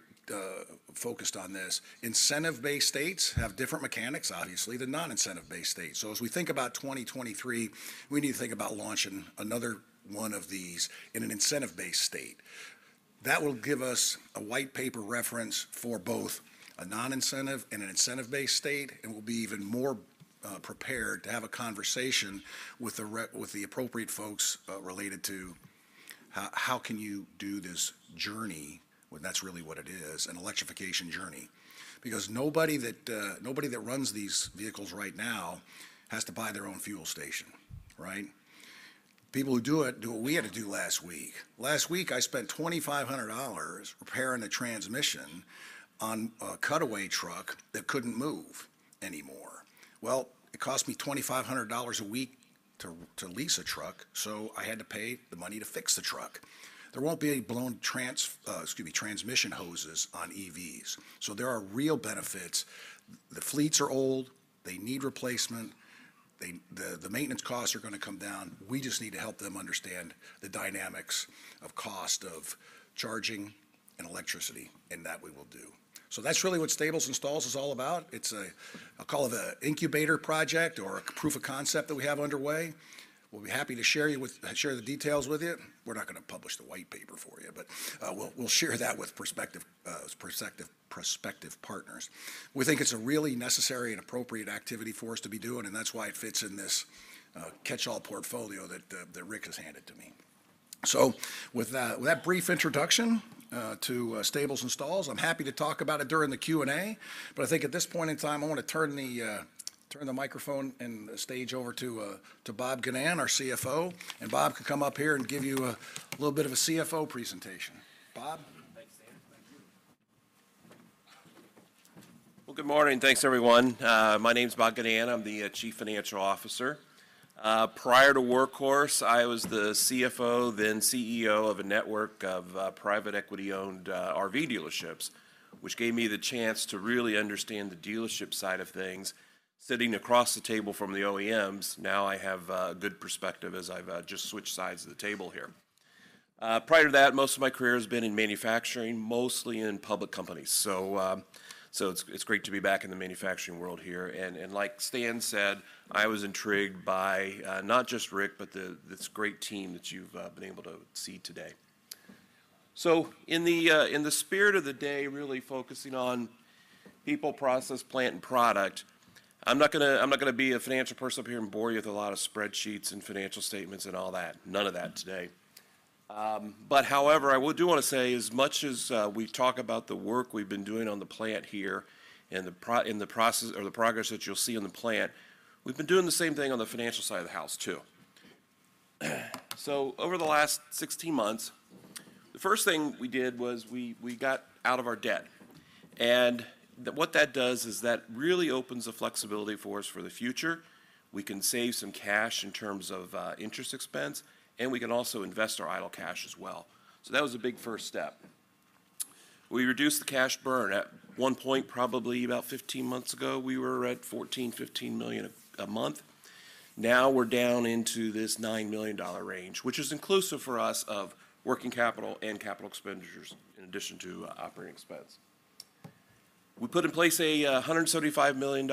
focused on this. Incentive-based states have different mechanics, obviously, than non-incentive-based states. As we think about 2023, we need to think about launching another one of these in an incentive-based state. That will give us a white paper reference for both a non-incentive and an incentive-based state, we'll be even more prepared to have a conversation with the appropriate folks related to how can you do this journey when that's really what it is, an electrification journey. Nobody that nobody that runs these vehicles right now has to buy their own fuel station, right? People who do it do what we had to do last week. Last week, I spent $2,500 repairing a transmission on a cutaway truck that couldn't move anymore. Well, it cost me $2,500 a week to lease a truck, so I had to pay the money to fix the truck. There won't be any blown excuse me, transmission hoses on EVs. There are real benefits. The fleets are old. They need replacement. The maintenance costs are gonna come down. We just need to help them understand the dynamics of cost of charging and electricity, that we will do. That's really what Stables and Stalls is all about. It's I'll call it an incubator project or a proof of concept that we have underway. We'll be happy to share the details with you. We're not gonna publish the white paper for you, we'll share that with prospective partners. We think it's a really necessary and appropriate activity for us to be doing, that's why it fits in this catch-all portfolio that Rick has handed to me. With that brief introduction to Stables and Stalls, I'm happy to talk about it during the Q&A. I think at this point in time, I wanna turn the microphone and the stage over to Bob Ginnan, our CFO. Bob can come up here and give you a little bit of a cfo presentation. Bob? Thanks, Stan. Thank you. Well, good morning. Thanks, everyone. My name's Bob Ginnan. I'm the chief financial officer. Prior to Workhorse, I was the CFO, then CEO of a network of private equity-owned RV dealerships, which gave me the chance to really understand the dealership side of things. Sitting across the table from the OEMs, now I have a good perspective as I've just switched sides of the table here. Prior to that, most of my career has been in manufacturing, mostly in public companies. It's great to be back in the manufacturing world here. Like Stan said, I was intrigued by not just Rick, but this great team that you've been able to see today. In the spirit of the day, really focusing on people, process, plant, and product, I'm not gonna be a financial person up here and bore you with a lot of spreadsheets and financial statements and all that. None of that today. However, I do wanna say as much as we talk about the work we've been doing on the plant here and the process or the progress that you'll see on the plant, we've been doing the same thing on the financial side of the house too. Over the last 16 months, the first thing we did was we got out of our debt. What that does is that really opens the flexibility for us for the future. We can save some cash in terms of interest expense, and we can also invest our idle cash as well. That was a big first step. We reduced the cash burn. At one point, probably about 15 months ago, we were at $14, $15 million a month. Now we're down into this $9 million range, which is inclusive for us of working capital and CapEx in addition to OpEx. We put in place a $175 million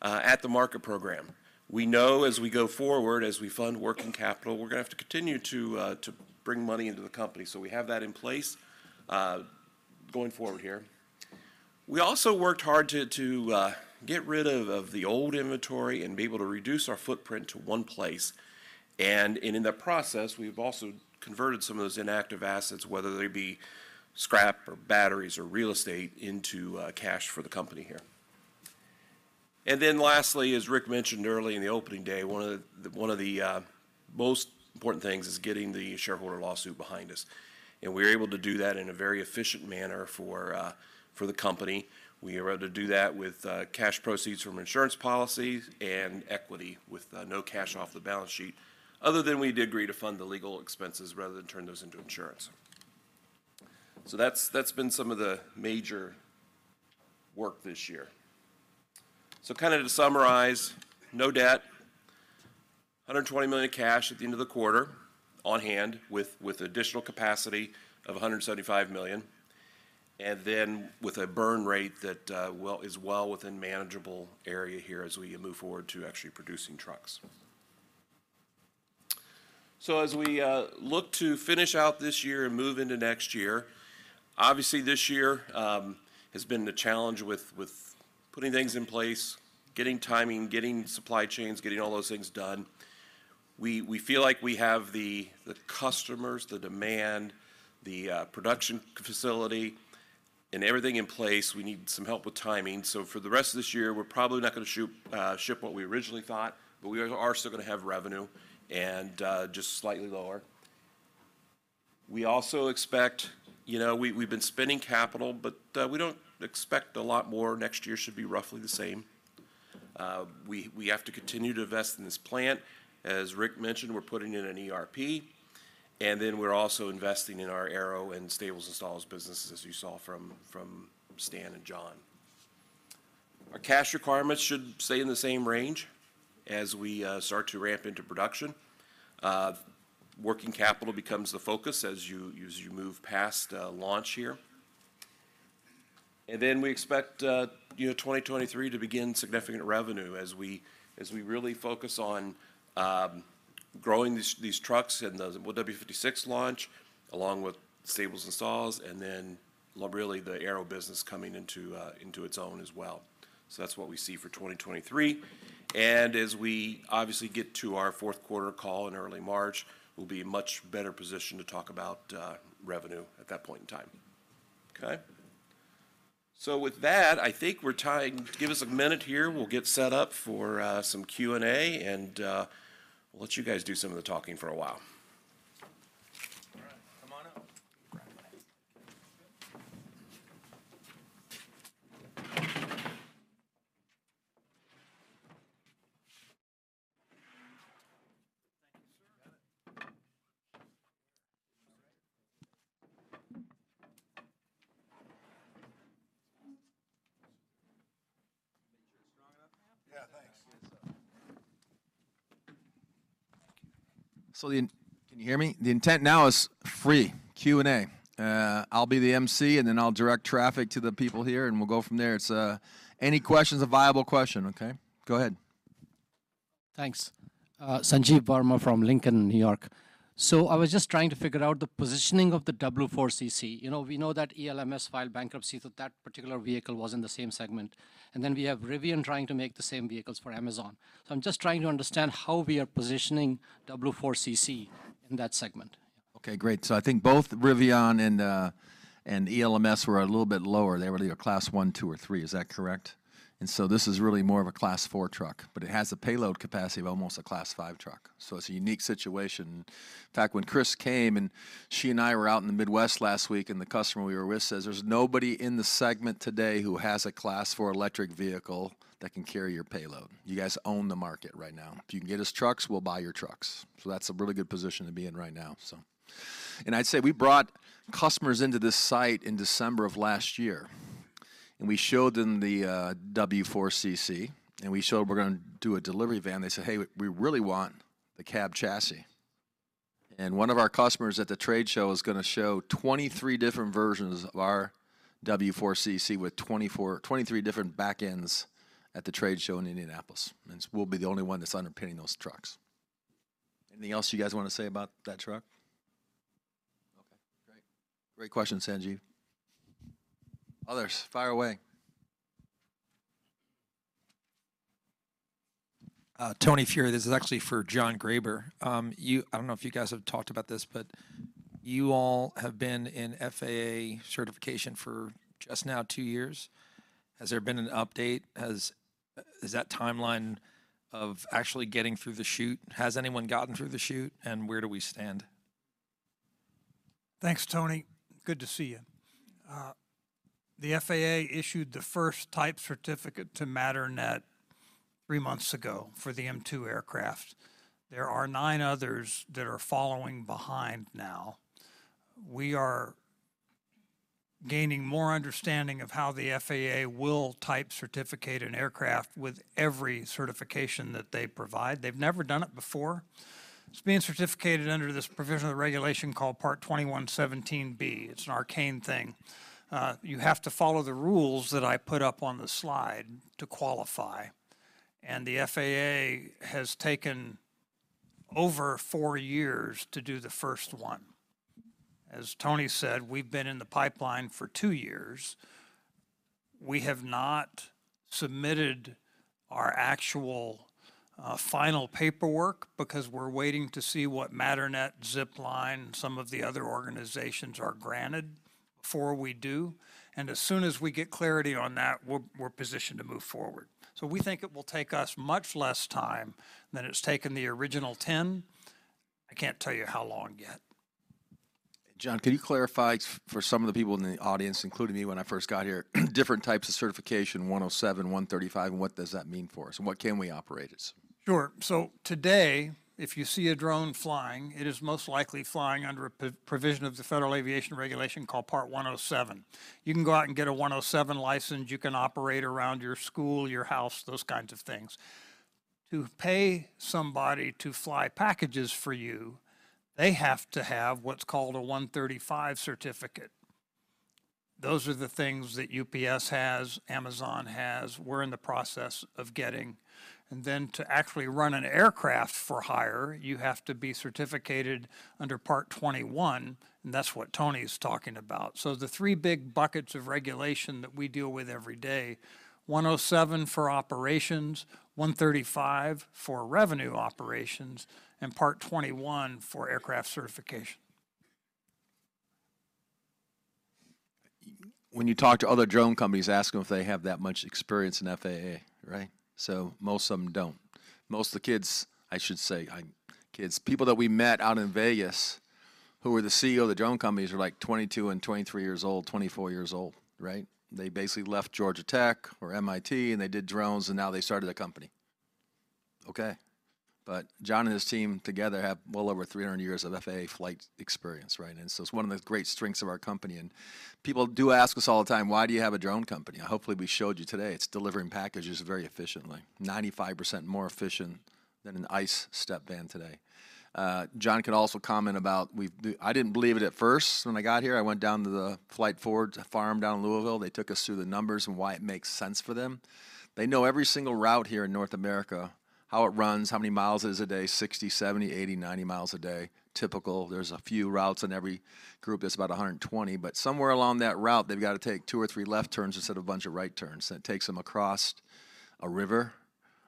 at the market program. We know as we go forward, as we fund working capital, we're gonna have to continue to bring money into the company. We have that in place going forward here. We also worked hard to get rid of the old inventory and be able to reduce our footprint to one place. In that process, we've also converted some of those inactive assets, whether they be scrap or batteries or real estate, into cash for the company here. Lastly, as Rick mentioned early in the opening day, one of the, one of the most important things is getting the shareholder lawsuit behind us. We were able to do that in a very efficient manner for the company. We were able to do that with cash proceeds from insurance policies and equity with no cash off the balance sheet, other than we did agree to fund the legal expenses rather than turn those into insurance. That's been some of the major work this year. Kind of to summarize, no debt, $120 million in cash at the end of the quarter on hand with additional capacity of $175 million. Well within manageable area here as we move forward to actually producing trucks. As we look to finish out this year and move into next year, obviously this year has been the challenge with putting things in place, getting timing, getting supply chains, getting all those things done. We feel like we have the customers, the demand, the production facility, and everything in place. We need some help with timing. For the rest of this year, we're probably not gonna ship what we originally thought, but we are still gonna have revenue and just slightly lower. We also expect, you know, we've been spending capital, but we don't expect a lot more. Next year should be roughly the same. We have to continue to invest in this plant. As Rick mentioned, we're putting in an ERP, and then we're also investing in our Aero and Stables and Stalls businesses as you saw from Stan and John. Our cash requirements should stay in the same range as we start to ramp into production. Working capital becomes the focus as you move past launch here. We expect, you know, 2023 to begin significant revenue as we really focus on growing these trucks and the W56 launch, along with Stables and Stalls, and then really the Aero business coming into its own as well. That's what we see for 2023. As we obviously get to our fourth quarter call in early March, we'll be in much better position to talk about revenue at that point in time. Okay? With that, I think we're. Give us a minute here. We'll get set up for some Q&A, and we'll let you guys do some of the talking for a while. All right, come on up. Thank you, sir. You got it. All right. Make sure it's strong enough now. Yeah, thanks. Yes, sir. Can you hear me? The intent now is free Q&A. I'll be the emcee, and then I'll direct traffic to the people here, and we'll go from there. It's any question's a viable question, okay? Go ahead. Thanks. Sanjiv Varma from Lincoln, New York. I was just trying to figure out the positioning of the W4 CC. You know, we know that ELMS filed bankruptcy, that particular vehicle was in the same segment. We have Rivian trying to make the same vehicles for Amazon. I'm just trying to understand how we are positioning W4 CC in that segment. Okay, great. I think both Rivian and ELMS were a little bit lower. They were really a Class I, II, or III. Is that correct? This is really more of a Class IV truck, but it has a payload capacity of almost a Class V truck. It's a unique situation. In fact, when Chris came, and she and I were out in the Midwest last week, and the customer we were with says, "There's nobody in the segment today who has a Class IV electric vehicle that can carry your payload. You guys own the market right now. If you can get us trucks, we'll buy your trucks." That's a really good position to be in right now. I'd say we brought customers into this site in December of last year, and we showed them the W4CC, and we showed we're gonna do a delivery van. They said, "Hey, we really want the cab chassis." One of our customers at the trade show is gonna show 23 different versions of our W4CC with 23 different back ends at the trade show in Indianapolis. We'll be the only one that's underpinning those trucks. Anything else you guys wanna say about that truck? Okay, great. Great question, Sanjiv. Others, fire away. Tony Fury. This is actually for John Graber. I don't know if you guys have talked about this, but you all have been in FAA certification for just now two years. Has there been an update? Has that timeline of actually getting through the chute, has anyone gotten through the chute, and where do we stand? Thanks, Tony. Good to see you. The FAA issued the first type certificate to Matternet 3 months ago for the M2 aircraft. There are 9 others that are following behind now. We are gaining more understanding of how the FAA will type certificate an aircraft with every certification that they provide. They've never done it before. It's being certificated under this provisional regulation called Part 2117B. It's an arcane thing. You have to follow the rules that I put up on the slide to qualify. The FAA has taken over 4 years to do the first one. As Tony said, we've been in the pipeline for 2 years. We have not submitted our actual final paperwork because we're waiting to see what Matternet, Zipline, some of the other organizations are granted. Before we do, and as soon as we get clarity on that, we're positioned to move forward. We think it will take us much less time than it's taken the original 10. I can't tell you how long yet. John, can you clarify for some of the people in the audience, including me when I first got here, different types of certification, Part 107, Part 135, and what does that mean for us, and what can we operate as? Sure. Today, if you see a drone flying, it is most likely flying under a provision of the Federal Aviation regulation called Part 107. You can go out and get a 107 license, you can operate around your school, your house, those kinds of things. To pay somebody to fly packages for you, they have to have what's called a 135 certificate. Those are the things that UPS has, Amazon has. We're in the process of getting. To actually run an aircraft for hire, you have to be certificated under Part 21, and that's what Tony is talking about. The three big buckets of regulation that we deal with every day, 107 for operations, 135 for revenue operations, and Part 21 for aircraft certification. When you talk to other drone companies, ask them if they have that much experience in FAA, right? Most of them don't. Most of the kids, I should say kids, people that we met out in Vegas who were the CEO of the drone companies were like 22 and 23 years old, 24 years old, right? They basically left Georgia Tech or MIT, and they did drones, and now they started a company. Okay. John and his team together have well over 300 years of FAA flight experience, right? It's one of the great strengths of our company. People do ask us all the time, "Why do you have a drone company?" Hopefully, we showed you today. It's delivering packages very efficiently. 95% more efficient than an ICE step van today. John can also comment about. I didn't believe it at first when I got here. I went down to the Flight Ford farm down in Louisville. They took us through the numbers and why it makes sense for them. They know every single route here in North America, how it runs, how many miles it is a day, 60, 70, 80, 90 miles a day, typical. There's a few routes in every group that's about 120, but somewhere along that route, they've got to take 2 or 3 left turns instead of a bunch of right turns. It takes them across a river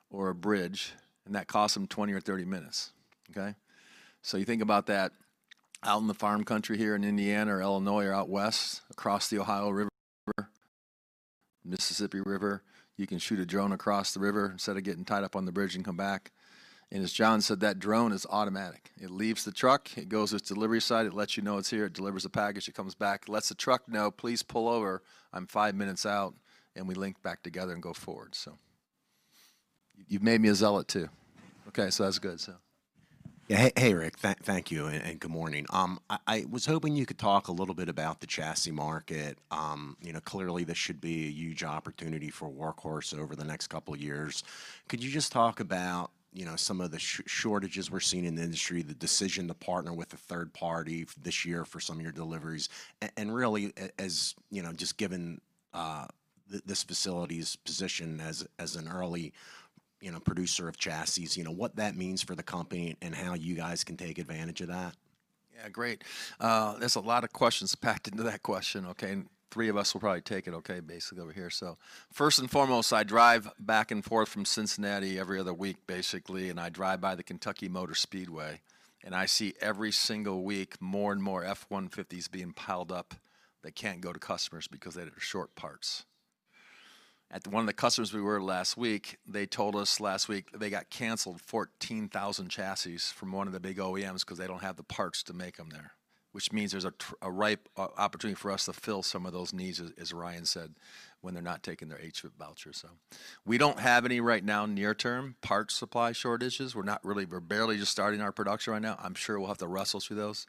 or a bridge, and that costs them 20 or 30 minutes. Okay? You think about that out in the farm country here in Indiana or Illinois or out west across the Ohio River, Mississippi River. You can shoot a drone across the river instead of getting tied up on the bridge and come back. As John said, that drone is automatic. It leaves the truck, it goes to its delivery site, it lets you know it's here, it delivers the package, it comes back, lets the truck know, "Please pull over, I'm five minutes out," and we link back together and go forward, so. You've made me a zealot, too. Okay, so that's good, so. Yeah. Hey, Rick. thank you and good morning. I was hoping you could talk a little bit about the chassis market. you know, clearly this should be a huge opportunity for Workhorse over the next couple years. Could you just talk about, you know, some of the shortages we're seeing in the industry, the decision to partner with a third party this year for some of your deliveries, and really as, you know, just given this facility's position as an early, you know, producer of chassis, you know, what that means for the company and how you guys can take advantage of that? Yeah, great. There's a lot of questions packed into that question, okay? Three of us will probably take it, okay, basically over here. First and foremost, I drive back and forth from Cincinnati every other week, basically, and I drive by the Kentucky Speedway, and I see every single week more and more F-150s being piled up that can't go to customers because they are short parts. At one of the customers we were last week, they told us last week they got canceled 14,000 chassis from one of the big OEMs 'cause they don't have the parts to make them there, which means there's a ripe opportunity for us to fill some of those needs, as Ryan said, when they're not taking their vouchers. We don't have any right now near term parts supply shortages. We're barely just starting our production right now. I'm sure we'll have to wrestle through those.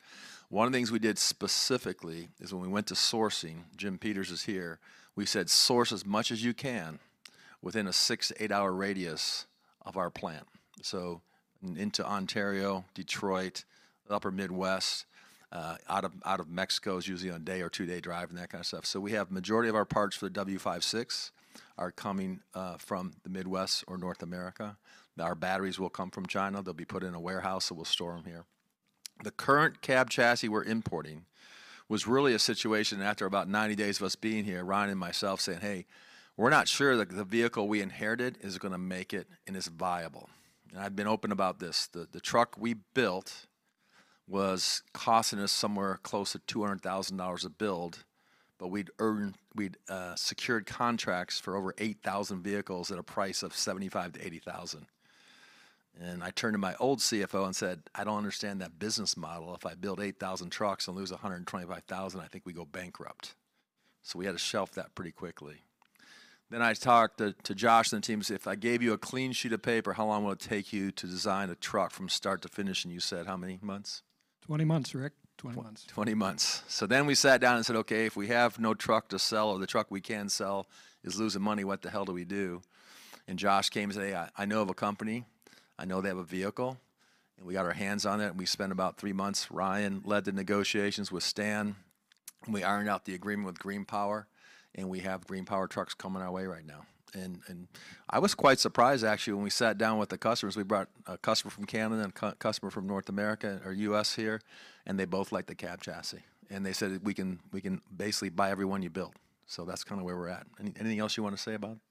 One of the things we did specifically is when we went to sourcing, Jim Peters is here, we said, "Source as much as you can within a 6 to 8-hour radius of our plant." Into Ontario, Detroit, upper Midwest. Out of Mexico is usually a day or 2-day drive and that kind of stuff. We have majority of our parts for the W56 are coming from the Midwest or North America. Our batteries will come from China. They'll be put in a warehouse, and we'll store them here. The current cab chassis we're importing was really a situation after about 90 days of us being here, Ryan and myself saying, "Hey, we're not sure that the vehicle we inherited is gonna make it and is viable." I've been open about this. The truck we built was costing us somewhere close to $200,000 a build, but we'd secured contracts for over 8,000 vehicles at a price of $75,000-$80,000. I turned to my old CFO and said, "I don't understand that business model. If I build 8,000 trucks and lose $125,000, I think we go bankrupt." We had to shelf that pretty quickly. I talked to Josh and the team and said, "If I gave you a clean sheet of paper, how long will it take you to design a truck from start to finish?" You said how many months? 20 months, Rick. 20 months. 20 months. We sat down and said, "Okay, if we have no truck to sell or the truck we can sell is losing money, what the hell do we do?" Josh came and said, "I know of a company. I know they have a vehicle." We got our hands on it, and we spent about 3 months. Ryan led the negotiations with Stan, and we ironed out the agreement with Green Power, and we have Green Power trucks coming our way right now. I was quite surprised actually, when we sat down with the customers. We brought a customer from Canada and a customer from North America or U.S. here, and they both liked the cab chassis. They said, "We can basically buy every one you build." That's kinda where we're at. Anything else you wanna say about it?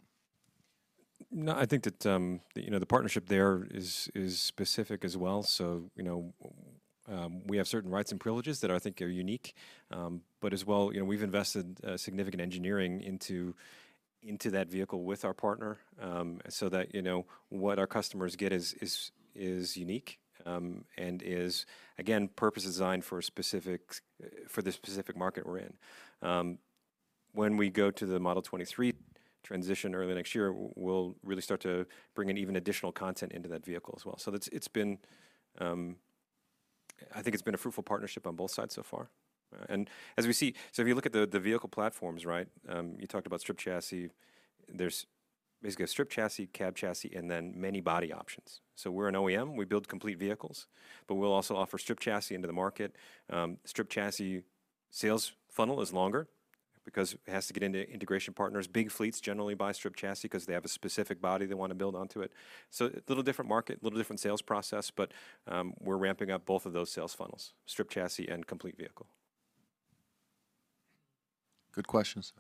No, I think that, the, you know, the partnership there is specific as well. You know, we have certain rights and privileges that I think are unique. As well, you know, we've invested significant engineering into that vehicle with our partner, so that, you know, what our customers get is unique, and is, again, purpose-designed for a specific for the specific market we're in. When we go to the Model 23 transition early next year, we'll really start to bring in even additional content into that vehicle as well. It's been, I think, a fruitful partnership on both sides so far. As we see. If you look at the vehicle platforms, right? You talked about strip chassis. There's basically a strip chassis, cab chassis, and then many body options. We're an OEM, we build complete vehicles. We'll also offer strip chassis into the market. Strip chassis sales funnel is longer because it has to get into integration partners. Big fleets generally buy strip chassis 'cause they have a specific body they wanna build onto it. A little different market, a little different sales process, but we're ramping up both of those sales funnels, strip chassis and complete vehicle. Good question, sir.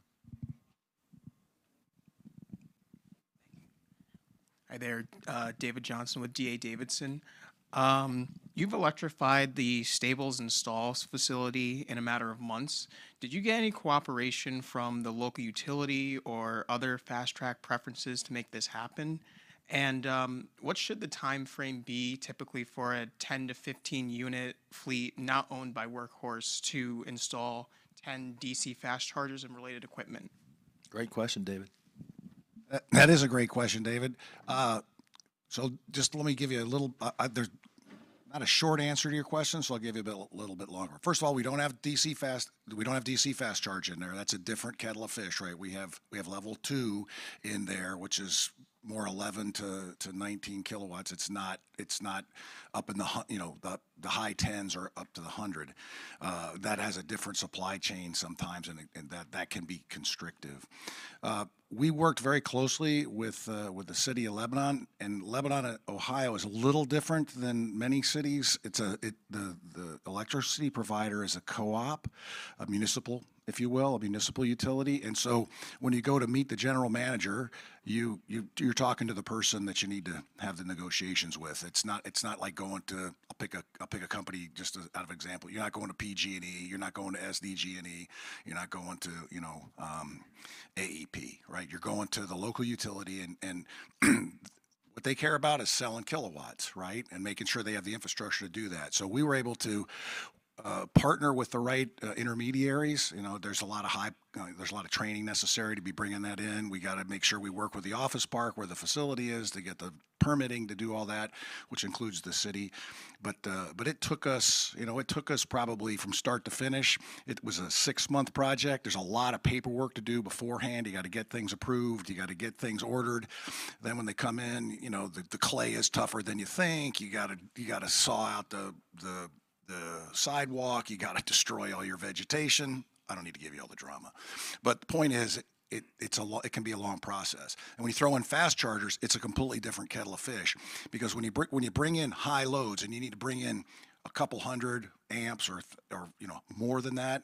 Hi there. David Johnson with D.A. Davidson. You've electrified the Stables and Stalls facility in a matter of months. Did you get any cooperation from the local utility or other fast-track preferences to make this happen? What should the timeframe be typically for a 10-15 unit fleet not owned by Workhorse to install 10 DC fast chargers and related equipment? Great question, David. That is a great question, David. Just let me give you a little, there's not a short answer to your question, I'll give you a little bit longer. First of all, we don't have DC fast charge in there. That's a different kettle of fish, right? We have Level Two in there, which is more 11 to 19 kilowatts. It's not up in the you know, the high tens or up to the 100. That has a different supply chain sometimes, and that can be constrictive. We worked very closely with the city of Lebanon. Lebanon, Ohio is a little different than many cities. The electricity provider is a co-op, a municipal, if you will, a municipal utility. When you go to meet the general manager, you're talking to the person that you need to have the negotiations with. It's not like going to, I'll pick a company just as, out of example. You're not going to PG&E, you're not going to SDG&E, you're not going to, you know, AEP, right? You're going to the local utility, and what they care about is selling kilowatts, right? And making sure they have the infrastructure to do that. We were able to partner with the right intermediaries. You know, there's a lot of high, there's a lot of training necessary to be bringing that in. We gotta make sure we work with the office park where the facility is to get the permitting to do all that, which includes the city. It took us, you know, probably from start to finish, it was a six-month project. There's a lot of paperwork to do beforehand. You gotta get things approved. You gotta get things ordered. When they come in, you know, the clay is tougher than you think. You gotta saw out the sidewalk. You gotta destroy all your vegetation. I don't need to give you all the drama. The point is, it's a long process. When you throw in fast chargers, it's a completely different kettle of fish because when you bring in high loads, and you need to bring in a couple hundred amps or, you know, more than that,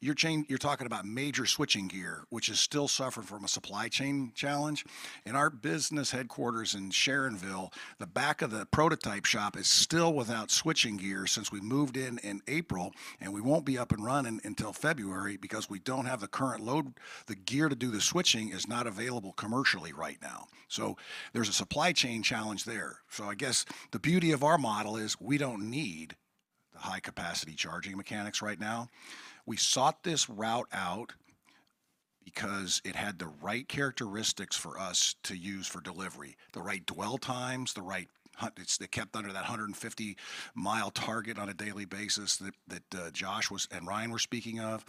you're talking about major switching gear, which is still suffering from a supply chain challenge. In our business headquarters in Sharonville, the back of the prototype shop is still without switching gear since we moved in in April, and we won't be up and running until February because we don't have the current load. The gear to do the switching is not available commercially right now. There's a supply chain challenge there. I guess the beauty of our model is we don't need the high-capacity charging mechanics right now. We sought this route out because it had the right characteristics for us to use for delivery, the right dwell times, the right they kept under that 150-mile target on a daily basis that Josh was, and Ryan were speaking of.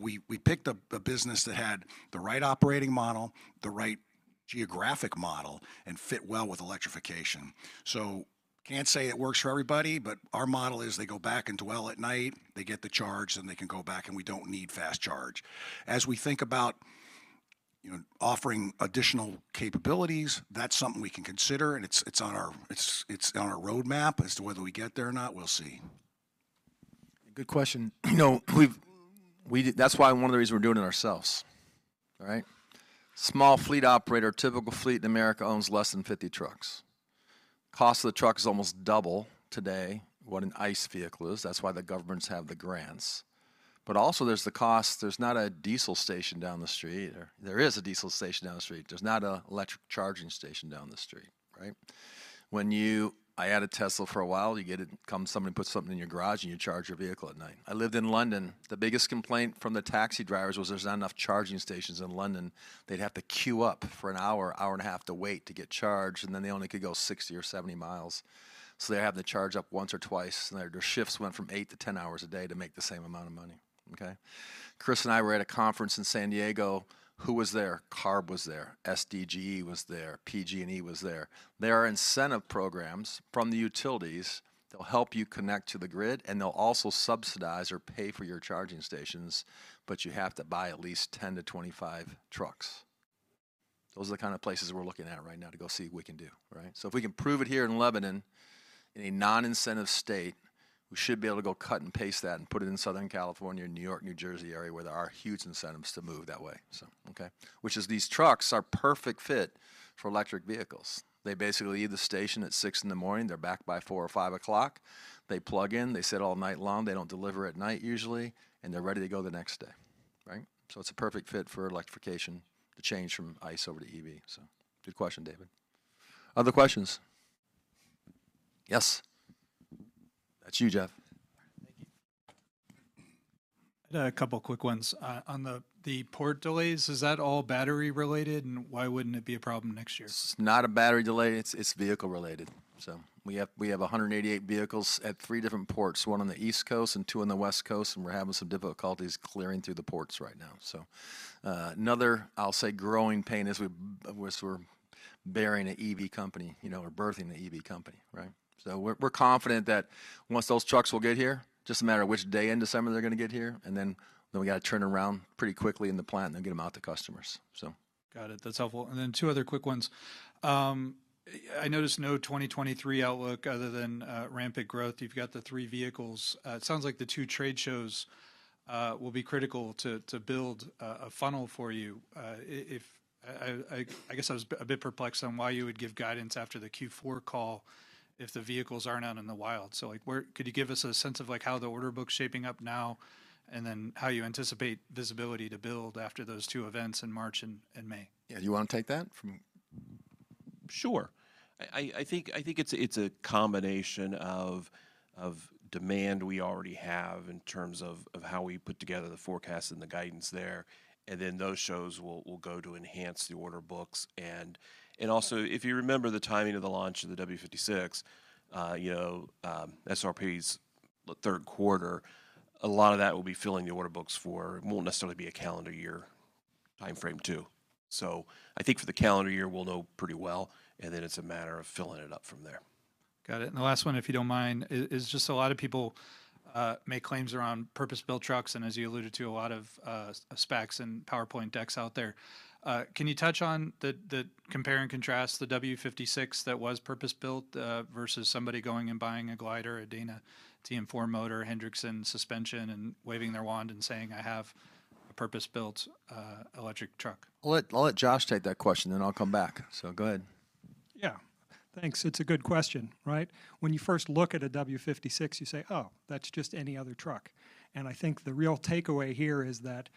We picked a business that had the right operating model, the right geographic model, and fit well with electrification. Can't say it works for everybody, but our model is they go back and dwell at night, they get the charge, and they can go back and we don't need fast charge. As we think about, you know, offering additional capabilities, that's something we can consider, and it's on our roadmap. As to whether we get there or not, we'll see. Good question. You know, we've, that's why one of the reasons we're doing it ourselves, right? Small fleet operator, typical fleet in America owns less than 50 trucks. Cost of the truck is almost double today what an ICE vehicle is. That's why the governments have the grants. Also there's the cost, there's not a diesel station down the street. There is a diesel station down the street. There's not a electric charging station down the street, right? I had a Tesla for a while. You get it, come, somebody puts something in your garage and you charge your vehicle at night. I lived in London. The biggest complaint from the taxi drivers was there's not enough charging stations in London. They'd have to queue up for an hour and a half to wait to get charged. They only could go 60 or 70 miles. They have to charge up once or twice. Their shifts went from 8 to 10 hours a day to make the same amount of money. Okay? Chris and I were at a conference in San Diego. Who was there? CARB was there. SDGE was there. PG&E was there. There are incentive programs from the utilities that'll help you connect to the grid. They'll also subsidize or pay for your charging stations. You have to buy at least 10 to 25 trucks. Those are the kind of places we're looking at right now to go see what we can do, right? If we can prove it here in Lebanon, in a non-incentive state. We should be able to go cut and paste that and put it in Southern California, New York, New Jersey area where there are huge incentives to move that way. Okay. Which is these trucks are perfect fit for electric vehicles. They basically leave the station at 6 in the morning, they're back by 4 or 5 o'clock. They plug in, they sit all night long, they don't deliver at night usually, and they're ready to go the next day, right? It's a perfect fit for electrification, the change from ICE over to EV. Good question, David. Other questions? Yes. That's you, Jeff. Thank you. I had a couple quick ones. On the port delays, is that all battery-related, and why wouldn't it be a problem next year? It's not a battery delay, it's vehicle-related. We have 188 vehicles at 3 different ports, 1 on the East Coast and 2 on the West Coast, and we're having some difficulties clearing through the ports right now. Another, I'll say growing pain as we're bearing an EV company, you know, or birthing the EV company, right? We're confident that once those trucks will get here, just a matter of which day in December they're gonna get here, and then we gotta turn around pretty quickly in the plant and then get them out to customers. Got it. That's helpful. Then 2 other quick ones. I noticed no 2023 outlook other than rampant growth. You've got the 3 vehicles. It sounds like the 2 trade shows will be critical to build a funnel for you. I guess I was a bit perplexed on why you would give guidance after the Q4 call if the vehicles aren't out in the wild. Like could you give us a sense of like how the order book's shaping up now, and then how you anticipate visibility to build after those 2 events in March and May? Yeah. You wanna take that from... Sure. I think it's a combination of demand we already have in terms of how we put together the forecast and the guidance there, then those shows will go to enhance the order books. Also if you remember the timing of the launch of the W56, you know, SOP's third quarter, a lot of that will be filling the order books for, it won't necessarily be a calendar year timeframe too. I think for the calendar year, we'll know pretty well, then it's a matter of filling it up from there. Got it. The last one, if you don't mind, is just a lot of people make claims around purpose-built trucks, and as you alluded to, a lot of specs and PowerPoint decks out there. Can you touch on the compare and contrast the W56 that was purpose-built versus somebody going and buying a glider, a Dana TM4 motor, Hendrickson suspension, and waving their wand and saying, "I have a purpose-built electric truck"? I'll let Josh take that question, then I'll come back. Go ahead. Yeah. Thanks. It's a good question, right? When you first look at a W56, you say, "Oh, that's just any other truck." I think the real takeaway here is that,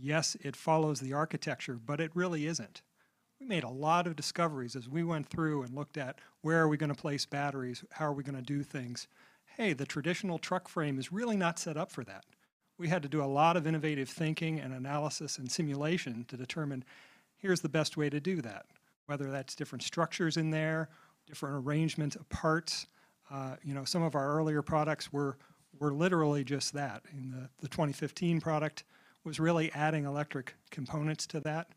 yes, it follows the architecture, but it really isn't. We made a lot of discoveries as we went through and looked at where are we gonna place batteries, how are we gonna do things. Hey, the traditional truck frame is really not set up for that. We had to do a lot of innovative thinking and analysis and simulation to determine, here's the best way to do that, whether that's different structures in there, different arrangements of parts. you know, some of our earlier products were literally just that. The 2015 product was really adding electric components to that.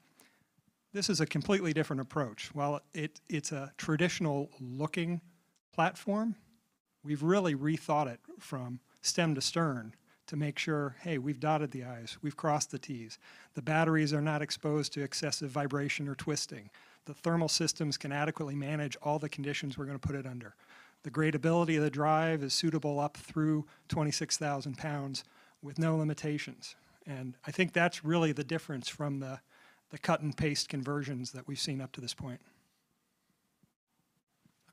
This is a completely different approach. While it's a traditional-looking platform, we've really rethought it from stem to stern to make sure, hey, we've dotted the I's, we've crossed the T's. The batteries are not exposed to excessive vibration or twisting. The thermal systems can adequately manage all the conditions we're gonna put it under. The gradability of the drive is suitable up through 26,000 pounds with no limitations. I think that's really the difference from the cut-and-paste conversions that we've seen up to this point.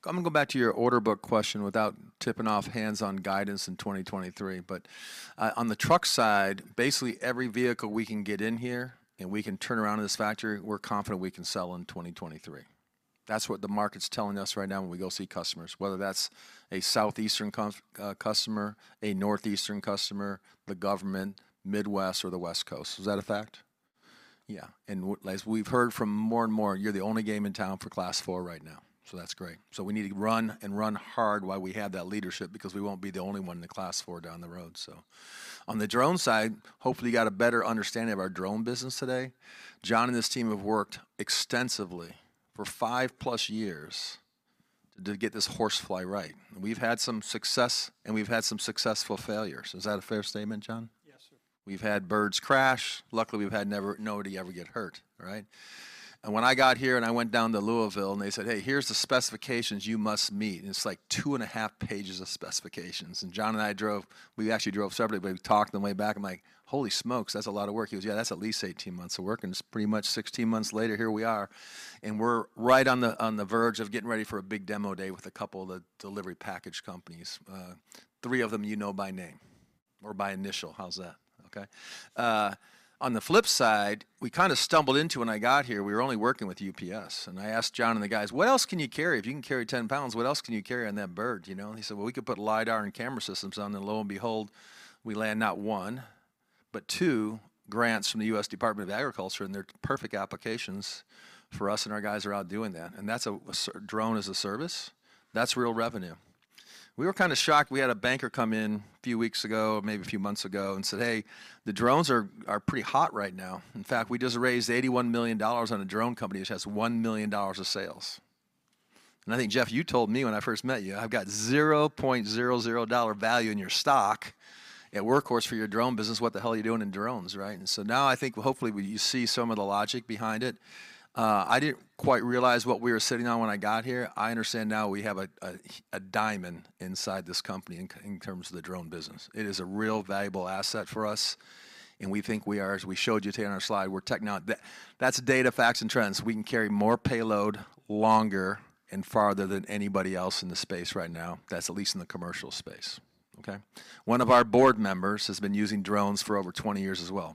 I'm gonna go back to your order book question without tipping off hands-on guidance in 2023. On the truck side, basically every vehicle we can get in here and we can turn around in this factory, we're confident we can sell in 2023. That's what the market's telling us right now when we go see customers, whether that's a Southeastern customer, a Northeastern customer, the government, Midwest, or the West Coast. Is that a fact? Yeah. As we've heard from more and more, you're the only game in town for Class 4 right now, so that's great. We need to run and run hard while we have that leadership because we won't be the only one in the Class 4 down the road, so. On the drone side, hopefully you got a better understanding of our drone business today. John and his team have worked extensively for 5+ years to get this Horsefly right. We've had some success, and we've had some successful failures. Is that a fair statement, John? Yes, sir. We've had birds crash. Luckily, we've had nobody ever get hurt, right? When I got here and I went down to Louisville and they said, "Hey, here's the specifications you must meet," and it's like two and a half pages of specifications. John and I drove, we actually drove separately, but we talked on the way back. I'm like, "Holy smokes. That's a lot of work." He goes, "Yeah, that's at least 18 months of work." It's pretty much 16 months later, here we are, and we're right on the verge of getting ready for a big demo day with a couple of the delivery package companies. Three of them you know by name or by initial. How's that? Okay. On the flip side, we kinda stumbled into when I got here, we were only working with UPS. I asked John and the guys, "What else can you carry? If you can carry 10 pounds, what else can you carry on that bird?" You know? He said, "Well, we could put LIDAR and camera systems on." Lo and behold, we land not one, but two grants from the U.S. Department of Agriculture. They're perfect applications for us. Our guys are out doing that. That's a drone as a service. That's real revenue. We were kinda shocked. We had a banker come in a few weeks ago, maybe a few months ago, and said, "Hey, the drones are pretty hot right now." In fact, we just raised $81 million on a drone company which has $1 million of sales. I think, Jeff, you told me when I first met you, "I've got zero point zero zero dollar value in your stock at Workhorse for your drone business. What the hell are you doing in drones," right? Now I think hopefully you see some of the logic behind it. I didn't quite realize what we were sitting on when I got here. I understand now we have a diamond inside this company in terms of the drone business. It is a real valuable asset for us, and we think we are, as we showed you today on our slide, that's data, facts, and trends. We can carry more payload longer and farther than anybody else in the space right now. That's at least in the commercial space, okay? One of our board members has been using drones for over 20 years as well.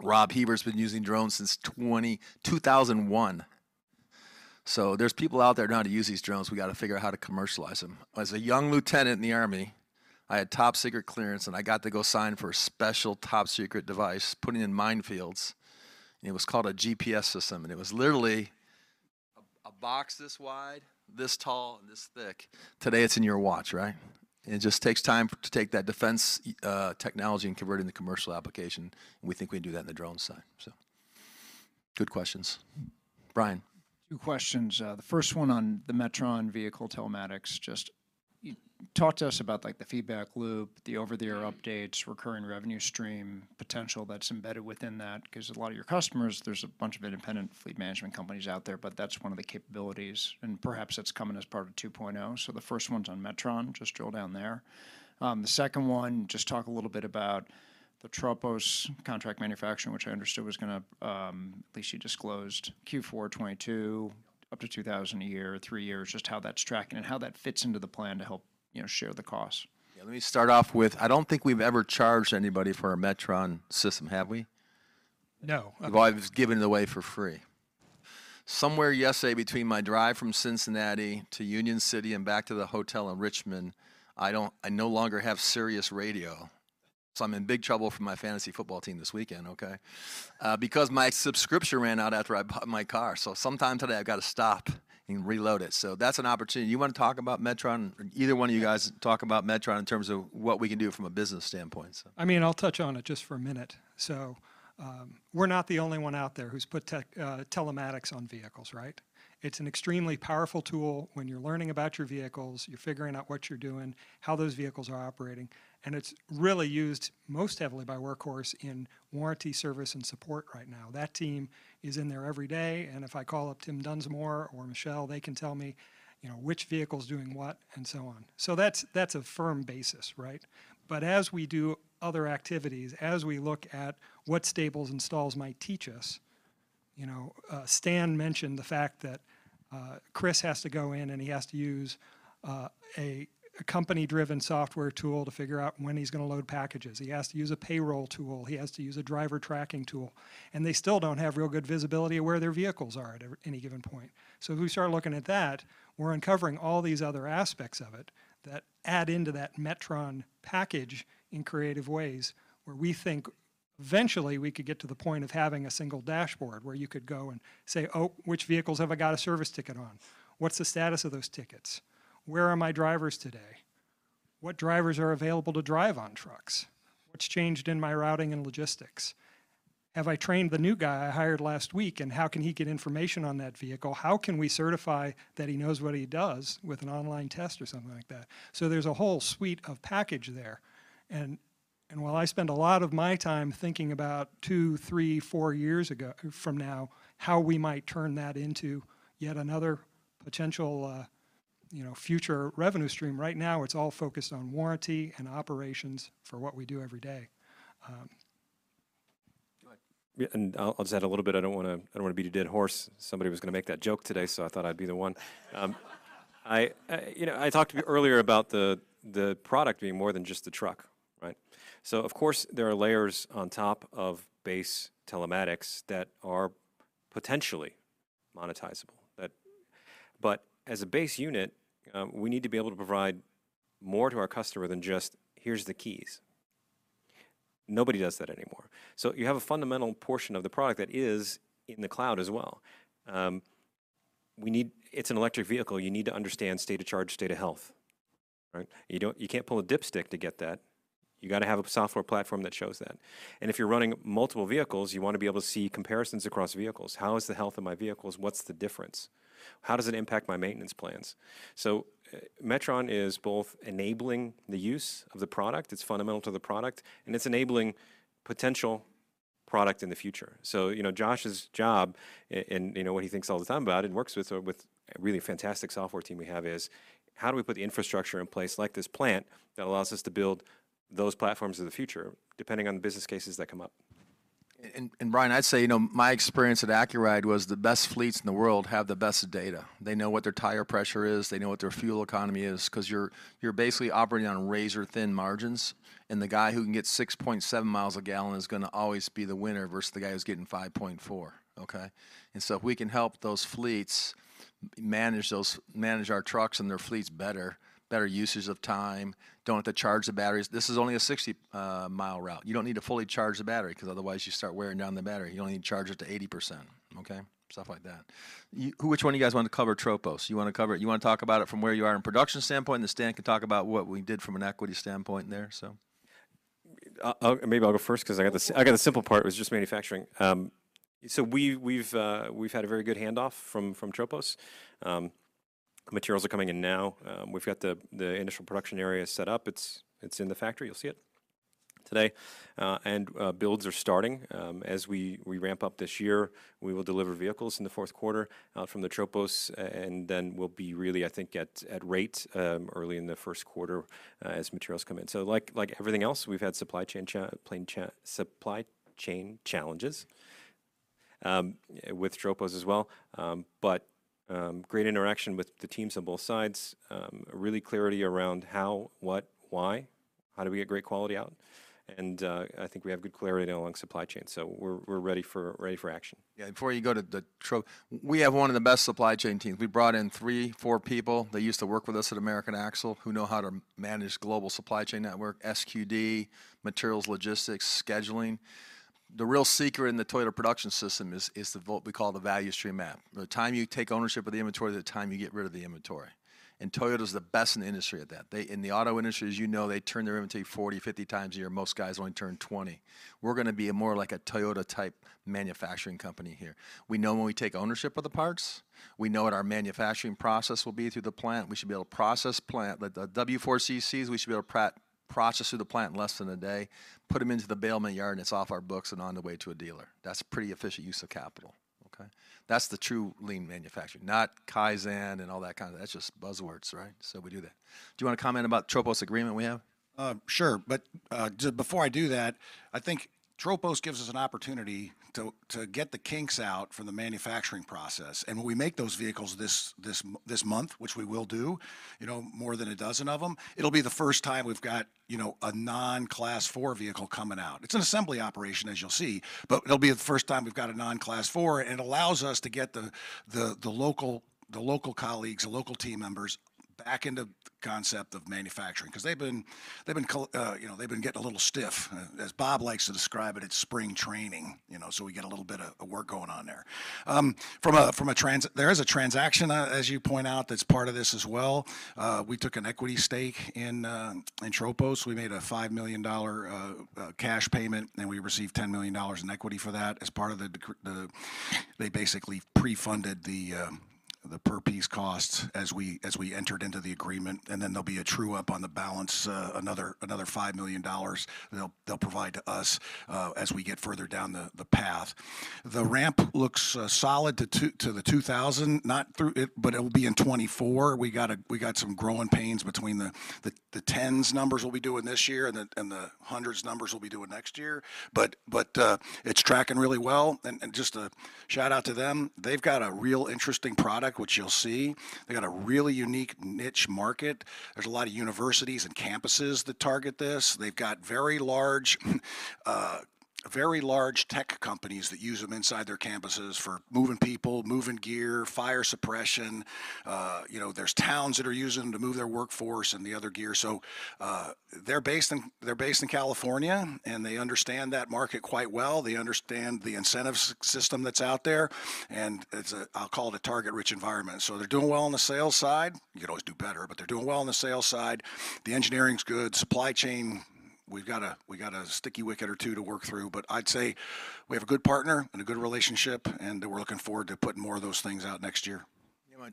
Rob Hebert's been using drones since 2001. There's people out there knowing how to use these drones. We gotta figure out how to commercialize them. As a young lieutenant in the Army, I had top secret clearance, and I got to go sign for a special top secret device to put in minefields, and it was called a GPS system. It was literally a box this wide, this tall, and this thick. Today, it's in your watch, right? It just takes time to take that defense technology and convert it into commercial application, and we think we can do that in the drone side. Good questions. Brian. Two questions. The first one on the Metron vehicle telematics, just talk to us about, like, the feedback loop, the over-the-air updates, recurring revenue stream potential that's embedded within that 'cause a lot of your customers, there's a bunch of independent fleet management companies out there, but that's one of the capabilities, and perhaps that's coming as part of 2.0. The first one's on Metron. Just drill down there. The second one, just talk a little bit about the Tropos contract manufacturing, which I understood was gonna, at least you disclosed Q4 2022, up to 2,000 a year, 3 years, just how that's tracking and how that fits into the plan to help, you know, share the cost. Yeah, let me start off with I don't think we've ever charged anybody for a Metron system. Have we? No. Okay. We've always given it away for free. Somewhere yesterday between my drive from Cincinnati to Union City and back to the hotel in Richmond, I no longer have Sirius Radio, so I'm in big trouble for my fantasy football team this weekend, okay? Because my subscription ran out after I bought my car. Sometime today I've gotta stop and reload it. That's an opportunity. You wanna talk about Metron? Either one of you guys talk about Metron in terms of what we can do from a business standpoint, so. I mean, I'll touch on it just for a minute. We're not the only one out there who's put telematics on vehicles, right? It's an extremely powerful tool when you're learning about your vehicles, you're figuring out what you're doing, how those vehicles are operating, and it's really used most heavily by Workhorse in warranty service and support right now. That team is in there every day, and if I call up Tim Dunsmore or Michelle, they can tell me, you know, which vehicle's doing what and so on. That's, that's a firm basis, right? As we do other activities, as we look at what Stables installs might teach us, you know, Stan mentioned the fact that Chris has to go in, and he has to use a company-driven software tool to figure out when he's gonna load packages. He has to use a payroll tool. He has to use a driver tracking tool. They still don't have real good visibility of where their vehicles are at any given point. If we start looking at that, we're uncovering all these other aspects of it that add into that Metron package in creative ways, where we think eventually we could get to the point of having a single dashboard, where you could go and say, "Oh, which vehicles have I got a service ticket on? What's the status of those tickets? Where are my drivers today? What drivers are available to drive on trucks? What's changed in my routing and logistics? Have I trained the new guy I hired last week, and how can he get information on that vehicle? How can we certify that he knows what he does with an online test or something like that?" There's a whole suite of package there. While I spend a lot of my time thinking about 2, 3, 4 years ago from now, how we might turn that into yet another potential, you know, future revenue stream, right now it's all focused on warranty and operations for what we do every day. Go ahead. I'll just add a little bit. I don't wanna beat a dead horse. Somebody was gonna make that joke today, so I thought I'd be the one. I, you know, I talked to you earlier about the product being more than just the truck, right? Of course, there are layers on top of base telematics that are potentially monetizable. But as a base unit, we need to be able to provide more to our customer than just, "Here's the keys." Nobody does that anymore. You have a fundamental portion of the product that is in the cloud as well. It's an electric vehicle. You need to understand state of charge, state of health, right? You can't pull a dipstick to get that. You gotta have a software platform that shows that. If you're running multiple vehicles, you wanna be able to see comparisons across vehicles. How is the health of my vehicles? What's the difference? How does it impact my maintenance plans? Metron is both enabling the use of the product, it's fundamental to the product, and it's enabling potential product in the future. You know, Josh's job and, you know, what he thinks all the time about and works with a really fantastic software team we have is how do we put the infrastructure in place, like this plant, that allows us to build those platforms of the future depending on the business cases that come up? Brian, I'd say, you know, my experience at Accuride was the best fleets in the world have the best data. They know what their tire pressure is. They know what their fuel economy is 'cause you're basically operating on razor-thin margins, and the guy who can get 6.7 miles a gallon is gonna always be the winner versus the guy who's getting 5.4, okay? If we can help those fleets manage our trucks and their fleets better usage of time, don't have to charge the batteries. This is only a 60 mile route. You don't need to fully charge the battery, 'cause otherwise you start wearing down the battery. You only need to charge it to 80%, okay? Stuff like that. Which one of you guys want to cover Tropos? You wanna cover it? You wanna talk about it from where you are in production standpoint, and then Stan can talk about what we did from an equity standpoint there? Maybe I'll go first 'cause I got the simple part, was just manufacturing. We've had a very good handoff from Tropos. Materials are coming in now. We've got the initial production area set up. It's in the factory. You'll see it today. Builds are starting. As we ramp up this year, we will deliver vehicles in the fourth quarter from the Tropos and then we'll be really, I think, at rate early in the first quarter as materials come in. Like everything else, we've had supply chain challenges with Tropos as well. Great interaction with the teams on both sides. Really clarity around how, what, why. How do we get great quality out? I think we have good clarity along supply chain. We're ready for action. Yeah, we have one of the best supply chain teams. We brought in 3, 4 people that used to work with us at American Axle, who know how to manage global supply chain network, SQD, materials logistics, scheduling. The real secret in the Toyota production system is the value stream map. The time you take ownership of the inventory to the time you get rid of the inventory, Toyota's the best in the industry at that. They, in the auto industry, as you know, they turn their inventory 40, 50 times a year. Most guys only turn 20. We're gonna be more like a Toyota-type manufacturing company here. We know when we take ownership of the parts. We know what our manufacturing process will be through the plant. We should be able to process plant, like the W4 CCs, we should be able to process through the plant in less than a day, put them into the bailment yard, and it's off our books and on the way to a dealer. That's pretty efficient use of capital, okay? That's the true lean manufacturing, not Kaizen and all that kind of. That's just buzzwords, right? We do that. Do you want to comment about Tropos agreement we have? Sure, before I do that, I think Tropos gives us an opportunity to get the kinks out from the manufacturing process. When we make those vehicles this month, which we will do, you know, more than 12 of them, it'll be the first time we've got, you know, a non-Class 4 vehicle coming out. It's an assembly operation, as you'll see, but it'll be the first time we've got a non-Class 4, and it allows us to get the local colleagues, the local team members back into the concept of manufacturing, 'cause they've been, you know, they've been getting a little stiff. As Bob likes to describe it's spring training, you know, so we get a little bit of work going on there. There is a transaction, as you point out, that's part of this as well. We took an equity stake in Tropos. We made a $5 million cash payment, and we received $10 million in equity for that as part of They basically pre-funded the per piece costs as we entered into the agreement, and then there'll be a true up on the balance, another $5 million they'll provide to us as we get further down the path. The ramp looks solid to 2,000, not through it, but it'll be in 2024. We got some growing pains between the tens numbers we'll be doing this year and the hundreds numbers we'll be doing next year. It's tracking really well. Just a shout-out to them, they've got a real interesting product, which you'll see. They got a really unique niche market. There's a lot of universities and campuses that target this. They've got very large tech companies that use them inside their campuses for moving people, moving gear, fire suppression. You know, there's towns that are using them to move their workforce and the other gear. They're based in California, and they understand that market quite well. They understand the incentive system that's out there, and it's a, I'll call it a target-rich environment. They're doing well on the sales side. You could always do better, but they're doing well on the sales side. The engineering's good. Supply chain, we got a sticky wicket or two to work through. I'd say we have a good partner and a good relationship, and we're looking forward to putting more of those things out next year.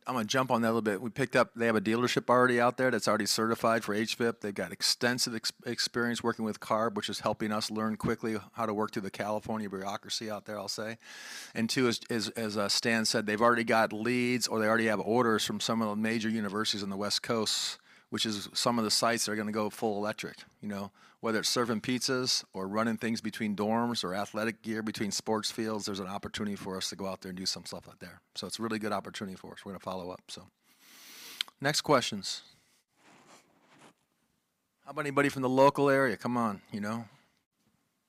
I'm gonna jump on that a little bit. They have a dealership already out there that's already certified for HVIP. They've got extensive experience working with CARB, which is helping us learn quickly how to work through the California bureaucracy out there, I'll say. Two, as Stan said, they've already got leads, or they already have orders from some of the major universities on the West Coast, which is some of the sites that are gonna go full electric. You know, whether it's serving pizzas or running things between dorms or athletic gear between sports fields, there's an opportunity for us to go out there and do some stuff out there. It's a really good opportunity for us. We're gonna follow up, so. Next questions? How about anybody from the local area? Come on, you know.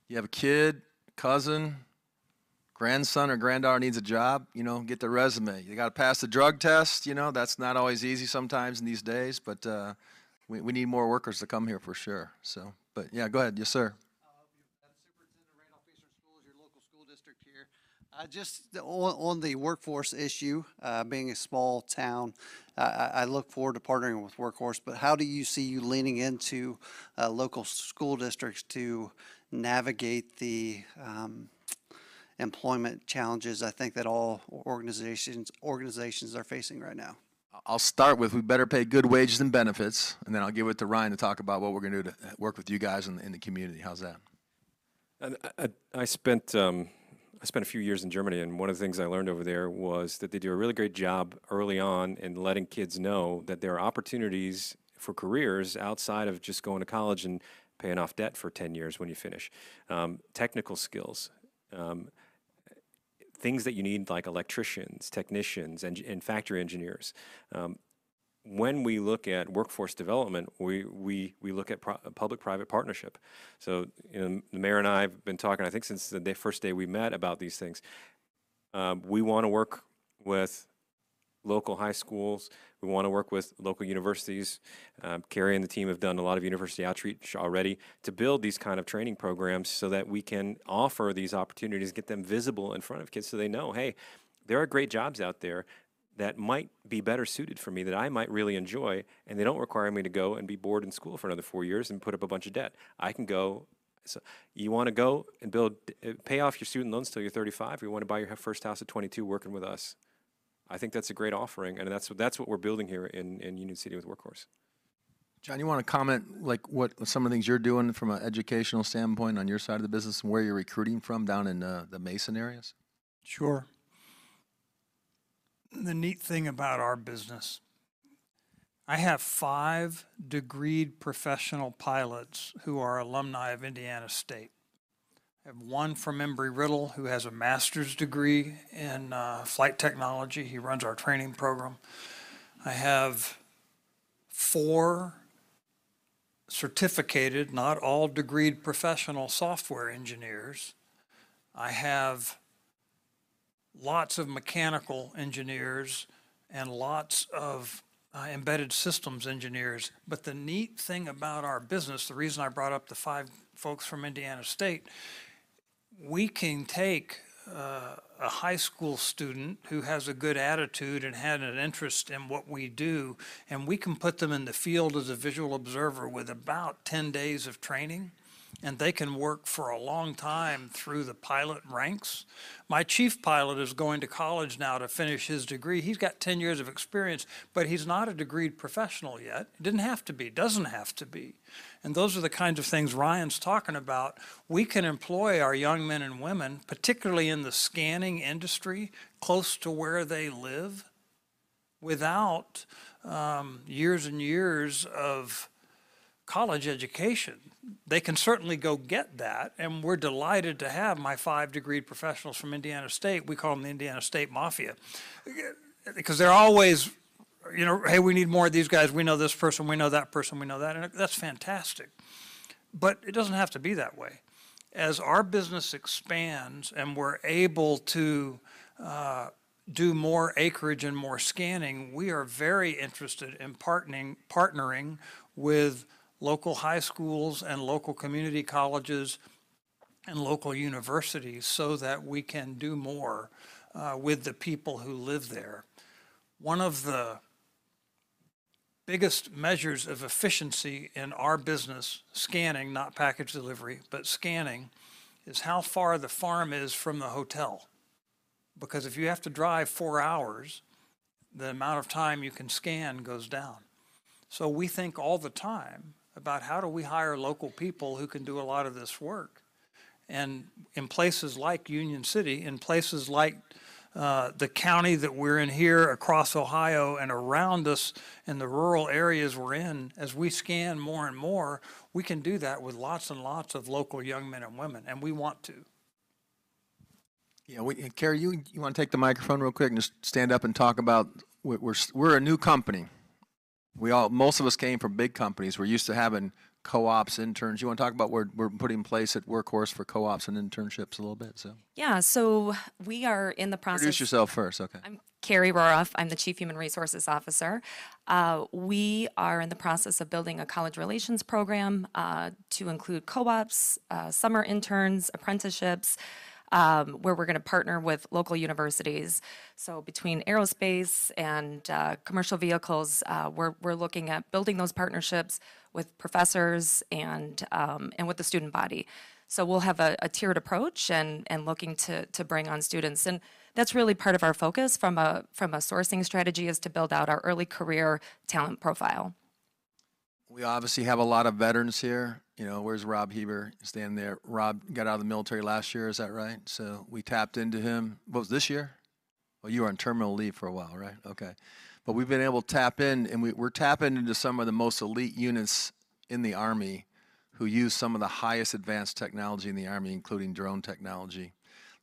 You have a kid, cousin, grandson, or granddaughter needs a job, you know, get their resume. You gotta pass the drug test. You know, that's not always easy sometimes in these days, but we need more workers to come here for sure. Yeah, go ahead. Yes, sir. I hope you've met Superintendent Robert Fisher, school is your local school district here. Just on the workforce issue, being a small town, I look forward to partnering with Workhorse, but how do you see you leaning into local school districts to navigate the employment challenges I think that all organizations are facing right now? I'll start with we better pay good wages and benefits, and then I'll give it to Ryan to talk about what we're gonna do to work with you guys in the, in the community. How's that? I spent a few years in Germany, and one of the things I learned over there was that they do a really great job early on in letting kids know that there are opportunities for careers outside of just going to college and paying off debt for 10 years when you finish. Technical skills, things that you need, like electricians, technicians, and factory engineers. When we look at workforce development, we look at public-private partnership. The mayor and I have been talking, I think since the day, first day we met, about these things. We wanna work with local high schools. We wanna work with local universities. Carrie and the team have done a lot of university outreach already to build these kind of training programs so that we can offer these opportunities, get them visible in front of kids, so they know, hey, there are great jobs out there. That might be better suited for me, that I might really enjoy, and they don't require me to go and be bored in school for another 4 years and put up a bunch of debt. You wanna go and build, pay off your student loans till you're 35, or you wanna buy your first house at 22 working with us, I think that's a great offering, and that's what we're building here in Union City with Workhorse. John, you wanna comment, like, what some of the things you're doing from a educational standpoint on your side of the business and where you're recruiting from down in the Mason areas? Sure. The neat thing about our business, I have 5 degreed professional pilots who are alumni of Indiana State. I have 1 from Embry-Riddle who has a master's degree in flight technology. He runs our training program. I have 4 certificated, not all degreed, professional software engineers. I have lots of mechanical engineers and lots of embedded systems engineers. The neat thing about our business, the reason I brought up the 5 folks from Indiana State, we can take a high school student who has a good attitude and had an interest in what we do, and we can put them in the field as a visual observer with about 10 days of training, and they can work for a long time through the pilot ranks. My Chief Pilot is going to college now to finish his degree. He's got 10 years of experience, but he's not a degreed professional yet. Didn't have to be. Doesn't have to be. Those are the kinds of things Ryan's talking about. We can employ our young men and women, particularly in the scanning industry, close to where they live without years and years of college education. They can certainly go get that, and we're delighted to have my 5 degreed professionals from Indiana State. We call them the Indiana State Mafia. They're always, you know, "Hey, we need more of these guys. We know this person. We know that person. We know that," and that's fantastic. It doesn't have to be that way. As our business expands and we're able to do more acreage and more scanning, we are very interested in partnering with local high schools and local community colleges and local universities so that we can do more with the people who live there. One of the biggest measures of efficiency in our business, scanning, not package delivery, but scanning, is how far the farm is from the hotel. If you have to drive four hours, the amount of time you can scan goes down. We think all the time about how do we hire local people who can do a lot of this work? In places like Union City, in places like the county that we're in here across Ohio and around us in the rural areas we're in, as we scan more and more, we can do that with lots and lots of local young men and women, and we want to. Yeah, Carrie, you wanna take the microphone real quick and just stand up and talk about we're a new company. Most of us came from big companies. We're used to having co-ops, interns. You wanna talk about what we're putting in place at Workhorse for co-ops and internships a little bit? Yeah. We are in the process- Introduce yourself first. Okay. I'm Carrie Ann Rohloff. I'm the Chief Human Resources Officer. We are in the process of building a college relations program to include co-ops, summer interns, apprenticeships, where we're gonna partner with local universities. Between aerospace and commercial vehicles, we're looking at building those partnerships with professors and with the student body. We'll have a tiered approach and looking to bring on students. That's really part of our focus from a sourcing strategy is to build out our early career talent profile. We obviously have a lot of veterans here. You know, where's Rob Hebert? Stand there. Rob got out of the military last year. Is that right? We tapped into him. Was it this year? Oh, you were on terminal leave for a while, right? Okay. We've been able to tap in, and we're tapping into some of the most elite units in the Army who use some of the highest advanced technology in the Army, including drone technology.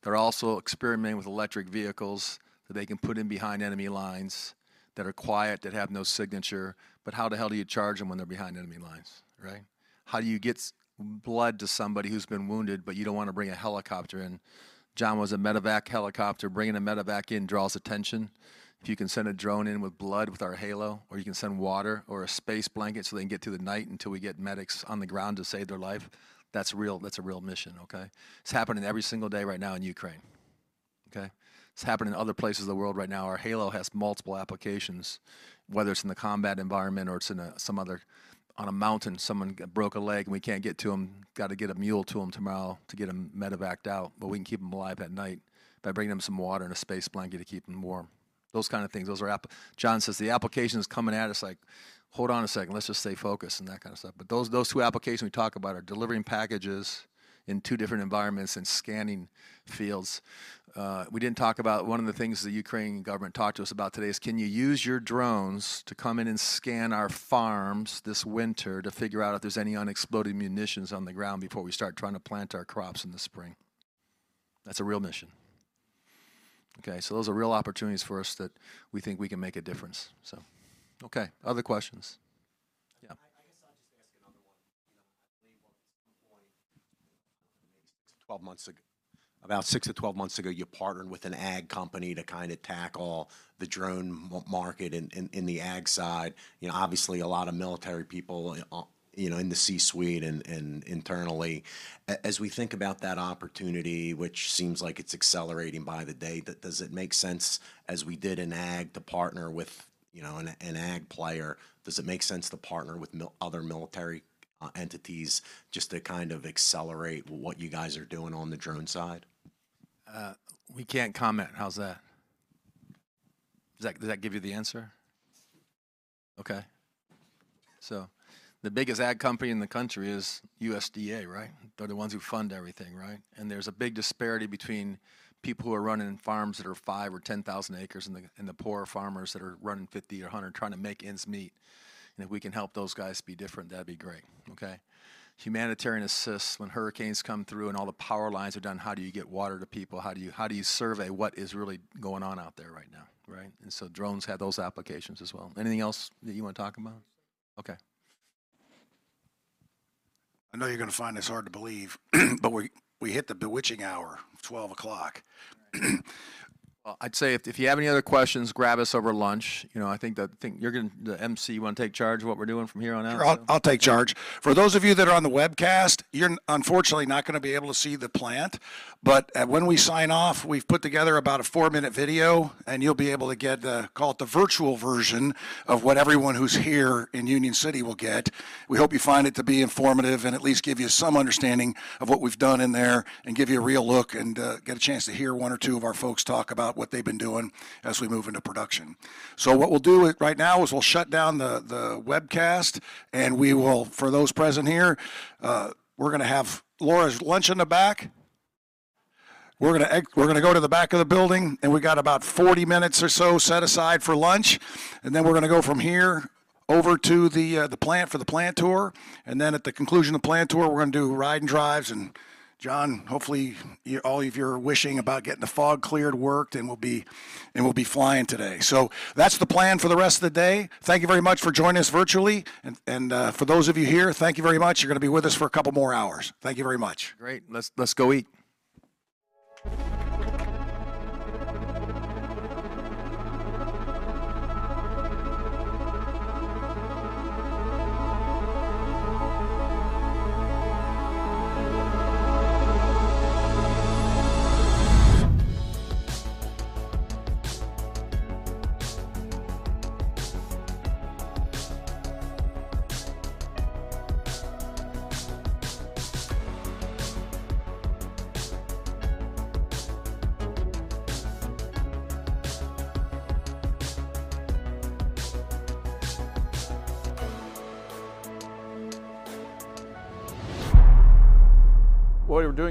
They're also experimenting with electric vehicles that they can put in behind enemy lines that are quiet, that have no signature, how the hell do you charge them when they're behind enemy lines, right? How do you get blood to somebody who's been wounded, you don't wanna bring a helicopter in? John was a medevac helicopter. Bringing a medevac in draws attention. If you can send a drone in with blood with our Halo, or you can send water or a space blanket so they can get through the night until we get medics on the ground to save their life, that's real, that's a real mission, okay? It's happening every single day right now in Ukraine, okay? It's happening in other places in the world right now. Our Halo has multiple applications, whether it's in the combat environment or it's on a mountain, someone broke a leg and we can't get to them, gotta get a mule to them tomorrow to get them medevaced out. We can keep them alive at night by bringing them some water and a space blanket to keep them warm. Those kind of things. John says the applications coming at us like, hold on a second, let's just stay focused, and that kind of stuff. Those two applications we talked about are delivering packages in two different environments and scanning fields. We didn't talk about one of the things the Ukrainian government talked to us about today is, "Can you use your drones to come in and scan our farms this winter to figure out if there's any unexploded munitions on the ground before we start trying to plant our crops in the spring?" That's a real mission. Okay? Those are real opportunities for us that we think we can make a difference. Okay. Other questions? Yeah. I guess I'll just ask another. About 6 to 12 months ago, you partnered with an ag company to kinda tackle the drone market in the ag side. You know, obviously a lot of military people, you know, in the C-suite and internally. As we think about that opportunity, which seems like it's accelerating by the day, does it make sense, as we did in ag to partner with, you know, an ag player, does it make sense to partner with other military entities just to kind of accelerate what you guys are doing on the drone side? We can't comment. How's that? Does that give you the answer? Okay. The biggest ag company in the country is USDA, right? They're the ones who fund everything, right? There's a big disparity between people who are running farms that are 5 or 10,000 acres and the poorer farmers that are running 50 or 100, trying to make ends meet. If we can help those guys be different, that'd be great, okay? Humanitarian assists, when hurricanes come through and all the power lines are down, how do you get water to people? How do you survey what is really going on out there right now, right? Drones have those applications as well. Anything else that you wanna talk about? Okay. I know you're gonna find this hard to believe, but we hit the bewitching hour, 12 o'clock. Well, I'd say if you have any other questions, grab us over lunch. You know, The MC, you wanna take charge of what we're doing from here on out? Sure. I'll take charge. For those of you that are on the webcast, you're unfortunately not gonna be able to see the plant. When we sign off, we've put together about a four-minute video, and you'll be able to get the, call it the virtual version of what everyone who's here in Union City will get. We hope you find it to be informative and at least give you some understanding of what we've done in there, and give you a real look and get a chance to hear one or two of our folks talk about what they've been doing as we move into production. What we'll do right now is we'll shut down the webcast and we will, for those present here, we're gonna have Laura's Lunch in the back. We're gonna go to the back of the building. We got about 40 minutes or so set aside for lunch. We're gonna go from here over to the plant for the plant tour. At the conclusion of the plant tour, we're gonna do ride and drives. John, hopefully all of your wishing about getting the fog cleared worked, and we'll be flying today. That's the plan for the rest of the day. Thank you very much for joining us virtually. For those of you here, thank you very much. You're gonna be with us for a couple more hours. Thank you very much. Great. Let's go eat.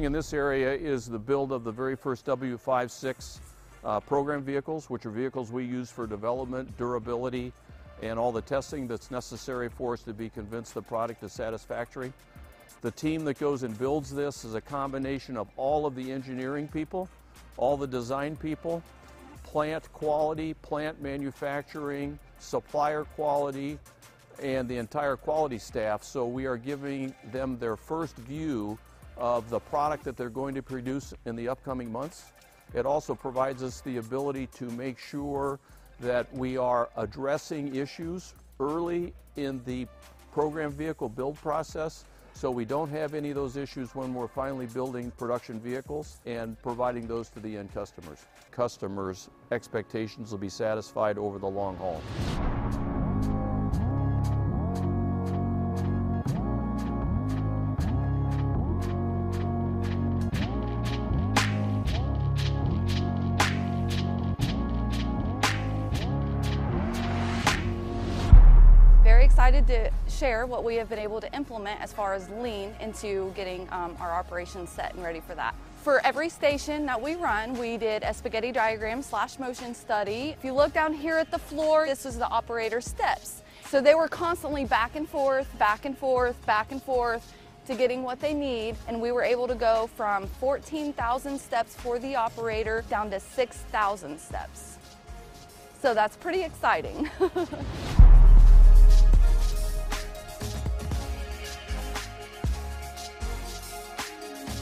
What we're doing in this area is the build of the very first W56 program vehicles, which are vehicles we use for development, durability, and all the testing that's necessary for us to be convinced the product is satisfactory. The team that goes and builds this is a combination of all of the engineering people, all the design people, plant quality, plant manufacturing, supplier quality, and the entire quality staff. We are giving them their first view of the product that they're going to produce in the upcoming months. It also provides us the ability to make sure that we are addressing issues early in the program vehicle build process, so we don't have any of those issues when we're finally building production vehicles and providing those to the end customers. Customers' expectations will be satisfied over the long haul. Very excited to share what we have been able to implement as far as lean into getting our operations set and ready for that. For every station that we run, we did a spaghetti diagram/motion study. If you look down here at the floor, this is the operator's steps. They were constantly back and forth, back and forth, back and forth to getting what they need, and we were able to go from 14,000 steps for the operator down to 6,000 steps. That's pretty exciting.